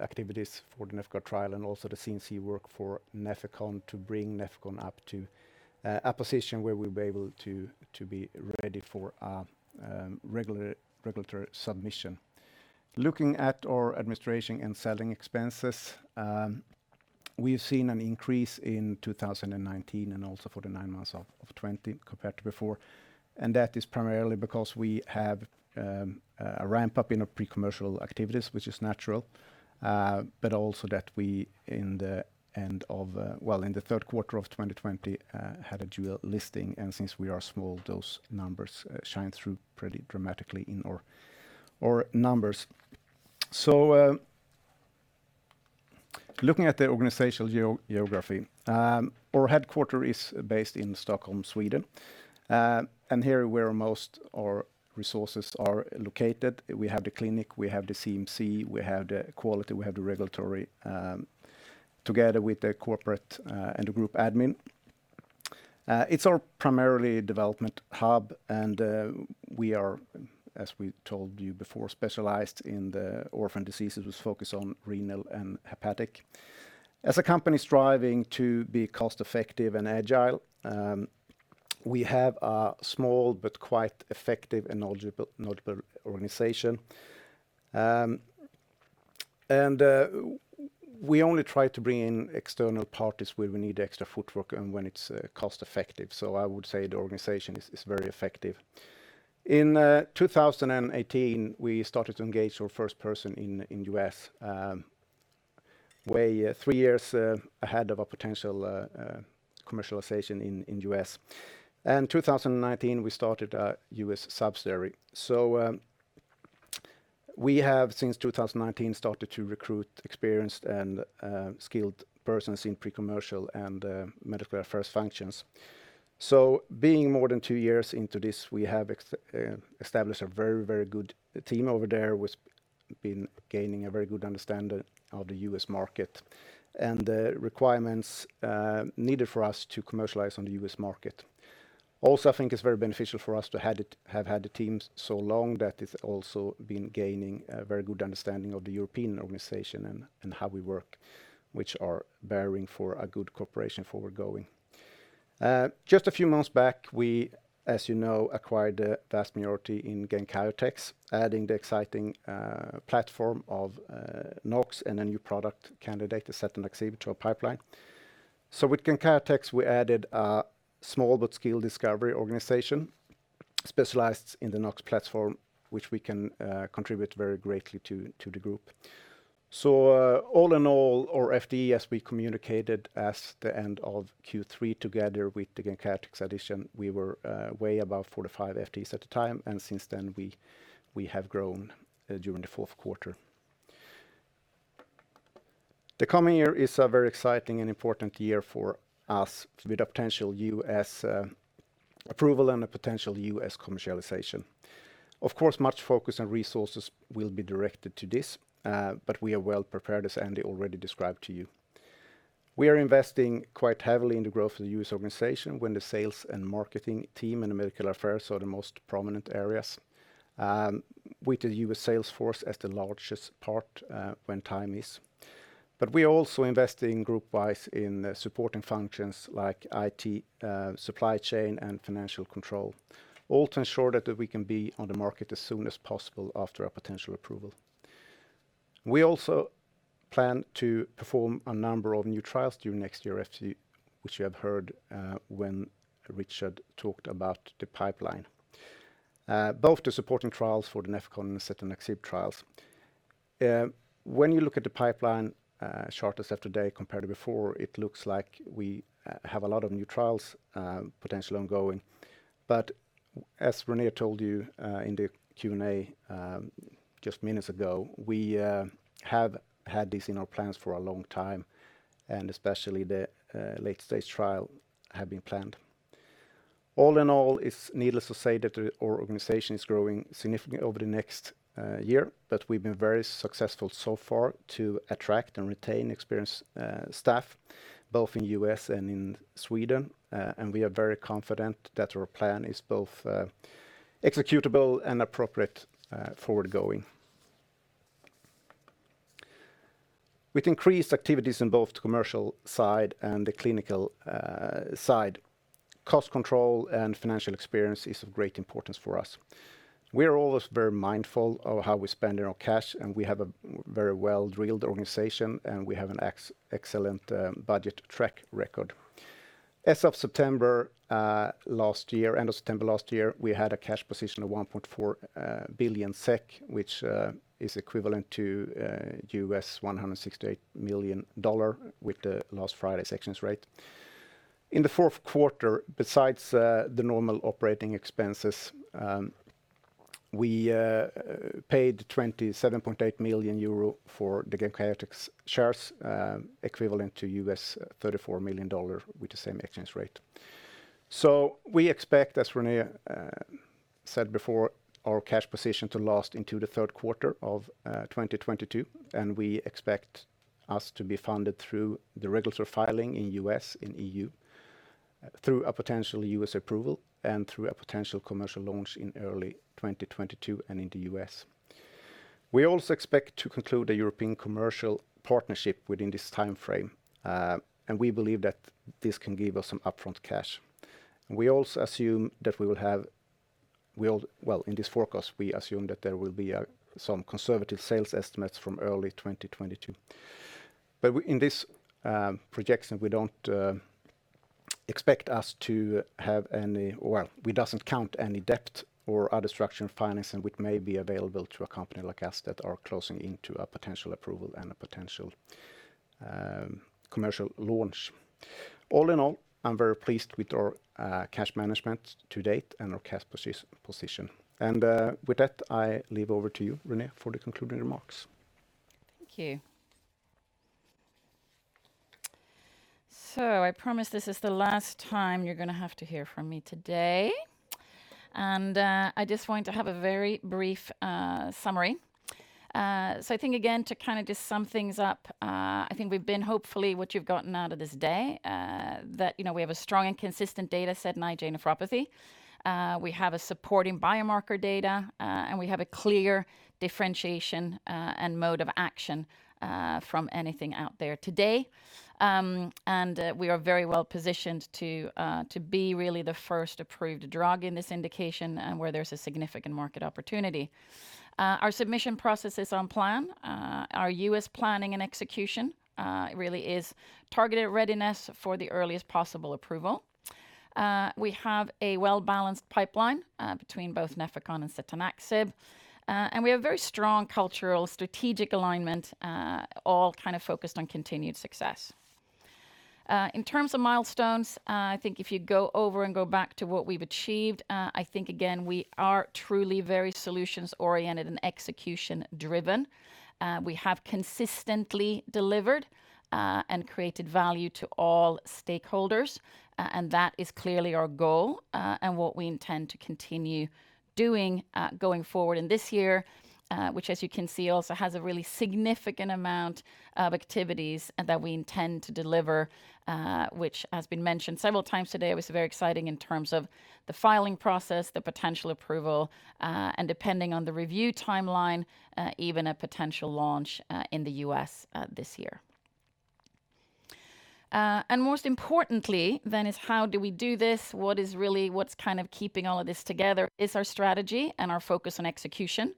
activities for the NefIgArd trial and also the CMC work for Nefecon to bring Nefecon up to a position where we'll be able to be ready for regulatory submission. Looking at our administration and selling expenses, we've seen an increase in 2019 and also for the nine months of 2020 compared to before. That is primarily because we have a ramp-up in our pre-commercial activities, which is natural, but also that we, in the third quarter of 2020, had a dual listing, and since we are small, those numbers shine through pretty dramatically in our numbers. Looking at the organizational geography. Our headquarter is based in Stockholm, Sweden, and here where most our resources are located. We have the clinic, we have the CMC, we have the quality, we have the regulatory, together with the corporate and the group admin. It's our primarily development hub, and we are, as we told you before, specialized in the orphan diseases, with focus on renal and hepatic. As a company striving to be cost-effective and agile, we have a small but quite effective and notable organization. We only try to bring in external parties where we need extra footwork and when it's cost-effective. I would say the organization is very effective. In 2018, we started to engage our first person in U.S., way three years ahead of a potential commercialization in U.S. 2019, we started a U.S. subsidiary. We have, since 2019, started to recruit experienced and skilled persons in pre-commercial and medical affairs functions. Being more than two years into this, we have established a very good team over there. We've been gaining a very good understanding of the U.S. market and the requirements needed for us to commercialize on the U.S. market. I think it's very beneficial for us to have had the teams so long that it's also been gaining a very good understanding of the European organization and how we work, which are bearing for a good cooperation forward-going. Just a few months back, we, as you know, acquired a vast majority in Genkyotex, adding the exciting platform of NOX and a new product candidate, setanaxib, to our pipeline. With Genkyotex, we added a small but skilled discovery organization specialized in the NOX platform, which we can contribute very greatly to the group. All in all, our FTE, as we communicated as the end of Q3 together with the Genkyotex addition, we were way above 45 FTEs at the time, and since then we have grown during the fourth quarter. The coming year is a very exciting and important year for us with a potential U.S. approval and a potential U.S. commercialization. Of course, much focus and resources will be directed to this, but we are well prepared, as Andrew Udell already described to you. We are investing quite heavily in the growth of the U.S. organization when the sales and marketing team and the medical affairs are the most prominent areas, with the U.S. sales force as the largest part when time is. We also invest in group wise in the supporting functions like IT, supply chain, and financial control, all to ensure that we can be on the market as soon as possible after a potential approval. We also plan to perform a number of new trials during next year, which you have heard when Richard talked about the pipeline. Both the supporting trials for the Nefecon and setanaxib trials. When you look at the pipeline chart as of today compared to before, it looks like we have a lot of new trials potentially ongoing. As Renée told you in the Q&A just minutes ago, we have had this in our plans for a long time, and especially the late-stage trial had been planned. All in all, it's needless to say that our organization is growing significantly over the next year, but we've been very successful so far to attract and retain experienced staff, both in U.S. and in Sweden. We are very confident that our plan is both executable and appropriate forward going. With increased activities in both the commercial side and the clinical side, cost control and financial experience is of great importance for us. We are always very mindful of how we're spending our cash, and we have a very well-drilled organization, and we have an excellent budget track record. As of September last year, end of September last year, we had a cash position of 1.4 billion SEK, which is equivalent to $168 million with the last Friday exchange rate. In the fourth quarter, besides the normal operating expenses, we paid 27.8 million euro for the Genkyotex shares, equivalent to $34 million with the same exchange rate. We expect, as Renée said before, our cash position to last into the third quarter of 2022, and we expect us to be funded through the regulatory filing in U.S. and EU through a potential U.S. approval and through a potential commercial launch in early 2022 and in the U.S. We also expect to conclude a European commercial partnership within this time frame, and we believe that this can give us some upfront cash. We also assume that in this forecast, we assume that there will be some conservative sales estimates from early 2022. In this projection, we don't expect us to have any. Well, we doesn't count any debt or other structured financing, which may be available to a company like us that are closing into a potential approval and a potential commercial launch. All in all, I'm very pleased with our cash management to date and our cash position. With that, I leave over to you, Renée, for the concluding remarks. Thank you. I promise this is the last time you're going to have to hear from me today. I just want to have a very brief summary. I think, again, to kind of just sum things up, I think we've been hopefully what you've gotten out of this day that we have a strong and consistent data set in IgA nephropathy. We have a supporting biomarker data, and we have a clear differentiation and mode of action from anything out there today. We are very well-positioned to be really the first approved drug in this indication and where there's a significant market opportunity. Our submission process is on plan. Our U.S. planning and execution really is targeted at readiness for the earliest possible approval. We have a well-balanced pipeline between both Nefecon and setanaxib. We have very strong cultural strategic alignment, all kind of focused on continued success. In terms of milestones, I think if you go over and go back to what we've achieved, I think, again, we are truly very solutions-oriented and execution-driven. We have consistently delivered and created value to all stakeholders, and that is clearly our goal and what we intend to continue doing going forward in this year. Which as you can see, also has a really significant amount of activities that we intend to deliver which has been mentioned several times today. It was very exciting in terms of the filing process, the potential approval, and depending on the review timeline, even a potential launch in the U.S. this year. Most importantly then is how do we do this? What is really keeping all of this together is our strategy and our focus on execution.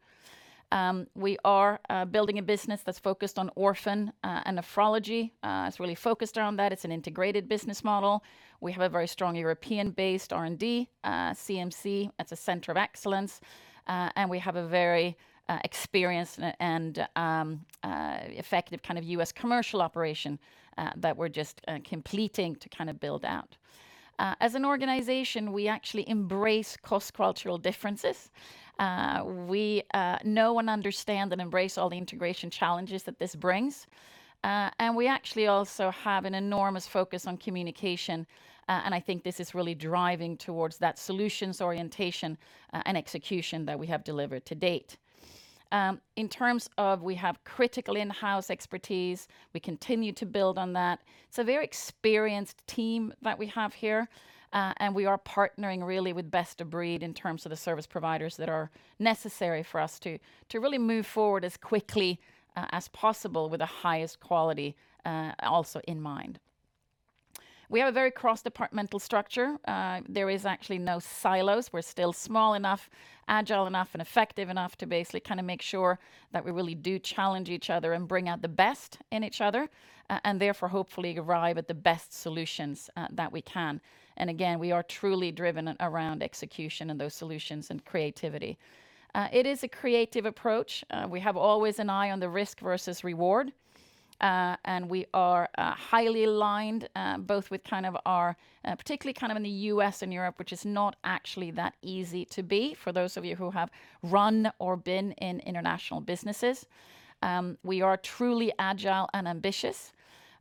We are building a business that's focused on orphan and nephrology. It's really focused around that. It's an integrated business model. We have a very strong European-based R&D, CMC that's a center of excellence. We have a very experienced and effective U.S. commercial operation that we're just completing to build out. As an organization, we actually embrace cross-cultural differences. We know and understand and embrace all the integration challenges that this brings. We actually also have an enormous focus on communication. I think this is really driving towards that solutions orientation and execution that we have delivered to date. In terms of we have critical in-house expertise, we continue to build on that. It's a very experienced team that we have here. We are partnering really with best of breed in terms of the service providers that are necessary for us to really move forward as quickly as possible with the highest quality also in mind. We have a very cross-departmental structure. There is actually no silos. We are still small enough, agile enough, and effective enough to basically make sure that we really do challenge each other and bring out the best in each other, and therefore, hopefully arrive at the best solutions that we can. Again, we are truly driven around execution and those solutions and creativity. It is a creative approach. We have always an eye on the risk versus reward. We are highly aligned both with our particularly in the U.S. and Europe, which is not actually that easy to be for those of you who have run or been in international businesses. We are truly agile and ambitious.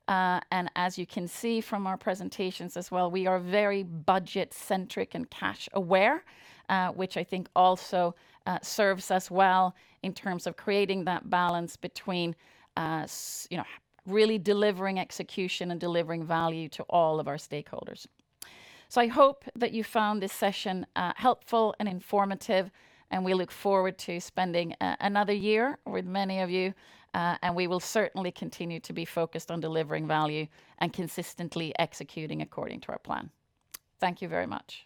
As you can see from our presentations as well, we are very budget-centric and cash-aware, which I think also serves us well in terms of creating that balance between really delivering execution and delivering value to all of our stakeholders. I hope that you found this session helpful and informative, and we look forward to spending another year with many of you. We will certainly continue to be focused on delivering value and consistently executing according to our plan. Thank you very much.